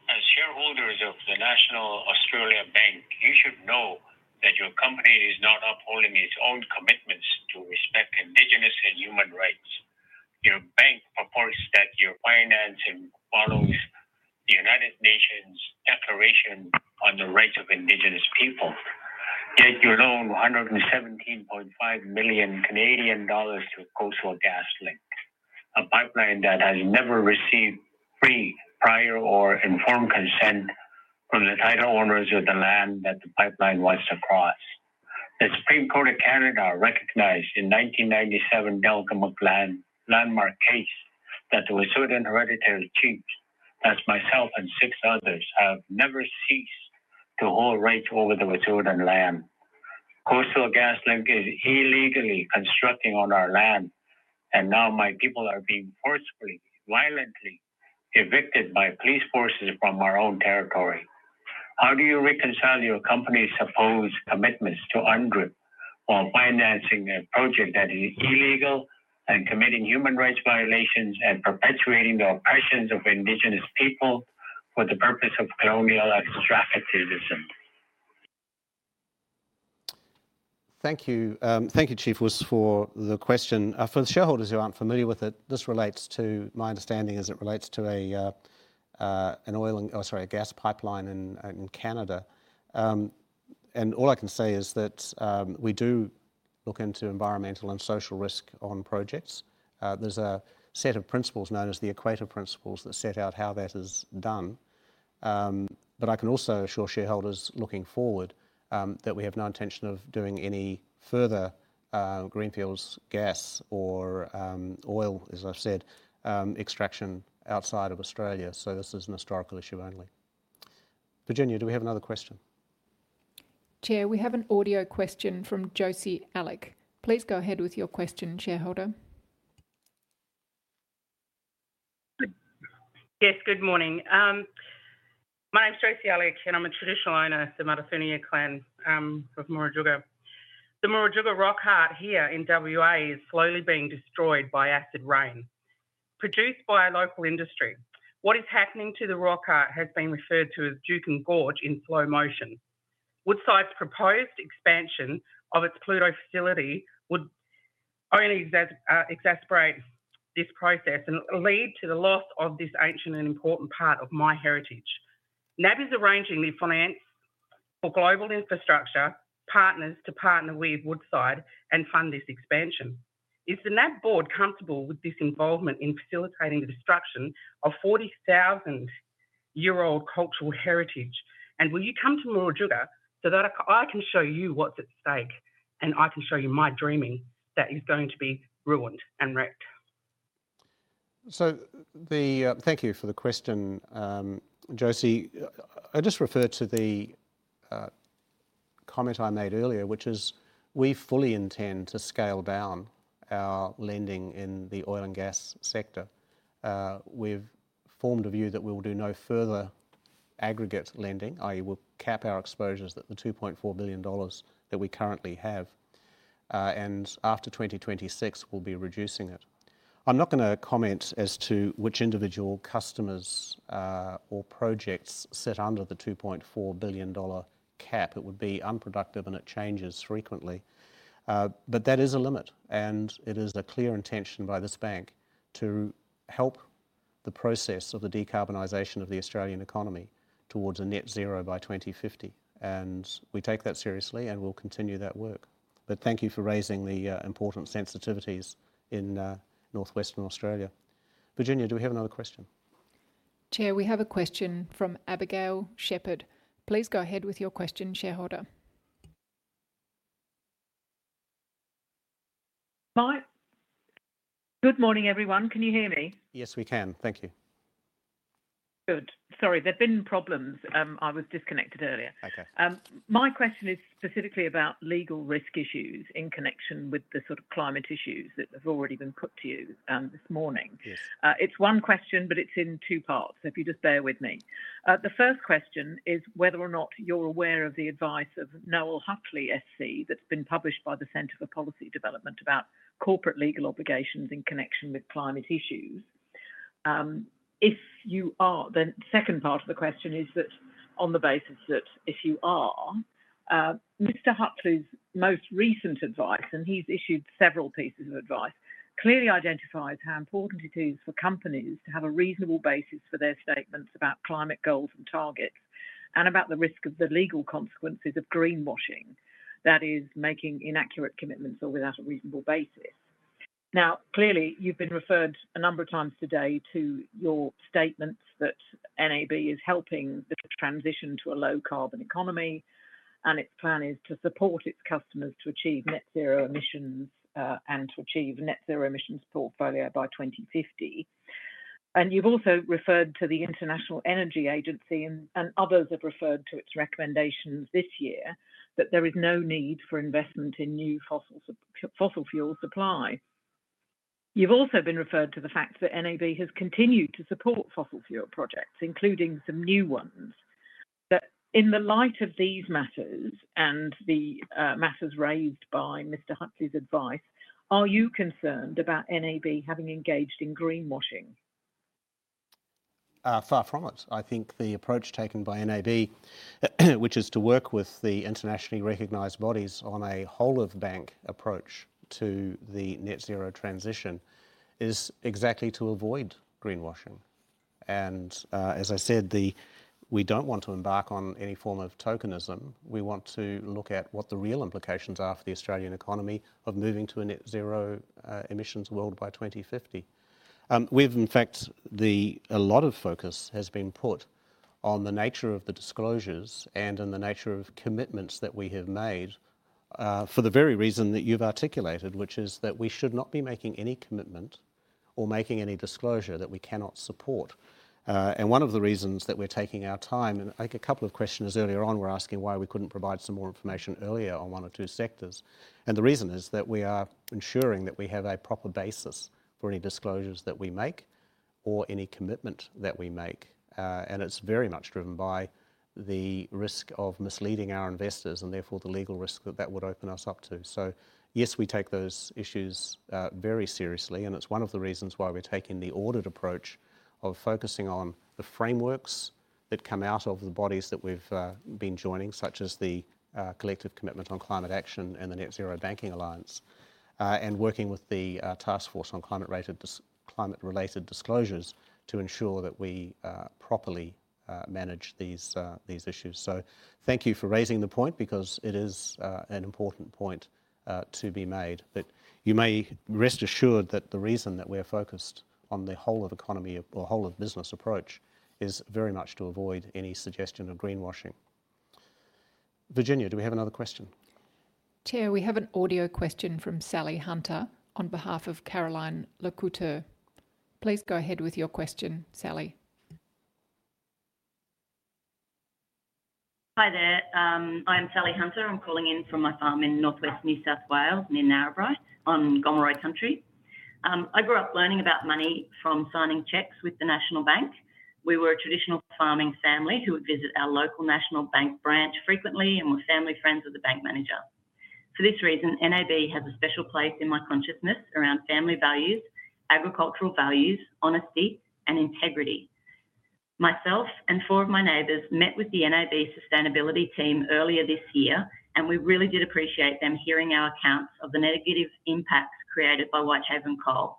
As shareholders of the National Australia Bank, you should know that your company is not upholding its own commitments to respect indigenous and human rights. Your bank purports that your financing follows the United Nations Declaration on the Rights of Indigenous Peoples. Yet you loan 117.5 million Canadian dollars to Coastal GasLink, a pipeline that has never received free, prior or informed consent from the title owners of the land that the pipeline wants to cross. The Supreme Court of Canada recognized in 1997 Delgamuukw landmark case that the Wet'suwet'en Hereditary Chiefs, that's myself and six others, have never ceased to hold rights over the Wet'suwet'en land. Coastal GasLink is illegally constructing on our land, and now my people are being forcefully, violently evicted by police forces from our own territory. How do you reconcile your company's supposed commitments to UNDRIP while financing a project that is illegal and committing human rights violations and perpetuating the oppressions of indigenous people for the purpose of colonial extractivism? Thank you, Chief Woos, for the question. For the shareholders who aren't familiar with it, this relates to a gas pipeline in Canada. All I can say is that we do look into environmental and social risk on projects. There's a set of principles known as the Equator Principles that set out how that is done. I can also assure shareholders looking forward that we have no intention of doing any further greenfields gas or oil, as I've said, extraction outside of Australia. This is an historical issue only. Virginia, do we have another question? Chair, we have an audio question from Josie Alec. Please go ahead with your question, shareholder. Yes, good morning. My name is Josie Alec, and I'm a traditional owner of the Mardudhunera clan of Murujuga. The Murujuga rock art here in WA is slowly being destroyed by acid rain produced by a local industry. What is happening to the rock art has been referred to as Juukan Gorge in slow motion. Woodside's proposed expansion of its Pluto facility would only exacerbate this process and lead to the loss of this ancient and important part of my heritage. NAB is arranging the finance for Global Infrastructure Partners to partner with Woodside and fund this expansion. Is the NAB board comfortable with this involvement in facilitating the destruction of 40,000-year-old cultural heritage? Will you come to Murujuga so that I can show you what's at stake, and I can show you my dreaming that is going to be ruined and wrecked? Thank you for the question, Josie. I'd just refer to the comment I made earlier, which is we fully intend to scale down our lending in the oil and gas sector. We've formed a view that we will do no further aggregate lending, i.e. we'll cap our exposures at the $2.4 billion that we currently have, and after 2026, we'll be reducing it. I'm not gonna comment as to which individual customers or projects sit under the $2.4 billion cap. It would be unproductive, and it changes frequently. That is a limit, and it is a clear intention by this bank to help the process of the decarbonization of the Australian economy towards a net zero by 2050. We take that seriously, and we'll continue that work. Thank you for raising the important sensitivities in northwestern Australia. Virginia, do we have another question? Chair, we have a question from Abigail Shepherd. Please go ahead with your question, shareholder. Good morning, everyone. Can you hear me? Yes, we can. Thank you. Good. Sorry, there have been problems. I was disconnected earlier. Okay. My question is specifically about legal risk issues in connection with the sort of climate issues that have already been put to you, this morning. Yes. It's one question, but it's in two parts, so if you just bear with me. The first question is whether or not you're aware of the advice of Noel Hutley SC that's been published by the Centre for Policy Development about corporate legal obligations in connection with climate issues. If you are, the second part of the question is that on the basis that if you are, Mr. Hutley's most recent advice, and he's issued several pieces of advice, clearly identifies how important it is for companies to have a reasonable basis for their statements about climate goals and targets and about the risk of the legal consequences of greenwashing. That is making inaccurate commitments or without a reasonable basis. Now, clearly, you've been referred a number of times today to your statements that NAB is helping the transition to a low carbon economy and its plan is to support its customers to achieve net zero emissions, and to achieve net zero emissions portfolio by 2050. You've also referred to the International Energy Agency and others have referred to its recommendations this year that there is no need for investment in new fossil fuel supply. You've also been referred to the fact that NAB has continued to support fossil fuel projects, including some new ones. That in the light of these matters and the matters raised by Mr. Hutley's advice, are you concerned about NAB having engaged in greenwashing? Far from it. I think the approach taken by NAB, which is to work with the internationally recognized bodies on a whole of bank approach to the net zero transition, is exactly to avoid greenwashing. As I said, we don't want to embark on any form of tokenism. We want to look at what the real implications are for the Australian economy of moving to a net zero emissions world by 2050. A lot of focus has been put on the nature of the disclosures and in the nature of commitments that we have made, for the very reason that you've articulated, which is that we should not be making any commitment or making any disclosure that we cannot support. One of the reasons that we're taking our time, and I think a couple of questioners earlier on were asking why we couldn't provide some more information earlier on one or two sectors. The reason is that we are ensuring that we have a proper basis for any disclosures that we make or any commitment that we make. It's very much driven by the risk of misleading our investors and therefore the legal risk that that would open us up to. Yes, we take those issues very seriously, and it's one of the reasons why we're taking the ordered approach of focusing on the frameworks that come out of the bodies that we've been joining, such as the Collective Commitment to Climate Action and the Net-Zero Banking Alliance. Working with the Task Force on Climate-related Financial Disclosures to ensure that we properly manage these issues. Thank you for raising the point because it is an important point to be made. You may rest assured that the reason that we're focused on the whole of economy or whole of business approach is very much to avoid any suggestion of greenwashing. Virginia, do we have another question? Chair, we have an audio question from Sally Hunter on behalf of Caroline Le Couteur. Please go ahead with your question, Sally. Hi there. I am Sally Hunter. I'm calling in from my farm in northwest New South Wales near Narrabri on Gomeroi country. I grew up learning about money from signing checks with the National Bank. We were a traditional farming family who would visit our local National Bank branch frequently and were family friends with the bank manager. For this reason, NAB has a special place in my consciousness around family values, agricultural values, honesty and integrity. Myself and four of my neighbors met with the NAB sustainability team earlier this year, and we really did appreciate them hearing our accounts of the negative impacts created by Whitehaven Coal,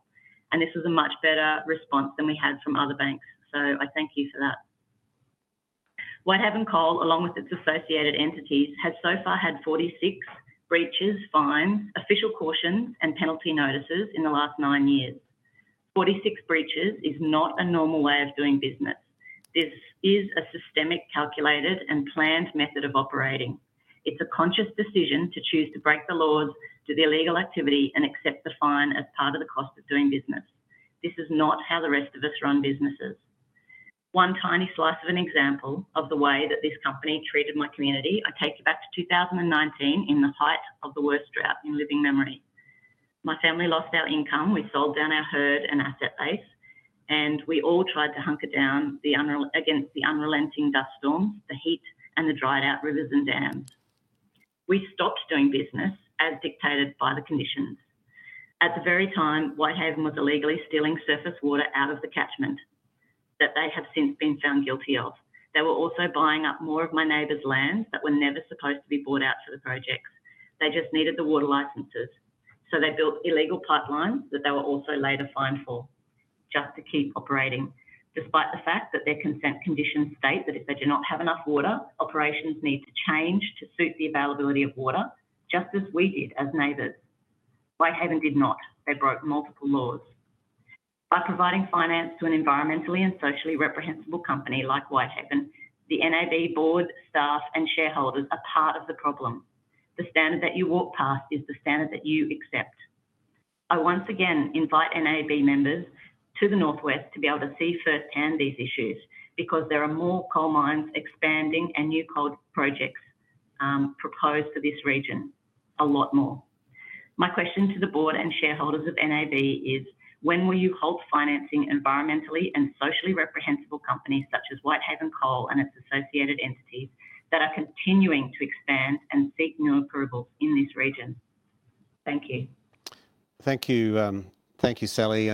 and this was a much better response than we had from other banks. I thank you for that. Whitehaven Coal, along with its associated entities, has so far had 46 breaches, fines, official cautions and penalty notices in the last 9 years. 46 breaches is not a normal way of doing business. This is a systemic, calculated and planned method of operating. It's a conscious decision to choose to break the laws, do the illegal activity and accept the fine as part of the cost of doing business. This is not how the rest of us run businesses. One tiny slice of an example of the way that this company treated my community. I take you back to 2019 in the height of the worst drought in living memory. My family lost our income. We sold down our herd and asset base, and we all tried to hunker down against the unrelenting dust storms, the heat and the dried out rivers and dams. We stopped doing business as dictated by the conditions. At the very time, Whitehaven was illegally stealing surface water out of the catchment that they have since been found guilty of. They were also buying up more of my neighbors' lands that were never supposed to be bought out for the projects. They just needed the water licenses. So they built illegal pipelines that they were also later fined for just to keep operating, despite the fact that their consent conditions state that if they do not have enough water, operations need to change to suit the availability of water, just as we did as neighbors. Whitehaven did not. They broke multiple laws. By providing finance to an environmentally and socially reprehensible company like Whitehaven, the NAB board, staff and shareholders are part of the problem. The standard that you walk past is the standard that you accept. I once again invite NAB members to the northwest to be able to see firsthand these issues because there are more coal mines expanding and new coal projects proposed for this region, a lot more. My question to the board and shareholders of NAB is: When will you halt financing environmentally and socially reprehensible companies such as Whitehaven Coal and its associated entities that are continuing to expand and seek new approvals in this region? Thank you. Thank you. Thank you, Sally.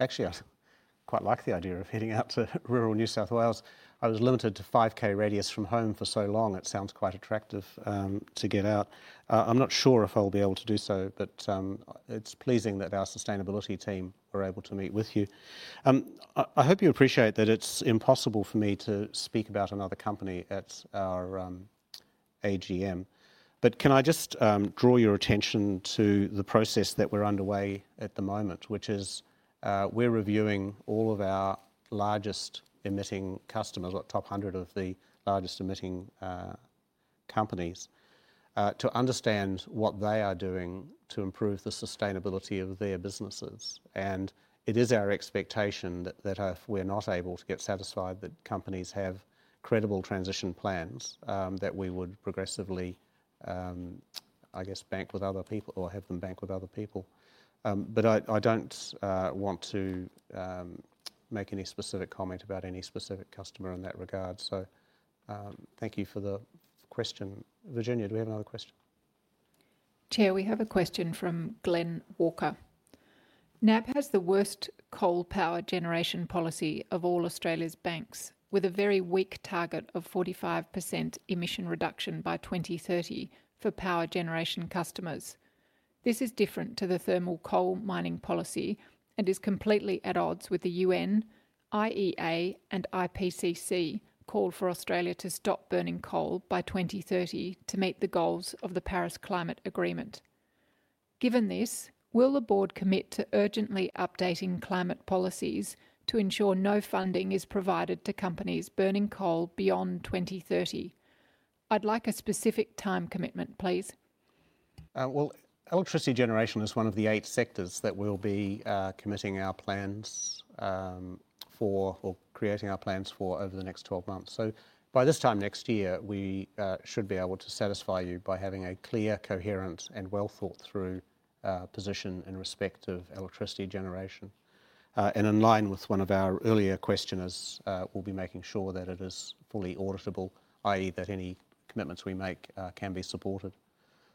Actually, I quite like the idea of heading out to rural New South Wales. I was limited to 5K radius from home for so long, it sounds quite attractive to get out. I'm not sure if I'll be able to do so, but it's pleasing that our sustainability team were able to meet with you. I hope you appreciate that it's impossible for me to speak about another company at our AGM. Can I just draw your attention to the process that we're underway at the moment, which is, we're reviewing all of our largest emitting customers, or top 100 of the largest emitting companies, to understand what they are doing to improve the sustainability of their businesses. It is our expectation that if we're not able to get satisfied that companies have credible transition plans, that we would progressively, I guess, bank with other people or have them bank with other people. But I don't want to make any specific comment about any specific customer in that regard. Thank you for the question. Virginia, do we have another question? Chair, we have a question from Glenn Walker. NAB has the worst coal power generation policy of all Australia's banks, with a very weak target of 45% emission reduction by 2030 for power generation customers. This is different to the thermal coal mining policy and is completely at odds with the UN, IEA, and IPCC call for Australia to stop burning coal by 2030 to meet the goals of the Paris Climate Agreement. Given this, will the board commit to urgently updating climate policies to ensure no funding is provided to companies burning coal beyond 2030? I'd like a specific time commitment, please. Well, electricity generation is one of the 8 sectors that we'll be committing our plans for, or creating our plans for over the next 12 months. By this time next year, we should be able to satisfy you by having a clear, coherent, and well-thought-through position in respect of electricity generation. In line with one of our earlier questioners, we'll be making sure that it is fully auditable, i.e., that any commitments we make can be supported.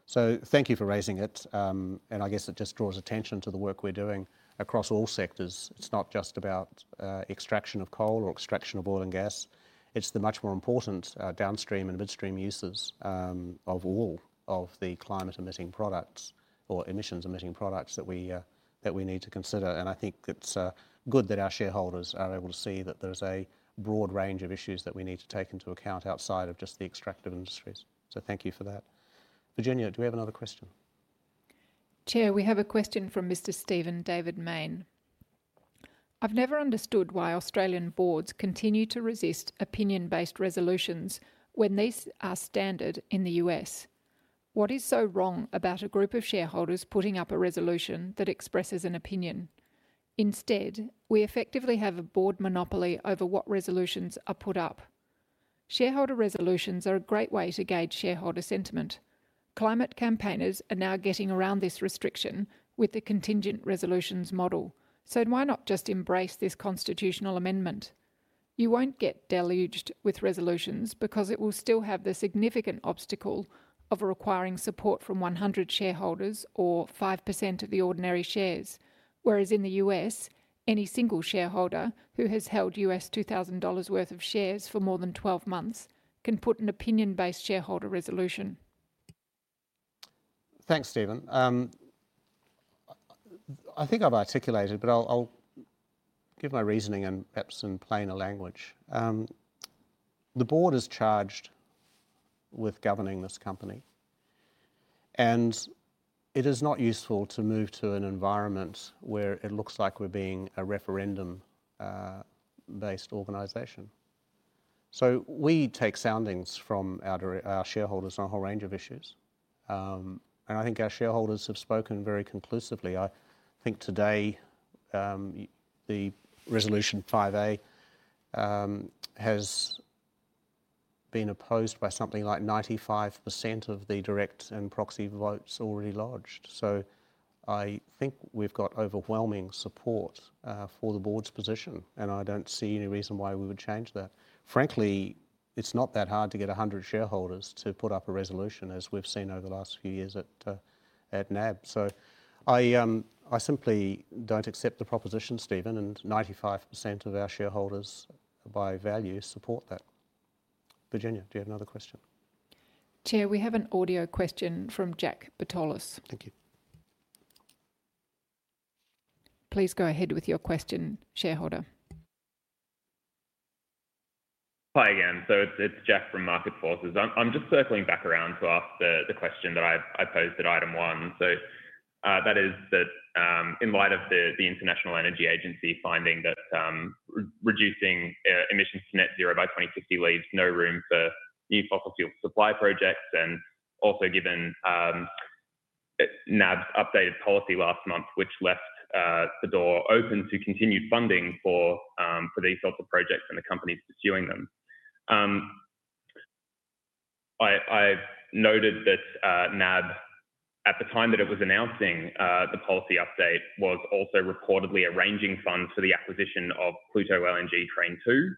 Thank you for raising it. I guess it just draws attention to the work we're doing across all sectors. It's not just about extraction of coal or extraction of oil and gas. It's the much more important downstream and midstream uses of all of the climate-emitting products or emissions-emitting products that we need to consider. I think it's good that our shareholders are able to see that there's a broad range of issues that we need to take into account outside of just the extractive industries. Thank you for that. Virginia, do we have another question? Chair, we have a question from Mr. Steven David Main. I've never understood why Australian boards continue to resist opinion-based resolutions when these are standard in the U.S. What is so wrong about a group of shareholders putting up a resolution that expresses an opinion? Instead, we effectively have a board monopoly over what resolutions are put up. Shareholder resolutions are a great way to gauge shareholder sentiment. Climate campaigners are now getting around this restriction with the contingent resolutions model. Why not just embrace this constitutional amendment? You won't get deluged with resolutions because it will still have the significant obstacle of requiring support from 100 shareholders or 5% of the ordinary shares. Whereas in the U.S., any single shareholder who has held U.S. $2,000 worth of shares for more than 12 months can put an opinion-based shareholder resolution. Thanks, Steven. I think I've articulated, but I'll give my reasoning and perhaps in plainer language. The board is charged with governing this company, and it is not useful to move to an environment where it looks like we're being a referendum-based organization. We take soundings from our shareholders on a whole range of issues. I think our shareholders have spoken very conclusively. I think today, the Resolution 5A has been opposed by something like 95% of the direct and proxy votes already lodged. I think we've got overwhelming support for the board's position, and I don't see any reason why we would change that. Frankly, it's not that hard to get 100 shareholders to put up a resolution, as we've seen over the last few years at NAB. I simply don't accept the proposition, Steven, and 95% of our shareholders by value support that. Virginia, do you have another question? Chair, we have an audio question from Jack Bertolus. Thank you. Please go ahead with your question, shareholder. Hi again. It's Jack from Market Forces. I'm just circling back around to ask the question that I posed at item one. That is that, in light of the International Energy Agency finding that reducing emissions to net zero by 2050 leaves no room for new fossil fuel supply projects, and also given, NAB's updated policy last month, which left the door open to continued funding for these fossil projects and the companies pursuing them. I noted that NAB at the time that it was announcing the policy update was also reportedly arranging funds for the acquisition of Pluto Train 2.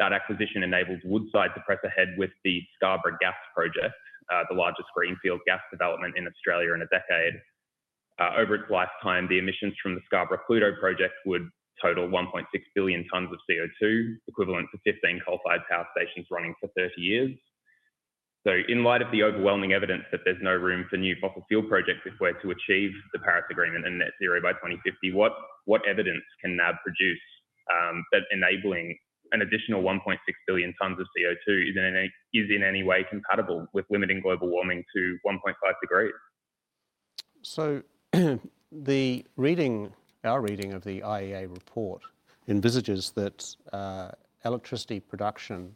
That acquisition enables Woodside to press ahead with the Scarborough Energy Project, the largest greenfield gas development in Australia in a decade. Over its lifetime, the emissions from the Scarborough Pluto project would total 1.6 billion tons of CO2, equivalent to 15 coal-fired power stations running for 30 years. In light of the overwhelming evidence that there's no room for new fossil fuel projects if we're to achieve the Paris Agreement and net zero by 2050, what evidence can NAB produce that enabling an additional 1.6 billion tons of CO2 is in any way compatible with limiting global warming to 1.5 degrees? The reading, our reading of the IEA report envisages that electricity production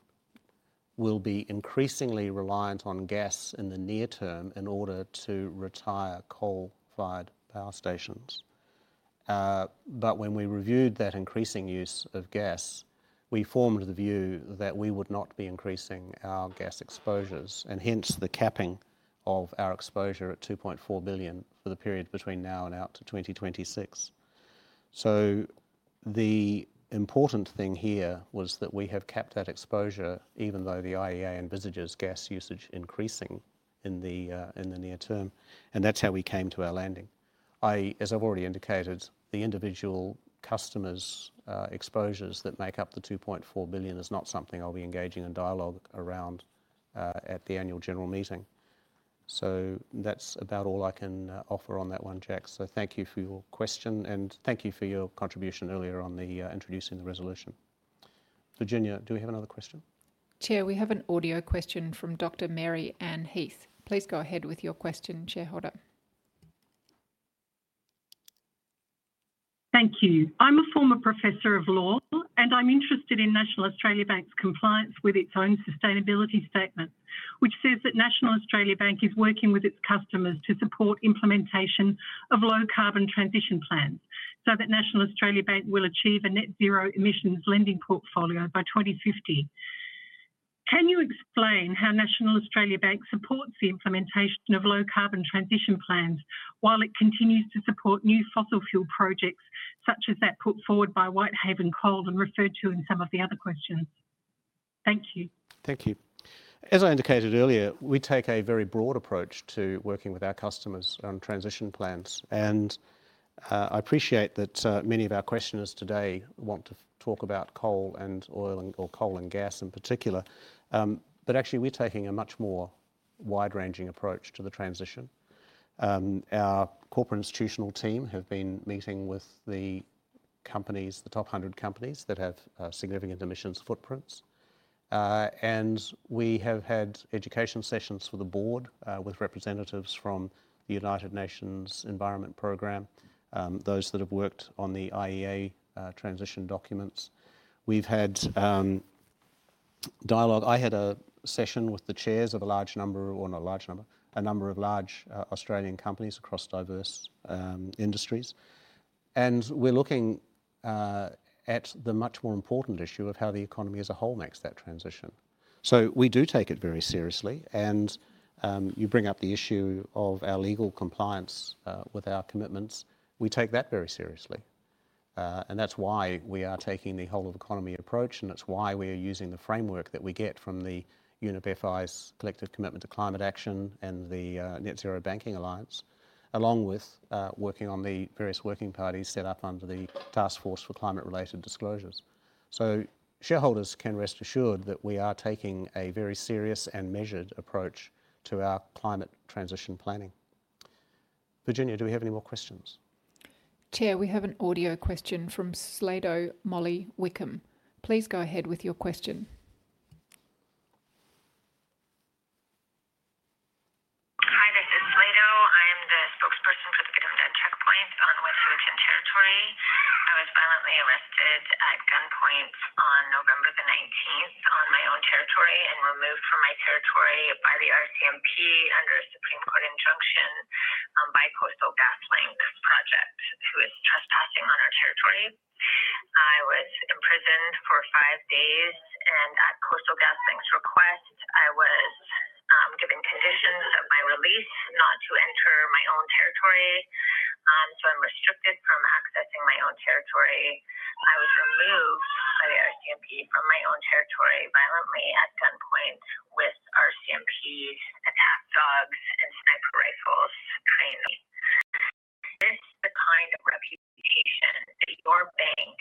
will be increasingly reliant on gas in the near term in order to retire coal-fired power stations. But when we reviewed that increasing use of gas, we formed the view that we would not be increasing our gas exposures, and hence the capping of our exposure at 2.4 billion for the period between now and out to 2026. The important thing here was that we have capped that exposure even though the IEA envisages gas usage increasing in the near term, and that's how we came to our landing. As I've already indicated, the individual customers' exposures that make up the 2.4 billion is not something I'll be engaging in dialogue around at the annual general meeting. That's about all I can offer on that one, Jack. Thank you for your question, and thank you for your contribution earlier on the introducing the resolution. Virginia, do we have another question? Chair, we have an audio question from Dr. Mary Ann Heath. Please go ahead with your question, Chair Hoder. Thank you. I'm a former professor of law, and I'm interested in National Australia Bank's compliance with its own sustainability statement, which says that National Australia Bank is working with its customers to support implementation of low carbon transition plans so that National Australia Bank will achieve a net zero emissions lending portfolio by 2050. Can you explain how National Australia Bank supports the implementation of low carbon transition plans while it continues to support new fossil fuel projects such as that put forward by Whitehaven Coal and referred to in some of the other questions? Thank you. Thank you. As I indicated earlier, we take a very broad approach to working with our customers on transition plans. I appreciate that many of our questioners today want to talk about coal and oil or coal and gas in particular. Actually we're taking a much more wide-ranging approach to the transition. Our corporate institutional team have been meeting with the companies, the top 100 companies that have significant emissions footprints. We have had education sessions for the board with representatives from the United Nations Environment Programme, those that have worked on the IEA transition documents. We've had dialogue. I had a session with the chairs of a number of large Australian companies across diverse industries. We're looking at the much more important issue of how the economy as a whole makes that transition. We do take it very seriously. You bring up the issue of our legal compliance with our commitments. We take that very seriously. That's why we are taking the whole of economy approach, and that's why we are using the framework that we get from the UNEP FI's Collective Commitment to Climate Action and the Net-Zero Banking Alliance, along with working on the various working parties set up under the Task Force on Climate-related Financial Disclosures. Shareholders can rest assured that we are taking a very serious and measured approach to our climate transition planning. Virginia, do we have any more questions? Chair, we have an audio question from Sleydo' Molly Wickham. Please go ahead with your question. Hi, this is Sleydo'. I'm the spokesperson for the Unist'ot'en Checkpoint on the Wet'suwet'en Territory. I was violently arrested at gunpoint on November 19 on my own territory and removed from my territory by the RCMP under a Supreme Court injunction by Coastal GasLink project, who is trespassing on our territory. I was imprisoned for five days, and at Coastal GasLink's request, I was given conditions of my release not to enter my own territory. I'm restricted from accessing my own territory. I was removed by the RCMP from my own territory violently at gunpoint with RCMP attack dogs and sniper rifles trained. Is this the kind of reputation that your bank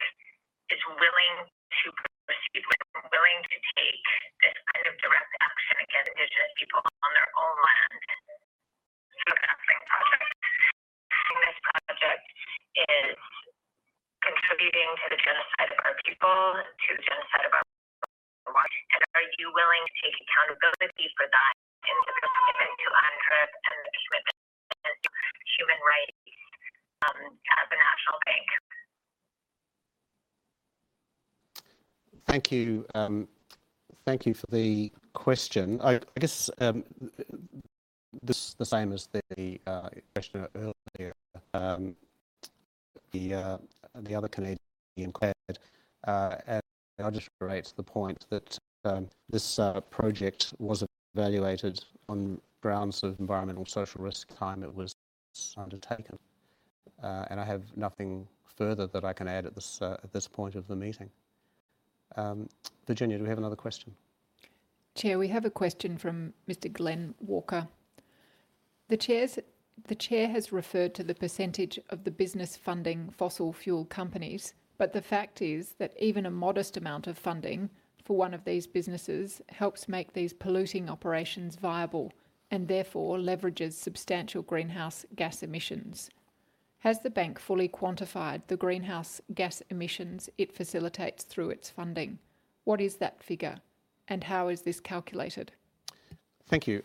is willing to proceed with, willing to take this kind of direct action against indigenous people on their own land through the GasLink project? This project is contributing to the genocide of our people. Are you willing to take accountability for that and to commit to UNDRIP and the commitment? Thank you for the question. I guess this is the same as the question earlier, the other Canadian client. I'll just reiterate the point that this project was evaluated on grounds of environmental and social risk at the time it was undertaken. I have nothing further that I can add at this point of the meeting. Virginia, do we have another question? Chair, we have a question from Mr. Glenn Walker. The Chair has referred to the % of the business funding fossil fuel companies, but the fact is that even a modest amount of funding for one of these businesses helps make these polluting operations viable and therefore leverages substantial greenhouse gas emissions. Has the bank fully quantified the greenhouse gas emissions it facilitates through its funding? What is that figure, and how is this calculated? Thank you.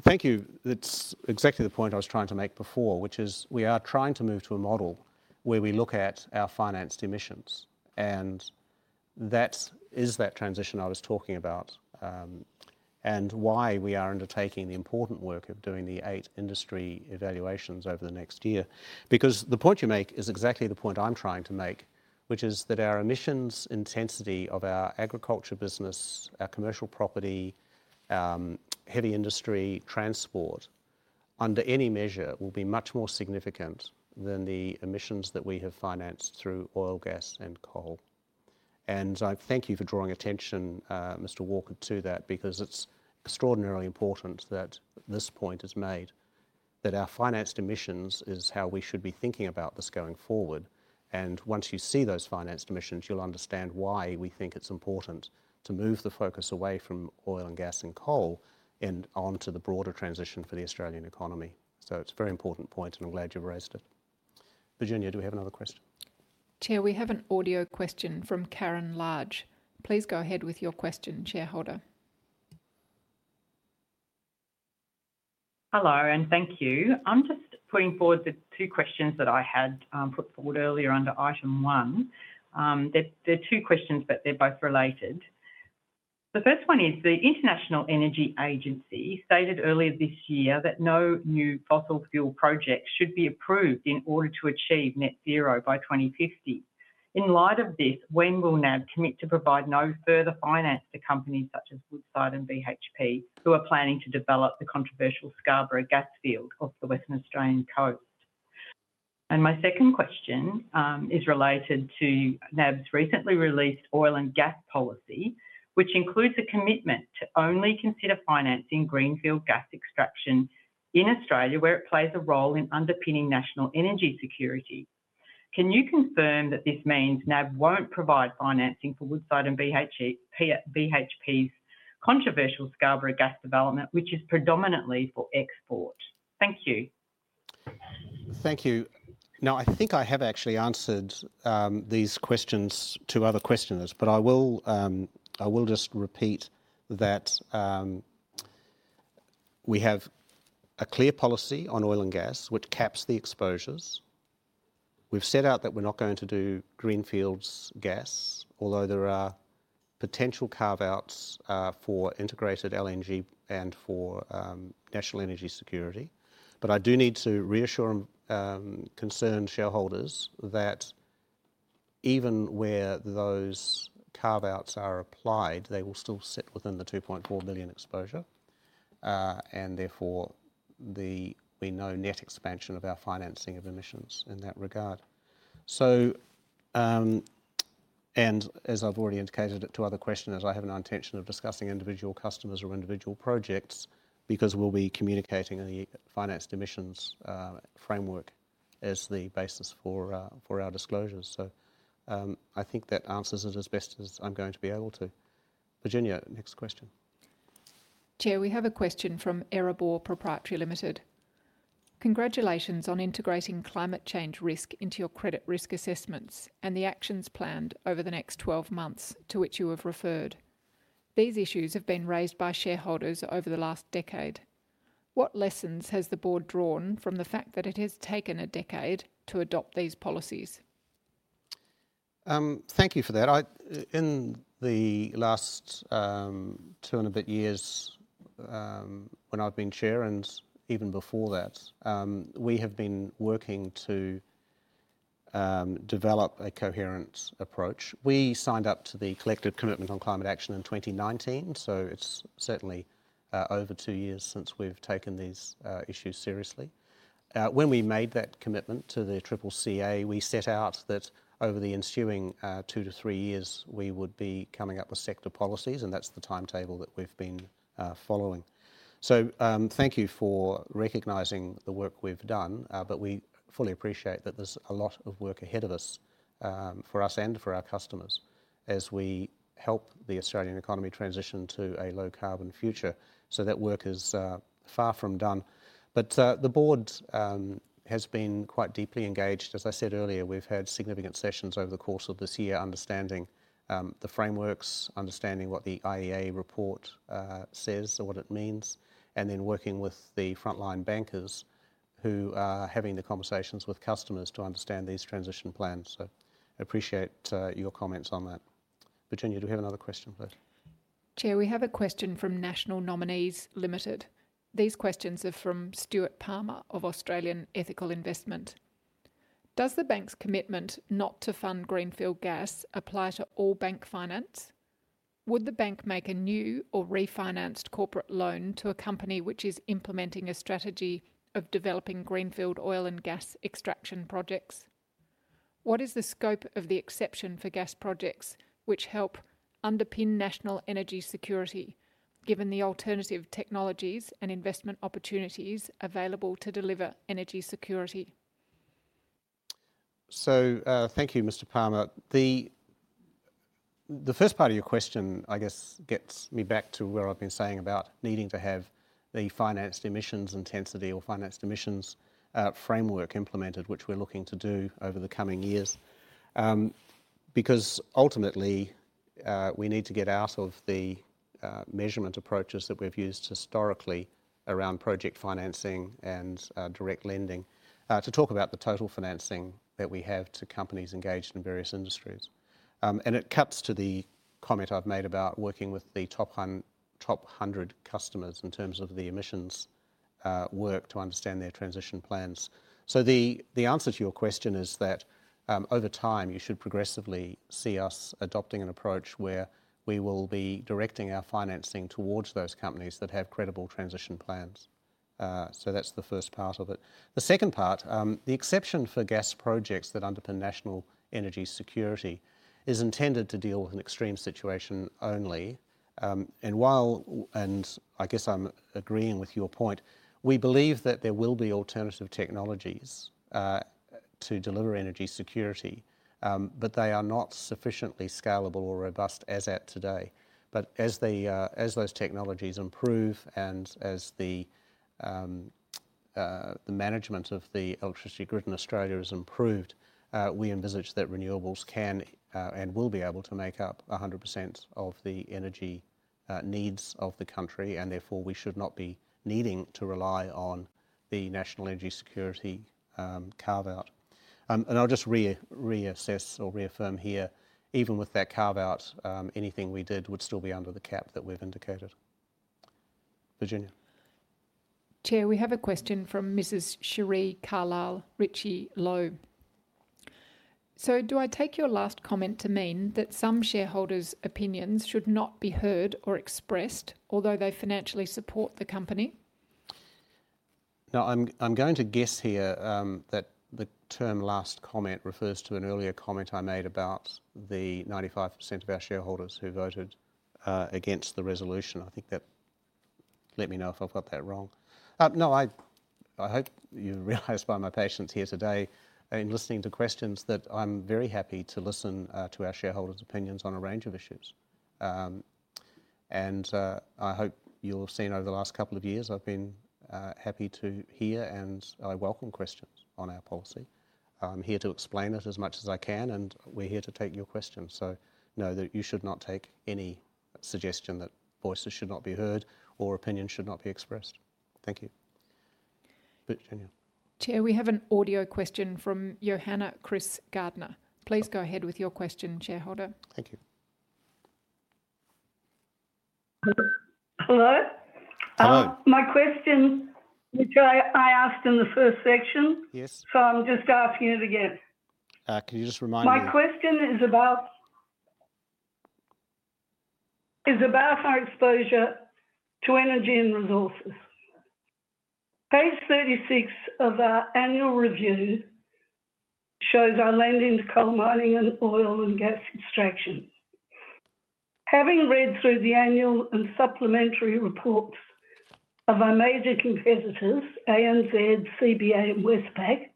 Thank you. That's exactly the point I was trying to make before, which is we are trying to move to a model where we look at our financed emissions, and that is that transition I was talking about, and why we are undertaking the important work of doing the eight industry evaluations over the next year. Because the point you make is exactly the point I'm trying to make, which is that our emissions intensity of our agriculture business, our commercial property, heavy industry, transport, under any measure will be much more significant than the emissions that we have financed through oil, gas and coal. I thank you for drawing attention, Mr. Walker, to that because it's extraordinarily important that this point is made, that our financed emissions is how we should be thinking about this going forward. Once you see those financed emissions, you'll understand why we think it's important to move the focus away from oil and gas and coal and onto the broader transition for the Australian economy. It's a very important point, and I'm glad you've raised it. Virginia, do we have another question? Chair, we have an audio question from Karen Large. Please go ahead with your question, shareholder. Hello, thank you. I'm just putting forward the two questions that I had put forward earlier under item one. They're two questions, but they're both related. The first one is the International Energy Agency stated earlier this year that no new fossil fuel projects should be approved in order to achieve net zero by 2050. In light of this, when will NAB commit to provide no further finance to companies such as Woodside and BHP who are planning to develop the controversial Scarborough gas field off the Western Australian coast? My second question is related to NAB's recently released oil and gas policy, which includes a commitment to only consider financing greenfield gas extraction in Australia, where it plays a role in underpinning national energy security. Can you confirm that this means NAB won't provide financing for Woodside and BHP's controversial Scarborough gas development, which is predominantly for export? Thank you. Thank you. No, I think I have actually answered these questions to other questioners. I will just repeat that we have a clear policy on oil and gas, which caps the exposures. We've set out that we're not going to do greenfields gas, although there are potential carve-outs for integrated LNG and for national energy security. I do need to reassure concerned shareholders that even where those carve-outs are applied, they will still sit within the $2.4 billion exposure. Therefore be no net expansion of our financing of emissions in that regard. As I've already indicated to other questioners, I have no intention of discussing individual customers or individual projects because we'll be communicating the financed emissions framework as the basis for our disclosures. I think that answers it as best as I'm going to be able to. Virginia, next question. Chair, we have a question from Erabor Proprietary Limited. Congratulations on integrating climate change risk into your credit risk assessments and the actions planned over the next 12 months to which you have referred. These issues have been raised by shareholders over the last decade. What lessons has the board drawn from the fact that it has taken a decade to adopt these policies? Thank you for that. I in the last 2 and a bit years, when I've been Chair and even before that, we have been working to develop a coherent approach. We signed up to the Collective Commitment to Climate Action in 2019, so it's certainly over 2 years since we've taken these issues seriously. When we made that commitment to the CCCA, we set out that over the ensuing 2-3 years, we would be coming up with sector policies, and that's the timetable that we've been following. Thank you for recognizing the work we've done, but we fully appreciate that there's a lot of work ahead of us, for us and for our customers as we help the Australian economy transition to a low-carbon future. That work is far from done. The board has been quite deeply engaged. As I said earlier, we've had significant sessions over the course of this year understanding the frameworks, understanding what the IEA report says or what it means, and then working with the frontline bankers who are having the conversations with customers to understand these transition plans. I appreciate your comments on that. Virginia, do we have another question please? Chair, we have a question from National Nominees Limited. These questions are from Stuart Palmer of Australian Ethical Investment. Does the bank's commitment not to fund greenfield gas apply to all bank finance? Would the bank make a new or refinanced corporate loan to a company which is implementing a strategy of developing greenfield oil and gas extraction projects? What is the scope of the exception for gas projects which help underpin national energy security, given the alternative technologies and investment opportunities available to deliver energy security? Thank you, Mr. Palmer. The first part of your question, I guess, gets me back to where I've been saying about needing to have the financed emissions intensity or financed emissions framework implemented, which we're looking to do over the coming years. Because ultimately, we need to get out of the measurement approaches that we've used historically around project financing and direct lending to talk about the total financing that we have to companies engaged in various industries. It cuts to the comment I've made about working with the top hundred customers in terms of the emissions work to understand their transition plans. The answer to your question is that over time you should progressively see us adopting an approach where we will be directing our financing towards those companies that have credible transition plans. That's the first part of it. The second part, the exception for gas projects that underpin national energy security is intended to deal with an extreme situation only. And while I guess I'm agreeing with your point, we believe that there will be alternative technologies to deliver energy security, but they are not sufficiently scalable or robust as at today. As those technologies improve and as the management of the electricity grid in Australia is improved, we envisage that renewables can and will be able to make up 100% of the energy needs of the country, and therefore we should not be needing to rely on the national energy security carve-out. I'll just reassess or reaffirm here, even with that carve-out, anything we did would still be under the cap that we've indicated. Virginia. Chair, we have a question from Mrs. Sherie Carlisle Ritchie Lowe. Do I take your last comment to mean that some shareholders' opinions should not be heard or expressed although they financially support the company? Now I'm going to guess here that the term last comment refers to an earlier comment I made about the 95% of our shareholders who voted against the resolution. I think that. Let me know if I've got that wrong. No, I hope you realize by my patience here today in listening to questions that I'm very happy to listen to our shareholders' opinions on a range of issues. I hope you'll have seen over the last couple of years, I've been happy to hear and I welcome questions on our policy. I'm here to explain it as much as I can, and we're here to take your questions. Know that you should not take any suggestion that voices should not be heard or opinions should not be expressed. Thank you. Virginia. Chair, we have an audio question from Johanna Chris Gardner. Please go ahead with your question, shareholder. Thank you. Hello? Hello. My question, which I asked in the first section. Yes... I'm just asking it again. Can you just remind me? My question is about our exposure to energy and resources. Page 36 of our annual review shows our lending to coal mining and oil and gas extraction. Having read through the annual and supplementary reports of our major competitors, ANZ, CBA and Westpac,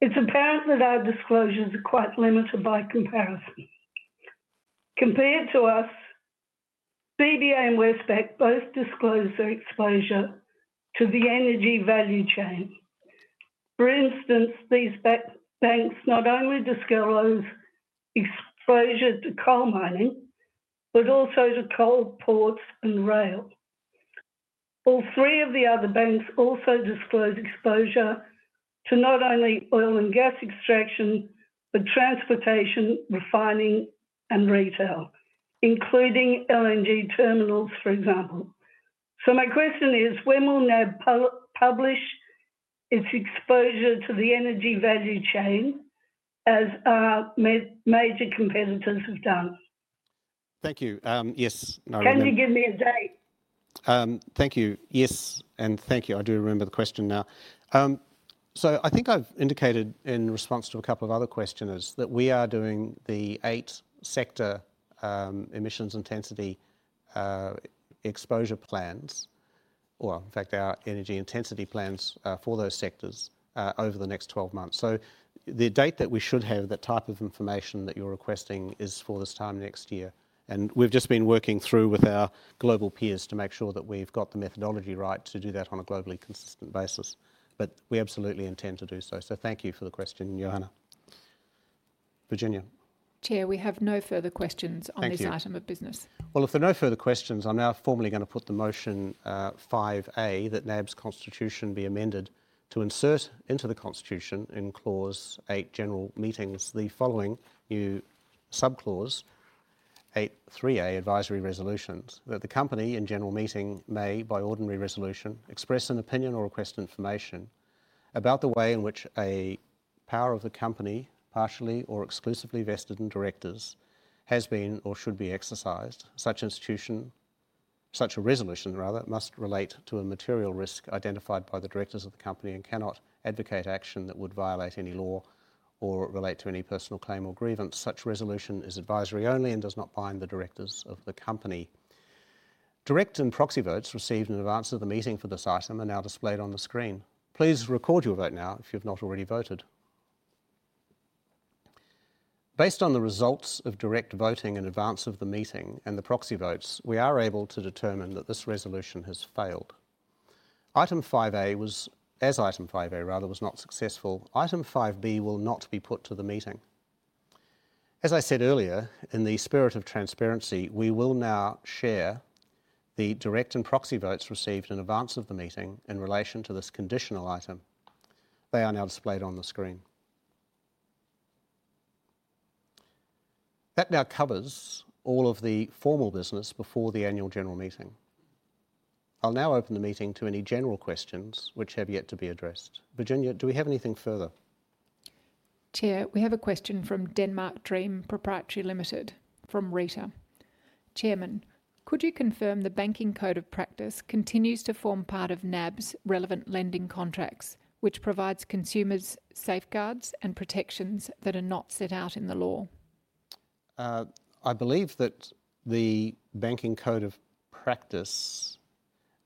it's apparent that our disclosures are quite limited by comparison. Compared to us, CBA and Westpac both disclose their exposure to the energy value chain. For instance, these banks not only disclose exposure to coal mining, but also to coal ports and rail. All three of the other banks also disclose exposure to not only oil and gas extraction, but transportation, refining and retail, including LNG terminals, for example. My question is, when will NAB publish its exposure to the energy value chain as our major competitors have done? Thank you. Yes. Now I remember. Can you give me a date? Thank you. Yes, thank you. I do remember the question now. I think I've indicated in response to a couple of other questioners that we are doing the 8 sector emissions intensity exposure plans, or in fact our energy intensity plans, for those sectors, over the next 12 months. The date that we should have that type of information that you're requesting is for this time next year. We've just been working through with our global peers to make sure that we've got the methodology right to do that on a globally consistent basis. We absolutely intend to do so. Thank you for the question, Johanna. Virginia. Chair, we have no further questions. Thank you. On this item of business. Well, if there are no further questions, I'm now formally gonna put the motion 5A, that NAB's constitution be amended to insert into the constitution in Clause 8, General Meetings, the following new subclause 8.3A advisory resolutions. That the company in general meeting may, by ordinary resolution, express an opinion or request information about the way in which a power of the company, partially or exclusively vested in directors, has been or should be exercised. Such a resolution rather, must relate to a material risk identified by the directors of the company and cannot advocate action that would violate any law or relate to any personal claim or grievance. Such resolution is advisory only and does not bind the directors of the company. Direct and proxy votes received in advance of the meeting for this item are now displayed on the screen. Please record your vote now if you've not already voted. Based on the results of direct voting in advance of the meeting and the proxy votes, we are able to determine that this resolution has failed. As Item 5A rather, was not successful, Item 5B will not be put to the meeting. As I said earlier, in the spirit of transparency, we will now share the direct and proxy votes received in advance of the meeting in relation to this conditional item. They are now displayed on the screen. That now covers all of the formal business before the annual general meeting. I'll now open the meeting to any general questions which have yet to be addressed. Virginia, do we have anything further? Chair, we have a question from Denmark Dream Proprietary Limited from Rita. "Chairman, could you confirm the banking code of practice continues to form part of NAB's relevant lending contracts, which provides consumers safeguards and protections that are not set out in the law? I believe that the Banking Code of Practice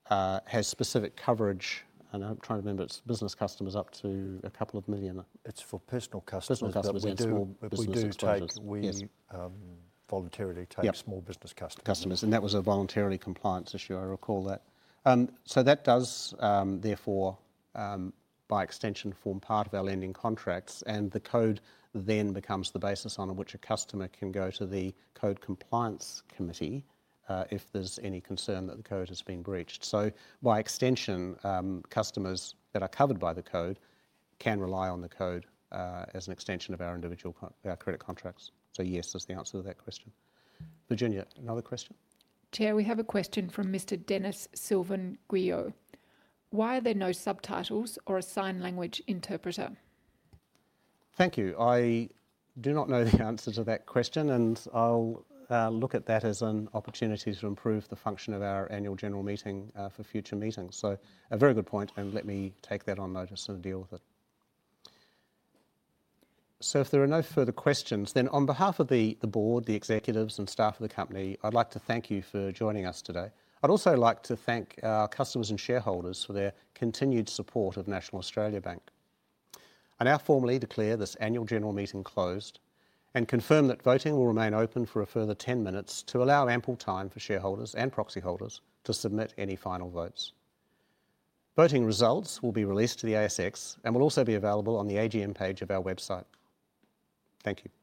has specific coverage, and I'm trying to remember its business customers up to a couple of million. It's for personal customers. Personal customers and small business enterprises We do take- Yes. We voluntarily take Yep Small business customers. Customers, and that was a voluntary compliance issue. I recall that. That does, therefore, by extension form part of our lending contracts, and the code then becomes the basis on which a customer can go to the code compliance committee, if there's any concern that the code has been breached. By extension, customers that are covered by the code can rely on the code, as an extension of our credit contracts. Yes, is the answer to that question. Virginia, another question? Chair, we have a question from Mr. Dennis Sylvan Guillo. "Why are there no subtitles or a sign language interpreter? Thank you. I do not know the answer to that question, and I'll look at that as an opportunity to improve the function of our annual general meeting for future meetings. A very good point, and let me take that on notice and deal with it. If there are no further questions, then on behalf of the board, the executives and staff of the company, I'd like to thank you for joining us today. I'd also like to thank our customers and shareholders for their continued support of National Australia Bank. I now formally declare this annual general meeting closed, and confirm that voting will remain open for a further 10 minutes to allow ample time for shareholders and proxy holders to submit any final votes. Voting results will be released to the ASX and will also be available on the AGM page of our website. Thank you.